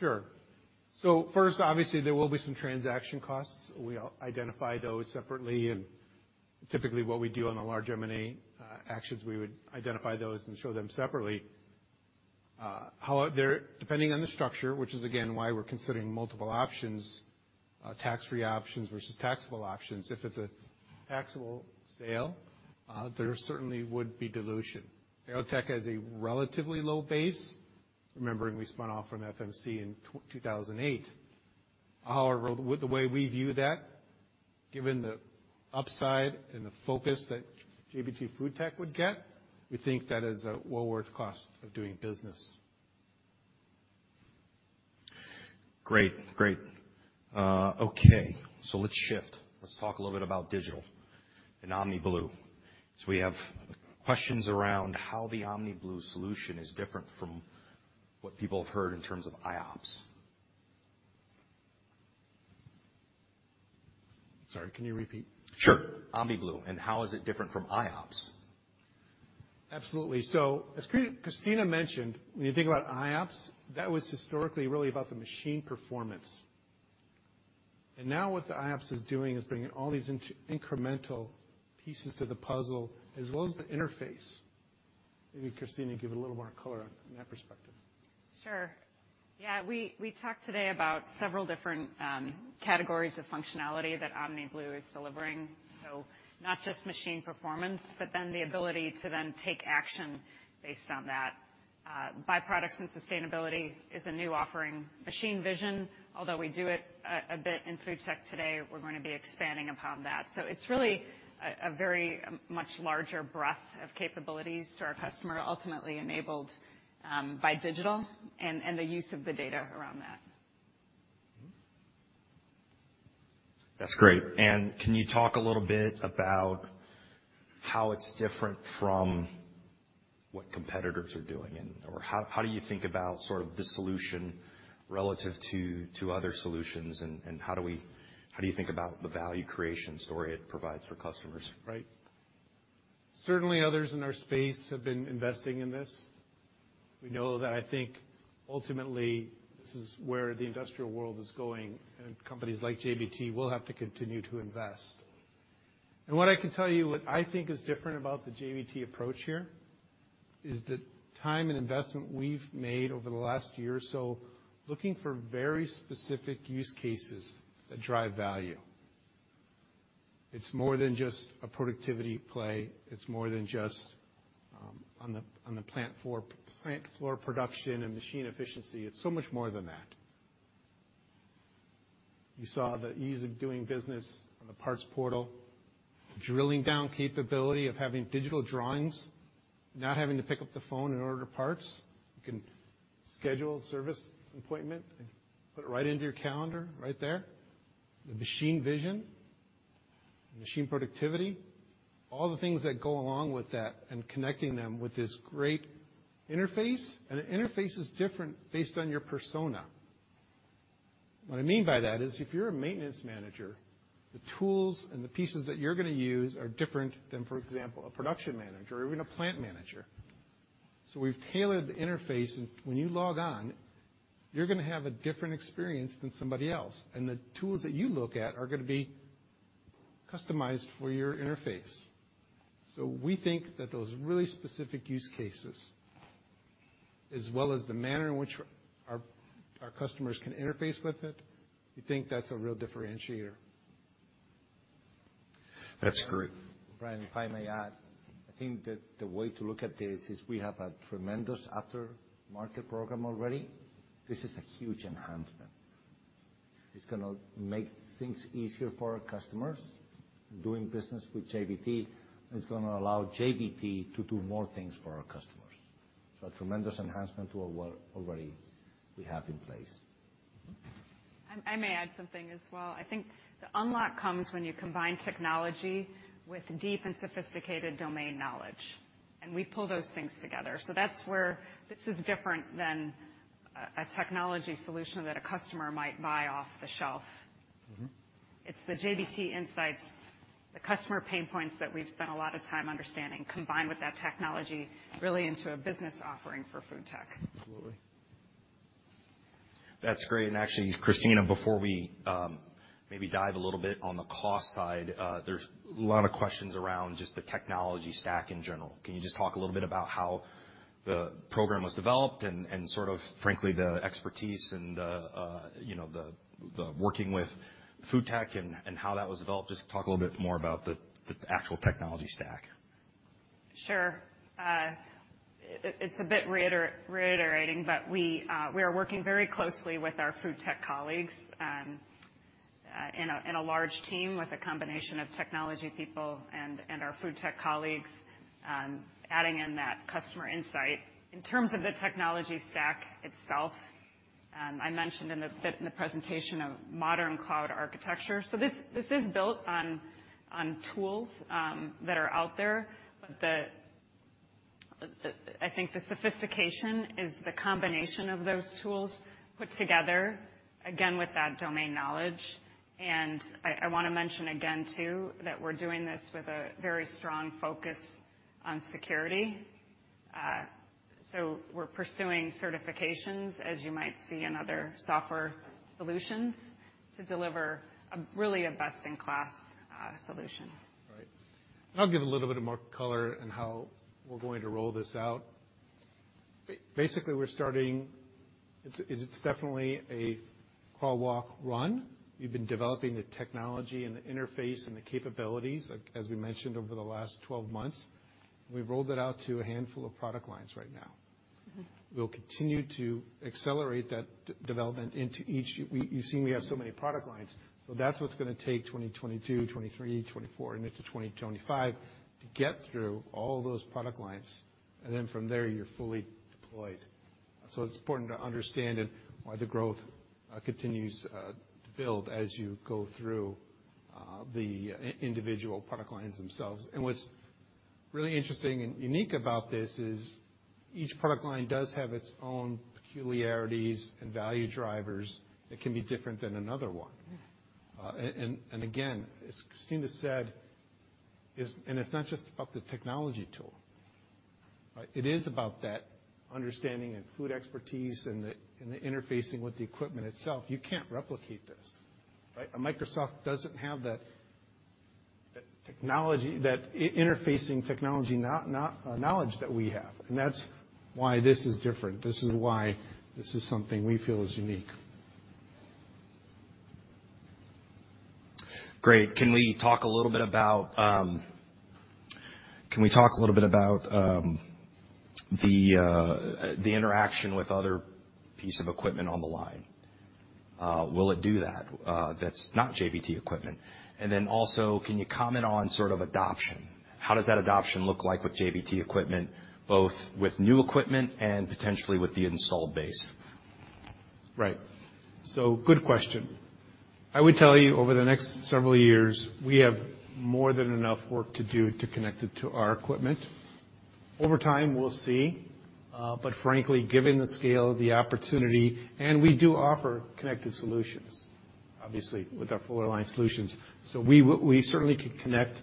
First, obviously, there will be some transaction costs. We'll identify those separately and typically what we do on the large M&A actions, we would identify those and show them separately. Depending on the structure, which is again, why we're considering multiple options, tax-free options versus taxable options. If it's a taxable sale, there certainly would be dilution. AeroTech has a relatively low base, remembering we spun off from FMC in 2008. However, with the way we view that, given the upside and the focus that JBT FoodTech would get, we think that is a well worth cost of doing business. Great. Okay, let's shift. Let's talk a little bit about digital and OmniBlu. We have questions around how the OmniBlu solution is different from what people have heard in terms of iOPS. Sorry, can you repeat? Sure. OmniBlu, and how is it different from iOPS? Absolutely. As Kristina mentioned, when you think about iOPS, that was historically really about the machine performance. Now what the iOPS is doing is bringing all these incremental pieces to the puzzle, as well as the interface. Maybe Kristina give a little more color on that perspective. Sure. Yeah, we talked today about several different categories of functionality that OmniBlu is delivering. Not just machine performance, but then the ability to then take action based on that. By-products and Sustainability is a new offering. Machine vision, although we do it a bit in FoodTech today, we're gonna be expanding upon that. It's really a very much larger breadth of capabilities to our customer, ultimately enabled by digital and the use of the data around that. That's great. Can you talk a little bit about how it's different from what competitors are doing and or how do you think about sort of the solution relative to other solutions and how do you think about the value creation story it provides for customers? Right. Certainly others in our space have been investing in this. We know that I think ultimately, this is where the industrial world is going, and companies like JBT will have to continue to invest. What I can tell you is what I think is different about the JBT approach here is the time and investment we've made over the last year or so, looking for very specific use cases that drive value. It's more than just a productivity play. It's more than just on the plant floor production and machine efficiency. It's so much more than that. You saw the ease of doing business on the parts portal, drilling down capability of having digital drawings, not having to pick up the phone and order parts. You can schedule a service appointment and put it right into your calendar right there. The machine vision, machine productivity, all the things that go along with that and connecting them with this great interface. The interface is different based on your persona. What I mean by that is if you're a maintenance manager, the tools and the pieces that you're gonna use are different than, for example, a production manager or even a plant manager. We've tailored the interface, and when you log on, you're gonna have a different experience than somebody else. The tools that you look at are gonna be customized for your interface. We think that those really specific use cases, as well as the manner in which our customers can interface with it, we think that's a real differentiator. That's great. Brian, if I may add, I think that the way to look at this is we have a tremendous after-market program already. This is a huge enhancement. It's gonna make things easier for our customers. Doing business with JBT is gonna allow JBT to do more things for our customers. A tremendous enhancement to what we already have in place. I may add something as well. I think the unlock comes when you combine technology with deep and sophisticated domain knowledge, and we pull those things together. So that's where this is different than a technology solution that a customer might buy off the shelf. Mm-hmm. It's the JBT insights, the customer pain points that we've spent a lot of time understanding, combined with that technology, really into a business offering for FoodTech. Absolutely. That's great. Actually, Kristina, before we maybe dive a little bit on the cost side, there's a lot of questions around just the technology stack in general. Can you just talk a little bit about how the program was developed and sort of frankly, the expertise and the working with FoodTech and how that was developed? Just talk a little bit more about the actual technology stack. Sure. It's a bit reiterating, but we are working very closely with our FoodTech colleagues in a large team with a combination of technology people and our FoodTech colleagues, adding in that customer insight. In terms of the technology stack itself, I mentioned in the presentation of modern cloud architecture. This is built on tools that are out there. I think the sophistication is the combination of those tools put together again with that domain knowledge. I wanna mention again too that we're doing this with a very strong focus on security. We're pursuing certifications, as you might see in other software solutions, to deliver a really a best-in-class solution. Right. I'll give a little bit more color on how we're going to roll this out. Basically, we're starting. It's definitely a crawl, walk, run. We've been developing the technology and the interface and the capabilities as we mentioned over the last 12 months. We've rolled it out to a handful of product lines right now. Mm-hmm. We'll continue to accelerate that development into each. You've seen we have so many product lines, so that's what's gonna take 2022, 2023, 2024, and into 2025 to get through all those product lines. Then from there, you're fully deployed. It's important to understand it, why the growth continues to build as you go through the individual product lines themselves. What's really interesting and unique about this is each product line does have its own peculiarities and value drivers that can be different than another one. Yeah. Again, as Kristina said, it's not just about the technology tool, right? It is about that understanding and food expertise and the interfacing with the equipment itself. You can't replicate this, right? Microsoft doesn't have that technology, that interfacing technology knowledge that we have, and that's why this is different. This is why this is something we feel is unique. Great. Can we talk a little bit about the interaction with other piece of equipment on the line? Will it do that's not JBT equipment? Can you comment on sort of adoption? How does that adoption look like with JBT equipment, both with new equipment and potentially with the installed base? Right. Good question. I would tell you, over the next several years, we have more than enough work to do to connect it to our equipment. Over time, we'll see, but frankly, given the scale of the opportunity, and we do offer connected solutions, obviously, with our fuller line solutions. We certainly could connect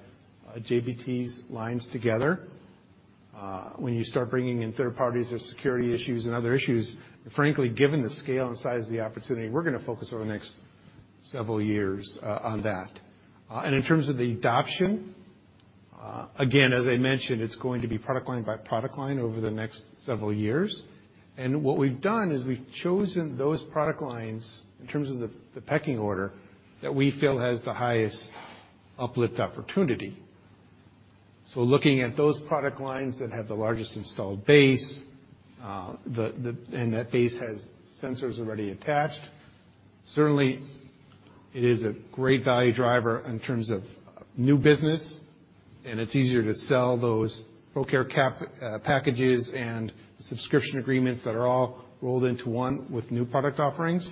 JBT's lines together. When you start bringing in third parties, there's security issues and other issues. Frankly, given the scale and size of the opportunity, we're gonna focus over the next several years on that. In terms of the adoption, again, as I mentioned, it's going to be product line by product line over the next several years. What we've done is we've chosen those product lines, in terms of the pecking order, that we feel has the highest uplift opportunity. Looking at those product lines that have the largest installed base, and that base has sensors already attached. Certainly, it is a great value driver in terms of new business, and it's easier to sell those PRoCARE packages and subscription agreements that are all rolled into one with new product offerings.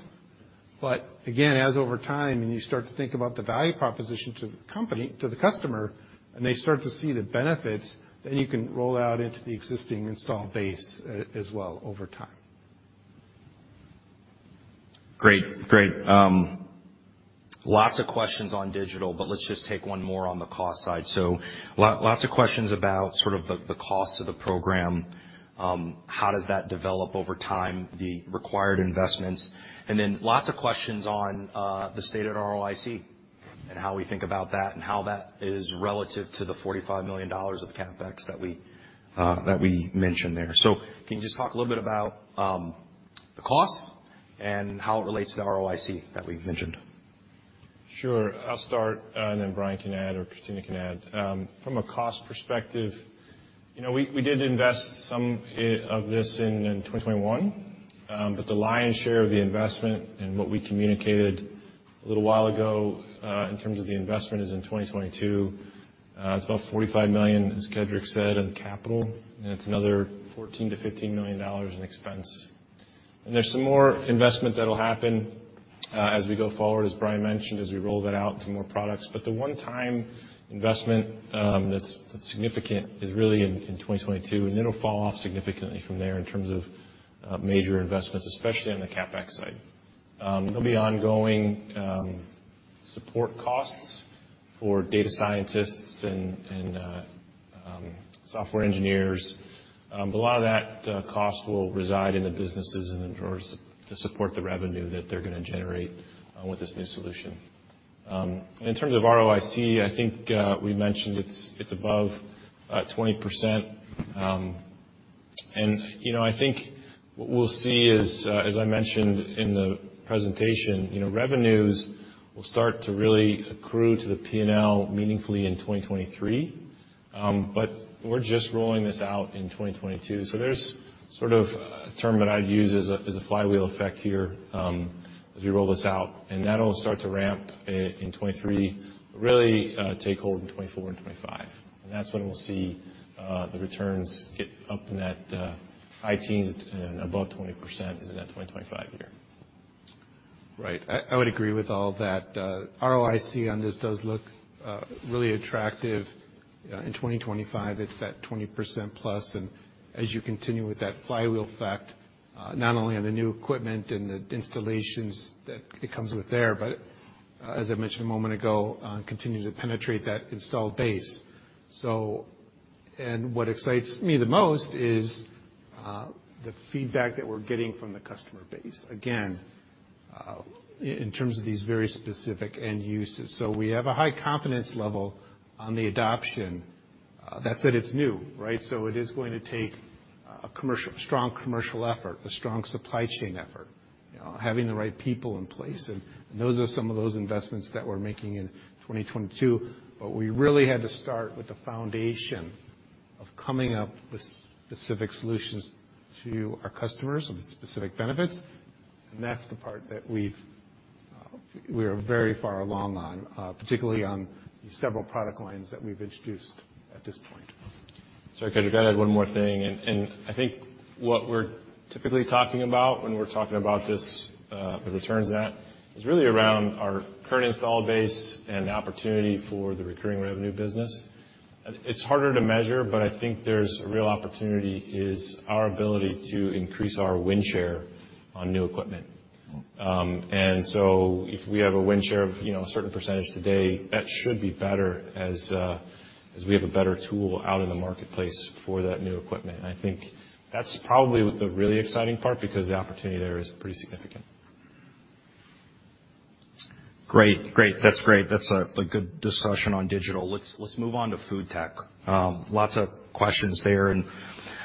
Again, as over time and you start to think about the value proposition to the company, to the customer, and they start to see the benefits, then you can roll out into the existing installed base, as well over time. Great. Lots of questions on digital, but let's just take one more on the cost side. Lots of questions about sort of the cost of the program, how does that develop over time, the required investments, and then lots of questions on the state of ROIC and how we think about that and how that is relative to the $45 million of CapEx that we mentioned there. Can you just talk a little bit about the costs and how it relates to the ROIC that we've mentioned? Sure. I'll start, and then Brian can add or Kristina can add. From a cost perspective, you know, we did invest some of this in 2021. The lion's share of the investment and what we communicated a little while ago in terms of the investment is in 2022. It's about $45 million, as Kedric said, in capital, and it's another $14 million-$15 million in expense. There's some more investment that'll happen as we go forward, as Brian mentioned, as we roll that out to more products. The one-time investment that's significant is really in 2022, and it'll fall off significantly from there in terms of major investments, especially on the CapEx side. There'll be ongoing support costs for data scientists and software engineers. A lot of that cost will reside in the businesses and in order to support the revenue that they're gonna generate with this new solution. In terms of ROIC, I think we mentioned it's above 20%. You know, I think what we'll see is, as I mentioned in the presentation, you know, revenues will start to really accrue to the P&L meaningfully in 2023. We're just rolling this out in 2022. There's sort of a term that I'd use is a flywheel effect here, as we roll this out, and that'll start to ramp in 2023, but really take hold in 2024 and 2025. That's when we'll see the returns get up in that high teens and above 20% in that 2025 year. Right. I would agree with all that. ROIC on this does look really attractive. In 2025, it's that 20%+, and as you continue with that flywheel effect, not only on the new equipment and the installations that it comes with there, but as I mentioned a moment ago, continue to penetrate that installed base. What excites me the most is the feedback that we're getting from the customer base, again, in terms of these very specific end uses. So we have a high confidence level on the adoption. That said, it's new, right? So it is going to take a strong commercial effort, a strong supply chain effort, having the right people in place. And those are some of those investments that we're making in 2022. We really had to start with the foundation of coming up with specific solutions to our customers with specific benefits. That's the part that we are very far along on, particularly on several product lines that we've introduced at this point. Sorry, could you add one more thing? I think what we're typically talking about when we're talking about this, the returns at, is really around our current install base and the opportunity for the recurring revenue business. It's harder to measure, but I think there's a real opportunity is our ability to increase our win share on new equipment. If we have a win share of, you know, a certain percentage today, that should be better as we have a better tool out in the marketplace for that new equipment. I think that's probably the really exciting part because the opportunity there is pretty significant. Great. That's a good discussion on digital. Let's move on to FoodTech. Lots of questions there.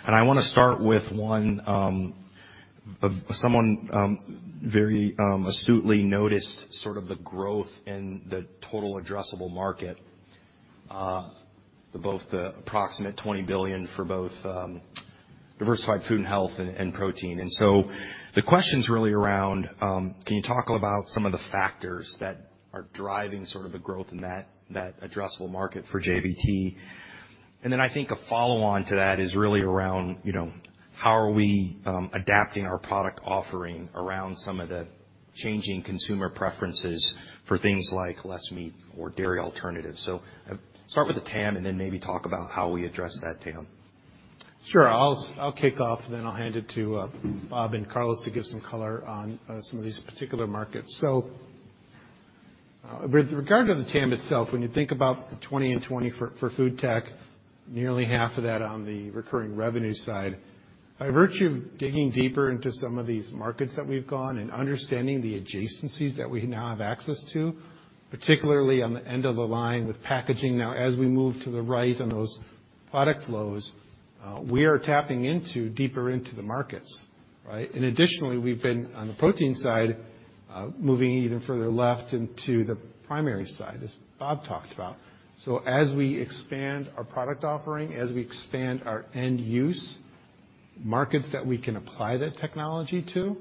I wanna start with one of someone very astutely noticed sort of the growth in the total addressable market, both the approximate $20 billion for both Diversified Food and Health and Protein. The question's really around, can you talk about some of the factors that are driving sort of the growth in that addressable market for JBT? Then I think a follow-on to that is really around, you know, how are we adapting our product offering around some of the changing consumer preferences for things like less meat or dairy alternatives. Start with the TAM, and then maybe talk about how we address that TAM. Sure. I'll kick off, then I'll hand it to Bob and Carlos to give some color on some of these particular markets. With regard to the TAM itself, when you think about the 2020 for FoodTech, nearly half of that on the recurring revenue side. By virtue of digging deeper into some of these markets that we've gone and understanding the adjacencies that we now have access to, particularly on the end of the line with packaging now, as we move to the right on those product flows, we are tapping into deeper into the markets, right? Additionally, we've been on the Protein side moving even further left into the primary side, as Bob talked about. As we expand our product offering, as we expand our end use markets that we can apply that technology to,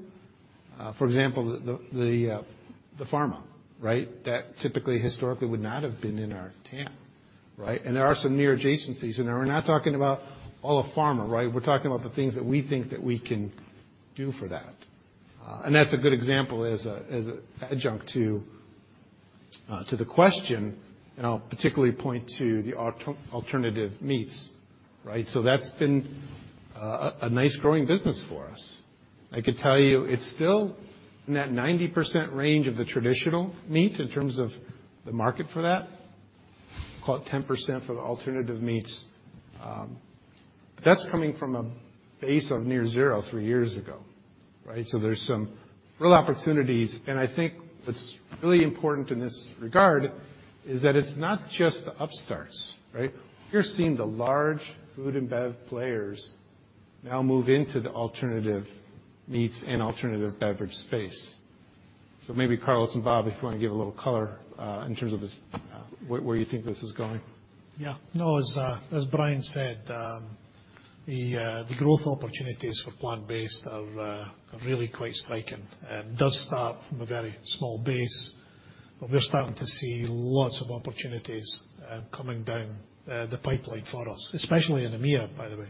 for example, the pharma, right? That typically historically would not have been in our TAM, right? There are some near adjacencies in there. We're not talking about all of pharma, right? We're talking about the things that we think that we can do for that. That's a good example as a adjunct to the question, and I'll particularly point to the alternative meats, right? That's been a nice growing business for us. I could tell you it's still in that 90% range of the traditional meat in terms of the market for that. Call it 10% for the alternative meats. That's coming from a base of near zero three years ago, right? There's some real opportunities. I think what's really important in this regard is that it's not just the upstarts, right? You're seeing the large food and bev players now move into the alternative meats and alternative beverage space. Maybe Carlos and Bob, if you wanna give a little color, in terms of this, where you think this is going. Yeah. No, as Brian said, the growth opportunities for plant-based are really quite striking. It does start from a very small base, but we're starting to see lots of opportunities coming down the pipeline for us, especially in EMEA, by the way.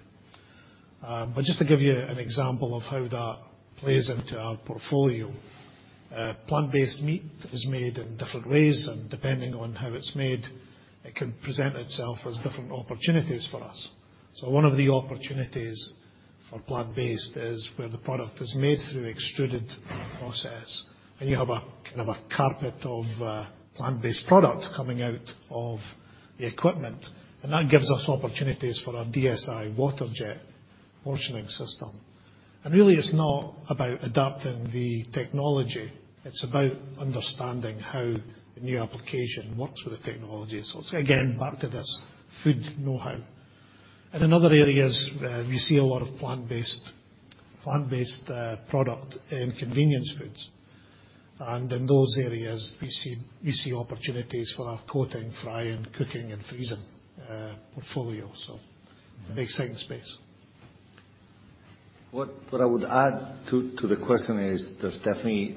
But just to give you an example of how that plays into our portfolio, plant-based meat is made in different ways, and depending on how it's made, it can present itself as different opportunities for us. One of the opportunities for plant-based is where the product is made through extruded process, and you have a kind of a carpet of plant-based product coming out of the equipment, and that gives us opportunities for our DSI water jet portioning system. Really, it's not about adapting the technology. It's about understanding how the new application works with the technology. It's, again, back to this food know-how. In other areas, we see a lot of plant-based product in convenience foods. In those areas, we see opportunities for our coating, frying, cooking, and freezing portfolio. An exciting space. What I would add to the question is there's definitely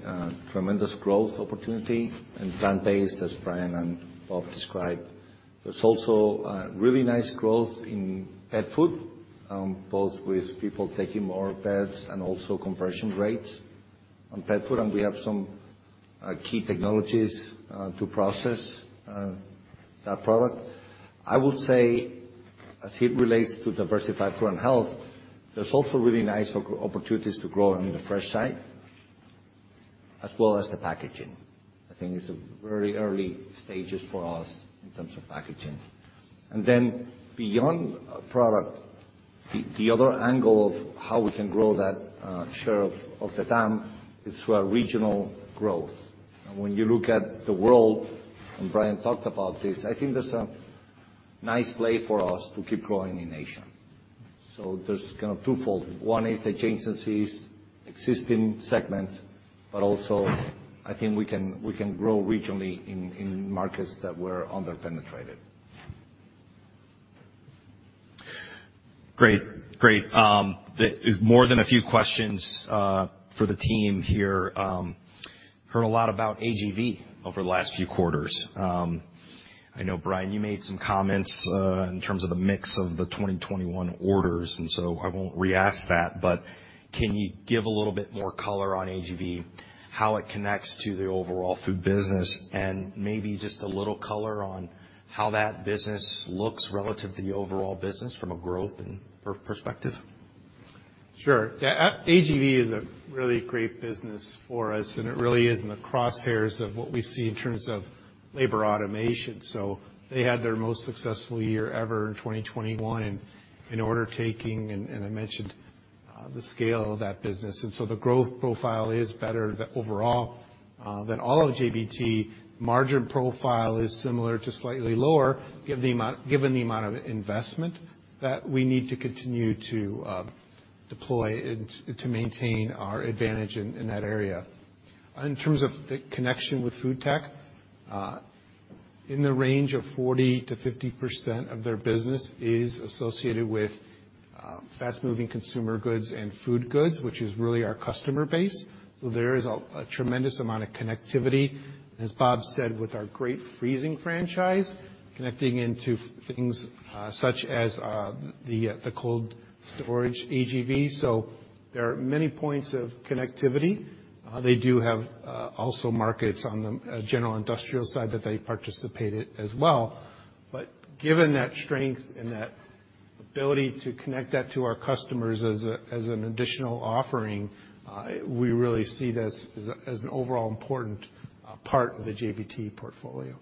tremendous growth opportunity in plant-based, as Brian and Bob described. There's also really nice growth in pet food, both with people taking more pets and also conversion rates. On pet food, we have some key technologies to process that product. I would say as it relates to Diversified Food and Health, there's also really nice opportunities to grow on the fresh side as well as the packaging. I think it's very early stages for us in terms of packaging. Beyond product, the other angle of how we can grow that share of the TAM is through our regional growth. When you look at the world, and Brian talked about this, I think there's a nice play for us to keep growing in Asia. There's kind of twofold. One is enhancing existing segments, but also I think we can grow regionally in markets that we're under-penetrated. Great. I have more than a few questions for the team here. Heard a lot about AGV over the last few quarters. I know, Brian, you made some comments in terms of the mix of the 2021 orders, and so I won't re-ask that, but can you give a little bit more color on AGV, how it connects to the overall food business, and maybe just a little color on how that business looks relative to the overall business from a growth and profitability perspective? Sure. Yeah, AGV is a really great business for us, and it really is in the crosshairs of what we see in terms of labor automation. They had their most successful year ever in 2021 in order taking, and I mentioned the scale of that business. The growth profile is better than the overall of JBT. Margin profile is similar to slightly lower given the amount of investment that we need to continue to deploy and to maintain our advantage in that area. In terms of the connection with FoodTech, in the range of 40%-50% of their business is associated with fast-moving consumer goods and food goods, which is really our customer base. There is a tremendous amount of connectivity, as Bob said, with our great freezing franchise connecting into things, such as, the cold storage AGV. There are many points of connectivity. They do have also markets on the general industrial side that they participate in as well. Given that strength and that ability to connect that to our customers as an additional offering, we really see this as an overall important part of the JBT portfolio.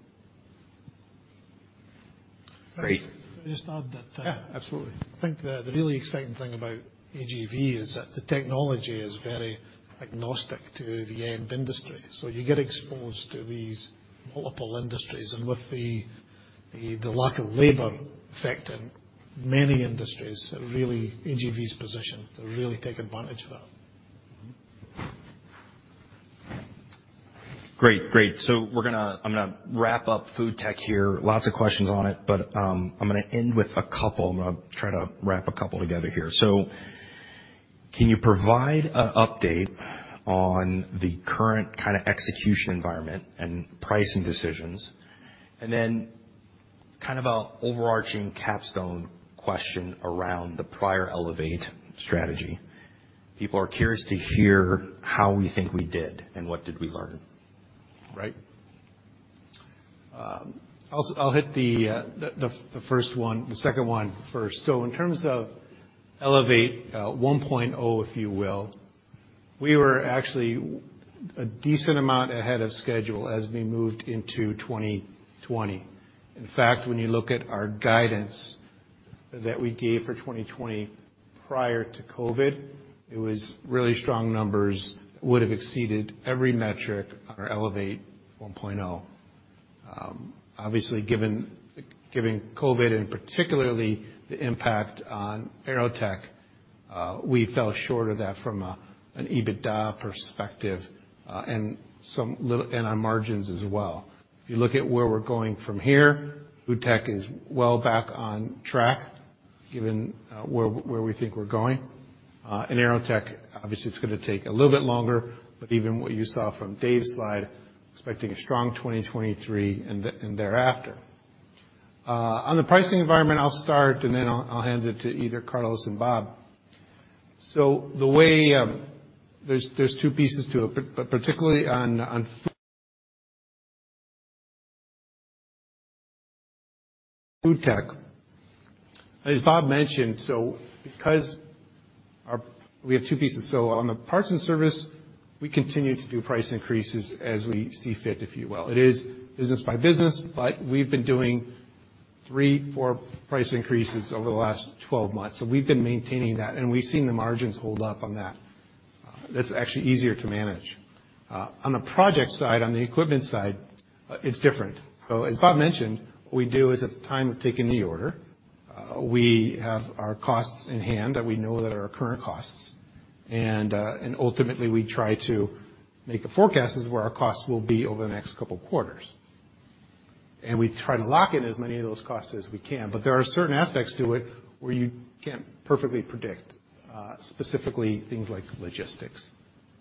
Great. Can I just add that. Yeah, absolutely. I think the really exciting thing about AGV is that the technology is very agnostic to the end industry. You get exposed to these multiple industries, and with the lack of labor affecting many industries, really AGV's position to really take advantage of that. Great. We're gonna wrap up FoodTech here. Lots of questions on it, but I'm gonna end with a couple. I'm gonna try to wrap a couple together here. Can you provide a update on the current kinda execution environment and pricing decisions? Then kind of a overarching capstone question around the prior Elevate strategy. People are curious to hear how we think we did and what did we learn. Right. I'll hit the first one, the second one first. In terms of Elevate 1.0, if you will, we were actually a decent amount ahead of schedule as we moved into 2020. In fact, when you look at our guidance that we gave for 2020 prior to COVID, it was really strong numbers. Would've exceeded every metric on our Elevate 1.0. Obviously, given COVID and particularly the impact on AeroTech, we fell short of that from an EBITDA perspective, and our margins as well. If you look at where we're going from here, FoodTech is well back on track, given where we think we're going. AeroTech, obviously it's gonna take a little bit longer, but even what you saw from Dave's slide, expecting a strong 2023 and thereafter. On the pricing environment, I'll start, and then I'll hand it to either Carlos and Bob. The way, there's two pieces to it, particularly on FoodTech. As Bob mentioned, because we have two pieces. On the parts and service, we continue to do price increases as we see fit, if you will. It is business by business, but we've been doing three, four price increases over the last 12 months. We've been maintaining that, and we've seen the margins hold up on that. That's actually easier to manage. On the project side, on the equipment side, it's different. As Bob mentioned, what we do is at the time of taking the order, we have our costs in hand that we know that are our current costs. Ultimately, we try to make a forecast as to where our costs will be over the next couple quarters. We try to lock in as many of those costs as we can. There are certain aspects to it where you can't perfectly predict, specifically things like logistics,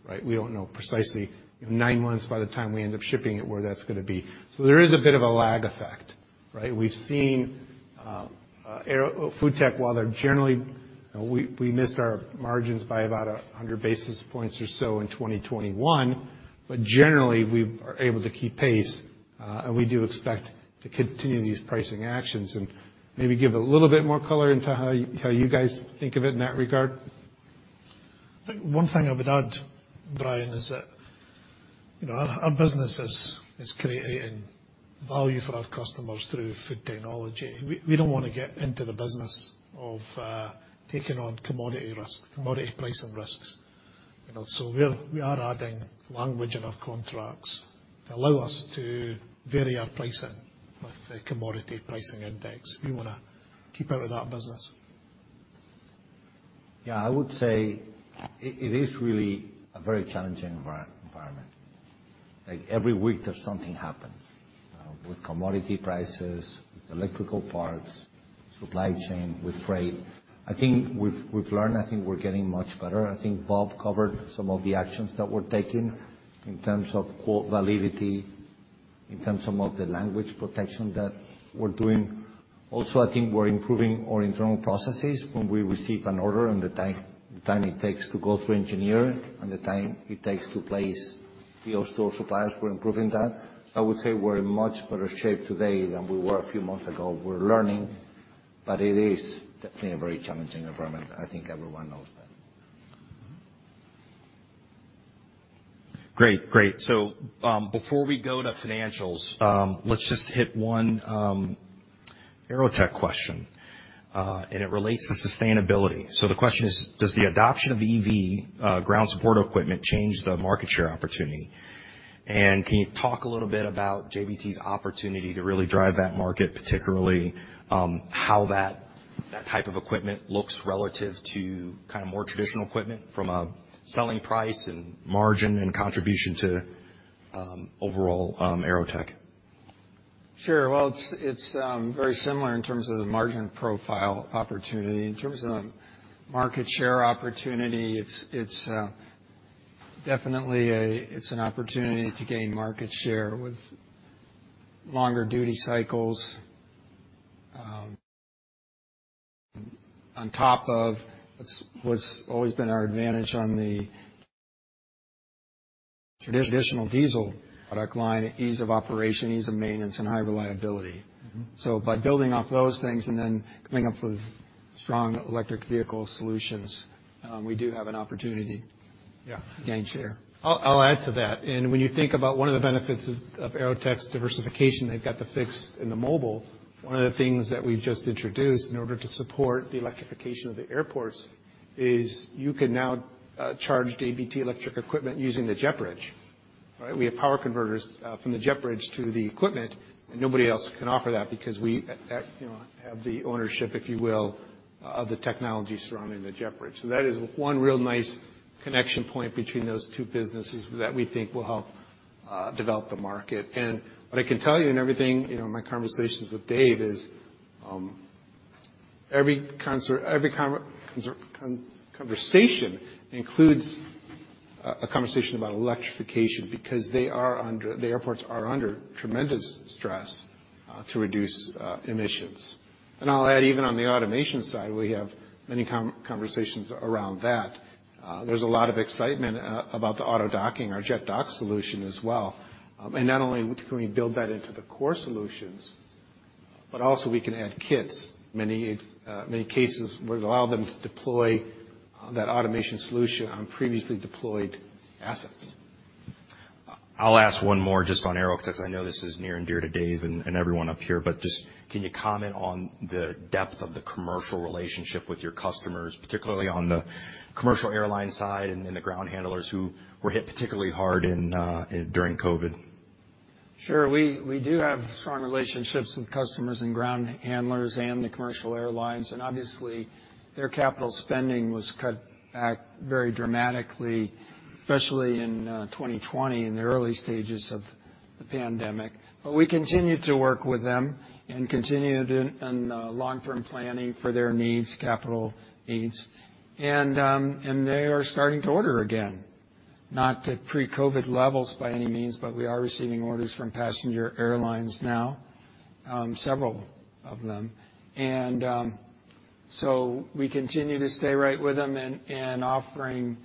right? We don't know precisely nine months by the time we end up shipping it where that's gonna be. There is a bit of a lag effect. Right? We've seen FoodTech, while they're generally, you know, we missed our margins by about 100 basis points or so in 2021. Generally, we are able to keep pace, and we do expect to continue these pricing actions. Maybe give a little bit more color into how you guys think of it in that regard. I think one thing I would add, Brian, is that, you know, our business is creating value for our customers through food technology. We don't wanna get into the business of taking on commodity risk, commodity pricing risks, you know. We are adding language in our contracts to allow us to vary our pricing with the commodity pricing index. We wanna keep out of that business. Yeah, I would say it is really a very challenging environment. Like, every week there's something happens with commodity prices, with electrical parts, supply chain, with freight. I think we've learned, I think we're getting much better. I think Bob covered some of the actions that we're taking in terms of quote validity, in terms of some of the language protection that we're doing. Also, I think we're improving our internal processes when we receive an order and the time it takes to go through engineering and the time it takes to place POs to our suppliers. We're improving that. I would say we're in much better shape today than we were a few months ago. We're learning, but it is definitely a very challenging environment. I think everyone knows that. Mm-hmm. Great. Before we go to financials, let's just hit one AeroTech question, and it relates to sustainability. The question is: Does the adoption of EV ground support equipment change the market share opportunity? And can you talk a little bit about JBT's opportunity to really drive that market, particularly how that type of equipment looks relative to kind of more traditional equipment from a selling price and margin and contribution to overall AeroTech? Sure. Well, it's very similar in terms of the margin profile opportunity. In terms of market share opportunity, it's definitely an opportunity to gain market share with longer duty cycles, on top of what's always been our advantage on the traditional diesel product line, ease of operation, ease of maintenance, and high reliability. Mm-hmm. By building off those things and then coming up with strong electric vehicle solutions, we do have an opportunity. Yeah. to gain share. I'll add to that. When you think about one of the benefits of AeroTech's diversification, they've got the fixed and the mobile. One of the things that we've just introduced in order to support the electrification of the airports is you can now charge JBT electric equipment using the JetBridge. Right? We have power converters from the JetBridge to the equipment, and nobody else can offer that because we, you know, have the ownership, if you will, of the technology surrounding the JetBridge. That is one real nice connection point between those two businesses that we think will help develop the market. What I can tell you in everything, you know, in my conversations with Dave is, every conversation includes a conversation about electrification because the airports are under tremendous stress to reduce emissions. I'll add, even on the automation side, we have many conversations around that. There's a lot of excitement about the auto docking, our JetDock solution as well. Not only can we build that into the core solutions, but also we can add kits, many cases where it'll allow them to deploy that automation solution on previously deployed assets. I'll ask one more just on Aero because I know this is near and dear to Dave and everyone up here. Just can you comment on the depth of the commercial relationship with your customers, particularly on the commercial airline side and then the ground handlers who were hit particularly hard in during COVID? Sure. We do have strong relationships with customers and ground handlers and the commercial airlines, and obviously their capital spending was cut back very dramatically, especially in 2020 in the early stages of the pandemic. We continued to work with them and continued in long-term planning for their needs, capital needs. They are starting to order again, not to pre-COVID levels by any means, but we are receiving orders from passenger airlines now, several of them. We continue to stay right with them in offering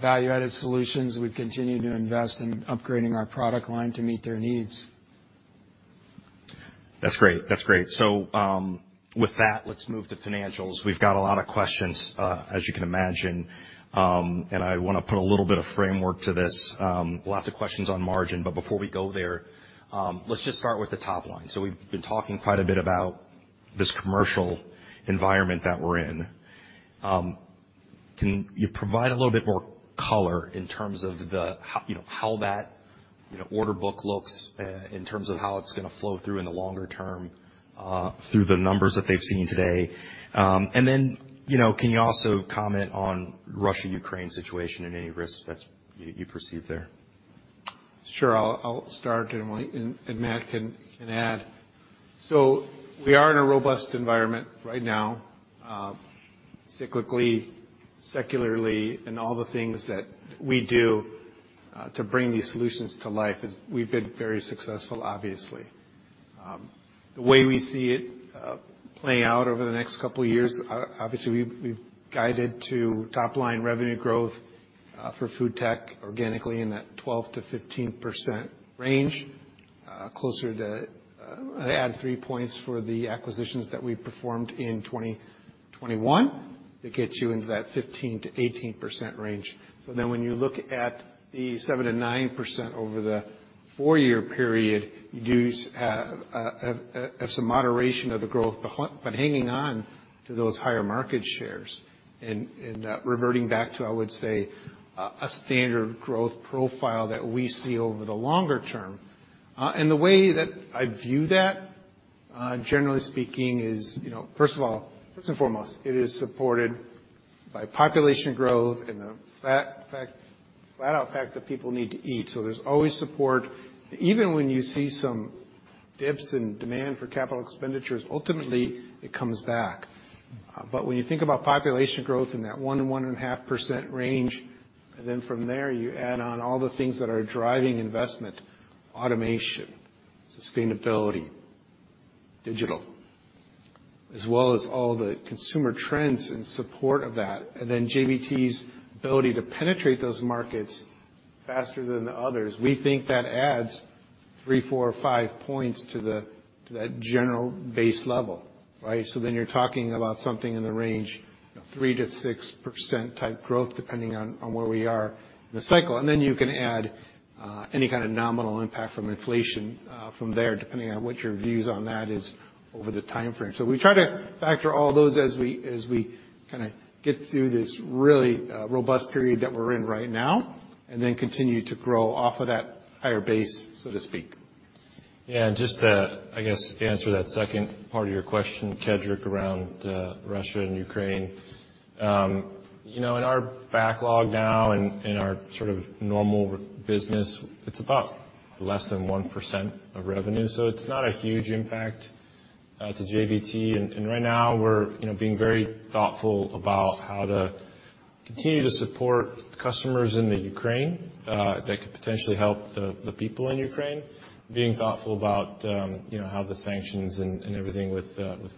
value-added solutions. We've continued to invest in upgrading our product line to meet their needs. That's great. With that, let's move to financials. We've got a lot of questions, as you can imagine, and I wanna put a little bit of framework to this. Lots of questions on margin, but before we go there, let's just start with the top line. We've been talking quite a bit about this commercial environment that we're in. Can you provide a little bit more color in terms of how you know how that you know order book looks in terms of how it's gonna flow through in the longer term, through the numbers that they've seen today? Then, you know, can you also comment on Russia-Ukraine situation and any risks that you perceive there? Sure. I'll start, and Matt can add. We are in a robust environment right now. Cyclically, secularly, and all the things that we do to bring these solutions to life is we've been very successful, obviously. The way we see it play out over the next couple years, obviously we've guided to top-line revenue growth for FoodTech organically in that 12%-15% range, closer to, add three points for the acquisitions that we performed in 2021. It gets you into that 15%-18% range. When you look at the 7%-9% over the four-year period, you do have some moderation of the growth, but hanging on to those higher market shares and reverting back to, I would say, a standard growth profile that we see over the longer term. The way that I view that, generally speaking is, you know, first of all, first and foremost, it is supported by population growth and the flat out fact that people need to eat. There's always support. Even when you see some dips in demand for capital expenditures, ultimately, it comes back. When you think about population growth in that 1%-1.5% range, and then from there, you add on all the things that are driving investment, automation, sustainability, digital, as well as all the consumer trends in support of that. JBT's ability to penetrate those markets faster than the others, we think that adds 3, 4, or 5 points to that general base level, right? You're talking about something in the range of 3%-6% type growth, depending on where we are in the cycle. You can add any kind of nominal impact from inflation from there, depending on what your views on that is over the time frame. We try to factor all those as we kinda get through this really robust period that we're in right now, and then continue to grow off of that higher base, so to speak. Yeah. Just to, I guess, answer that second part of your question, Kedric, around Russia and Ukraine. You know, in our backlog now and in our sort of normal business, it's about less than 1% of revenue, so it's not a huge impact to JBT. Right now we're, you know, being very thoughtful about how to continue to support customers in the Ukraine that could potentially help the people in Ukraine, being thoughtful about, you know, how the sanctions and everything with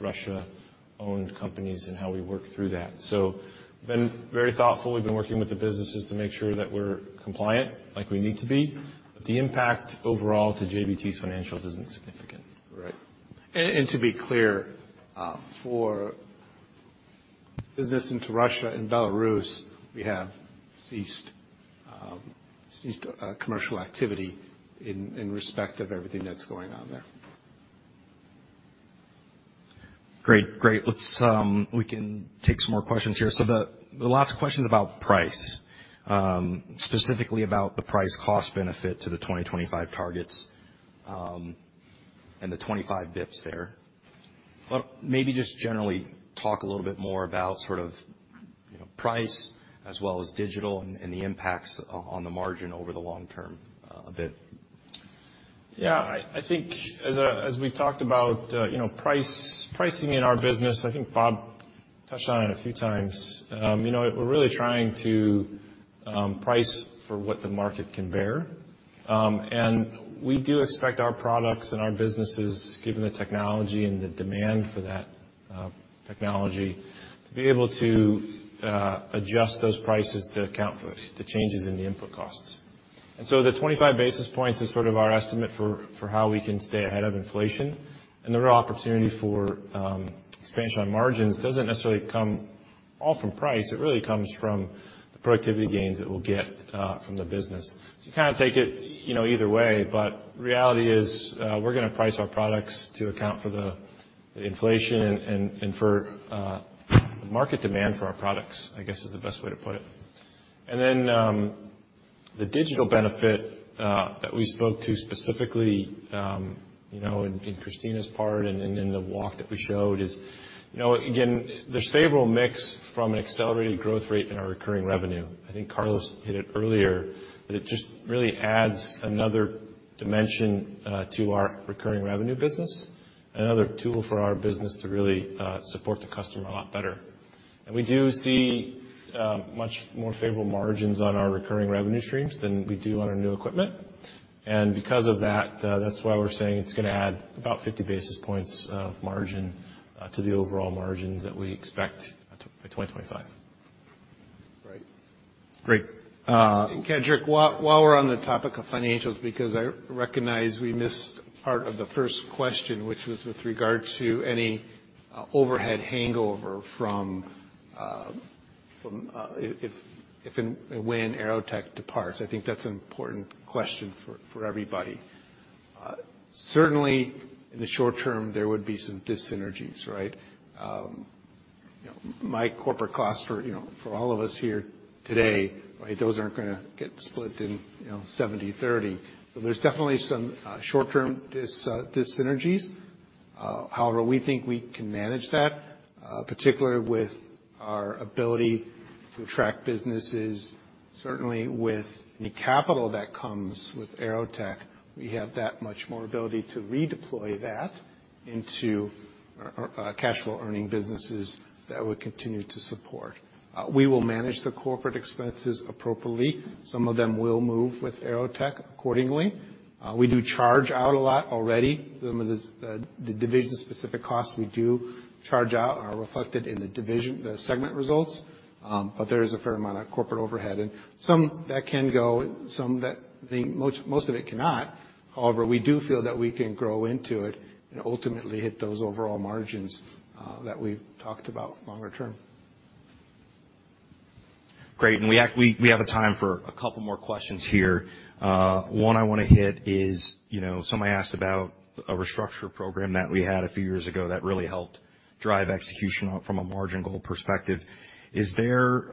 Russia-owned companies and how we work through that. So been very thoughtful. We've been working with the businesses to make sure that we're compliant like we need to be. The impact overall to JBT's financials isn't significant. Right. To be clear, for business into Russia and Belarus, we have ceased commercial activity in respect of everything that's going on there. Great. Let's take some more questions here. There are lots of questions about price, specifically about the price cost benefit to the 2025 targets, and the 2025 dips there. Maybe just generally talk a little bit more about sort of, you know, price as well as digital and the impacts on the margin over the long term, a bit. Yeah. I think as we talked about, you know, price, pricing in our business, I think Bob touched on it a few times. You know, we're really trying to price for what the market can bear. We do expect our products and our businesses, given the technology and the demand for that technology, to be able to adjust those prices to account for the changes in the input costs. The 25 basis points is sort of our estimate for how we can stay ahead of inflation. The real opportunity for expansion on margins doesn't necessarily come all from price. It really comes from the productivity gains that we'll get from the business. You kind of take it, you know, either way, but reality is, we're gonna price our products to account for the inflation and for the market demand for our products, I guess is the best way to put it. The digital benefit that we spoke to specifically, you know, in Kristina's part and in the walk that we showed is, you know, again, there's favorable mix from an accelerated growth rate in our recurring revenue. I think Carlos hit it earlier, but it just really adds another dimension to our recurring revenue business, another tool for our business to really support the customer a lot better. We do see much more favorable margins on our recurring revenue streams than we do on our new equipment. Because of that's why we're saying it's gonna add about 50 basis points of margin to the overall margins that we expect by 2025. Right. Great. Kedric, while we're on the topic of financials, because I recognize we missed part of the first question, which was with regard to any overhead hangover from if and when AeroTech departs. I think that's an important question for everybody. Certainly in the short term, there would be some dyssynergies, right? You know, my corporate costs for all of us here today, right, those aren't gonna get split in 70/30. There's definitely some short-term dyssynergies. However, we think we can manage that, particularly with our ability. We track businesses certainly with the capital that comes with AeroTech. We have that much more ability to redeploy that into our cash flow earning businesses that we continue to support. We will manage the corporate expenses appropriately. Some of them will move with AeroTech accordingly. We do charge out a lot already. Some of this, the division-specific costs we do charge out are reflected in the division, the segment results. There is a fair amount of corporate overhead, and some that can go, some that the most of it cannot. However, we do feel that we can grow into it and ultimately hit those overall margins that we've talked about longer term. Great. We have a time for a couple more questions here. One I wanna hit is, you know, somebody asked about a restructure program that we had a few years ago that really helped drive execution from a margin goal perspective. Is there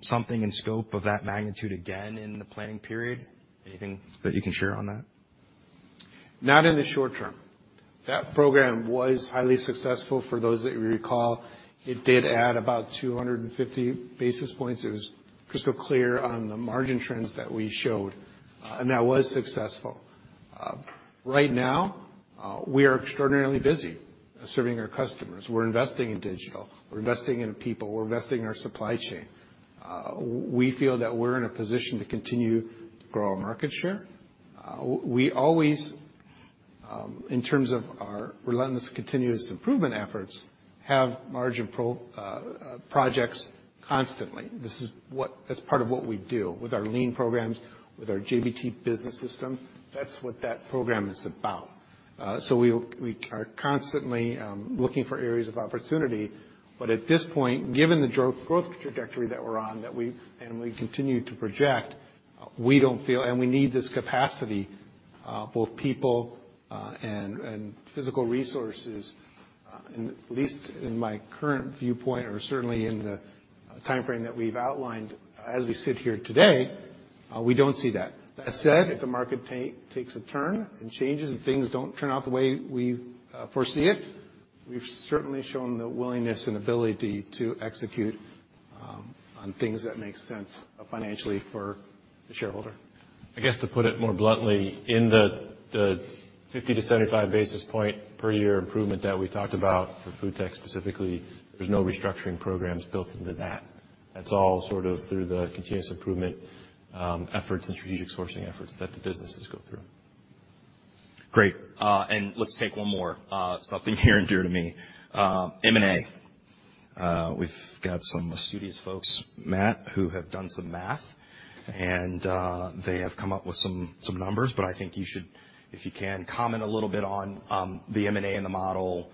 something in scope of that magnitude again in the planning period? Anything that you can share on that? Not in the short term. That program was highly successful. For those that recall, it did add about 250 basis points. It was crystal clear on the margin trends that we showed, and that was successful. Right now, we are extraordinarily busy serving our customers. We're investing in digital. We're investing in people. We're investing in our supply chain. We feel that we're in a position to continue to grow our market share. We always, in terms of our relentless continuous improvement efforts, have margin projects constantly. That's part of what we do with our lean programs, with our JBT Business System. That's what that program is about. We are constantly looking for areas of opportunity. At this point, given the growth trajectory that we're on and we continue to project, we need this capacity both people and physical resources at least in my current viewpoint or certainly in the timeframe that we've outlined, as we sit here today, we don't see that. That said, if the market takes a turn and changes and things don't turn out the way we foresee it, we've certainly shown the willingness and ability to execute on things that make sense financially for the shareholder. I guess to put it more bluntly, in the 50-75 basis point per year improvement that we talked about for FoodTech specifically, there's no restructuring programs built into that. That's all sort of through the continuous improvement efforts and strategic sourcing efforts that the businesses go through. Great. Let's take one more. Something near and dear to me. M&A. We've got some studious folks, Matt, who have done some math. They have come up with some numbers, but I think you should, if you can, comment a little bit on the M&A and the model,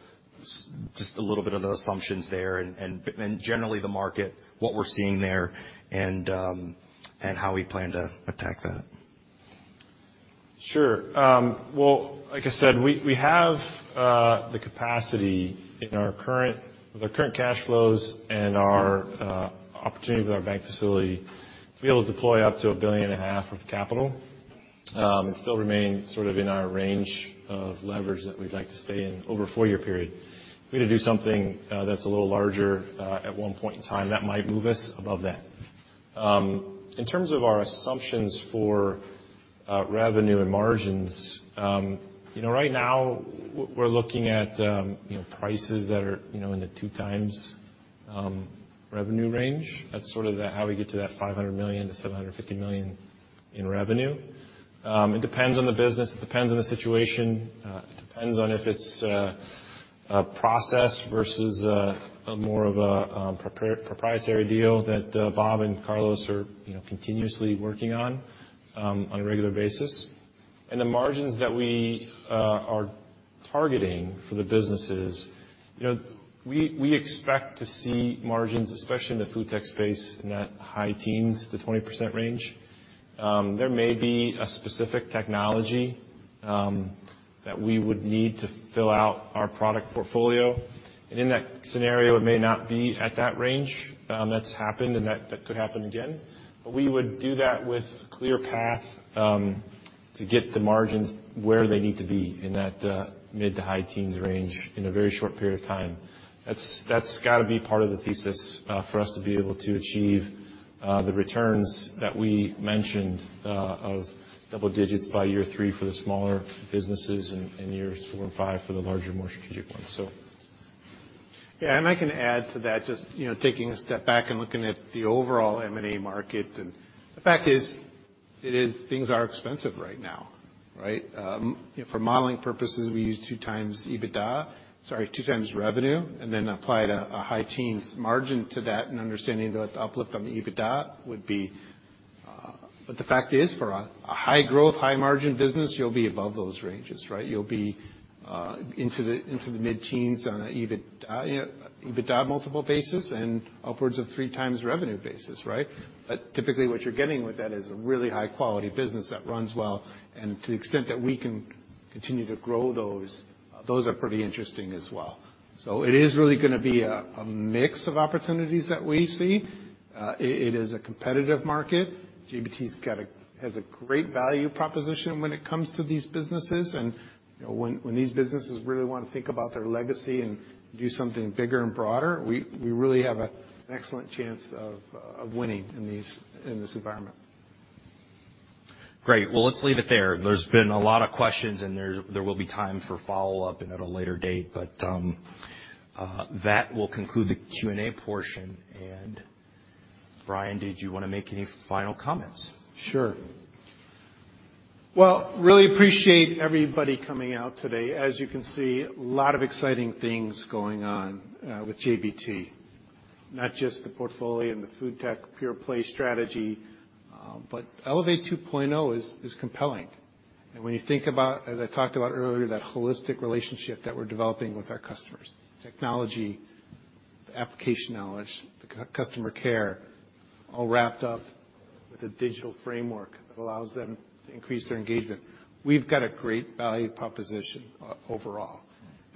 just a little bit of the assumptions there and generally the market, what we're seeing there, and how we plan to attack that. Sure. Well, like I said, we have the capacity with our current cash flows and our opportunity with our bank facility to be able to deploy up to $1.5 billion of capital, and still remain sort of in our range of leverage that we'd like to stay in over a four-year period. If we had to do something that's a little larger at one point in time, that might move us above that. In terms of our assumptions for revenue and margins, you know, right now we're looking at, you know, prices that are, you know, in the 2x revenue range. That's sort of how we get to that $500 million-$750 million in revenue. It depends on the business. It depends on the situation. It depends on if it's a process versus a more of a proprietary deal that Bob and Carlos are, you know, continuously working on on a regular basis. The margins that we are targeting for the businesses, you know, we expect to see margins, especially in the FoodTech space, in that high teens to 20% range. There may be a specific technology that we would need to fill out our product portfolio. In that scenario, it may not be at that range, that's happened, and that could happen again. We would do that with a clear path to get the margins where they need to be in that mid to high teens range in a very short period of time. That's gotta be part of the thesis for us to be able to achieve the returns that we mentioned of double digits by year three for the smaller businesses and years four and five for the larger, more strategic ones. Yeah, I can add to that, just, you know, taking a step back and looking at the overall M&A market. The fact is, things are expensive right now, right? You know, for modeling purposes, we use 2x EBITDA, sorry, 2x revenue, and then apply a high teens margin to that and understanding the uplift on the EBITDA would be. The fact is, for a high growth, high margin business, you'll be above those ranges, right? You'll be into the mid-teens on a EBITDA multiple basis, you know, and upwards of 3x revenue basis, right? Typically, what you're getting with that is a really high-quality business that runs well. To the extent that we can continue to grow those are pretty interesting as well. It is really gonna be a mix of opportunities that we see. It is a competitive market. JBT has a great value proposition when it comes to these businesses. When these businesses really wanna think about their legacy and do something bigger and broader, we really have an excellent chance of winning in this environment. Great. Well, let's leave it there. There has been a lot of questions, and there will be time for follow-up at a later date. That will conclude the Q&A portion. Brian, did you wanna make any final comments? Sure. Well, really appreciate everybody coming out today. As you can see, a lot of exciting things going on with JBT, not just the portfolio and the FoodTech pure play strategy, but Elevate 2.0 is compelling. When you think about, as I talked about earlier, that holistic relationship that we're developing with our customers, technology, the application knowledge, the customer care, all wrapped up with a digital framework that allows them to increase their engagement, we've got a great value proposition overall.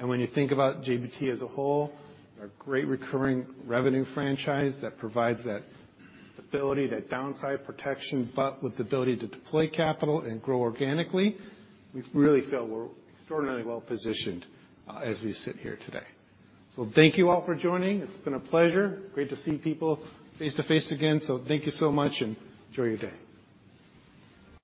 When you think about JBT as a whole, our great recurring revenue franchise that provides that stability, that downside protection, but with the ability to deploy capital and grow organically, we really feel we're extraordinarily well positioned as we sit here today. Thank you all for joining. It's been a pleasure. Great to see people face-to-face again. Thank you so much, and enjoy your day.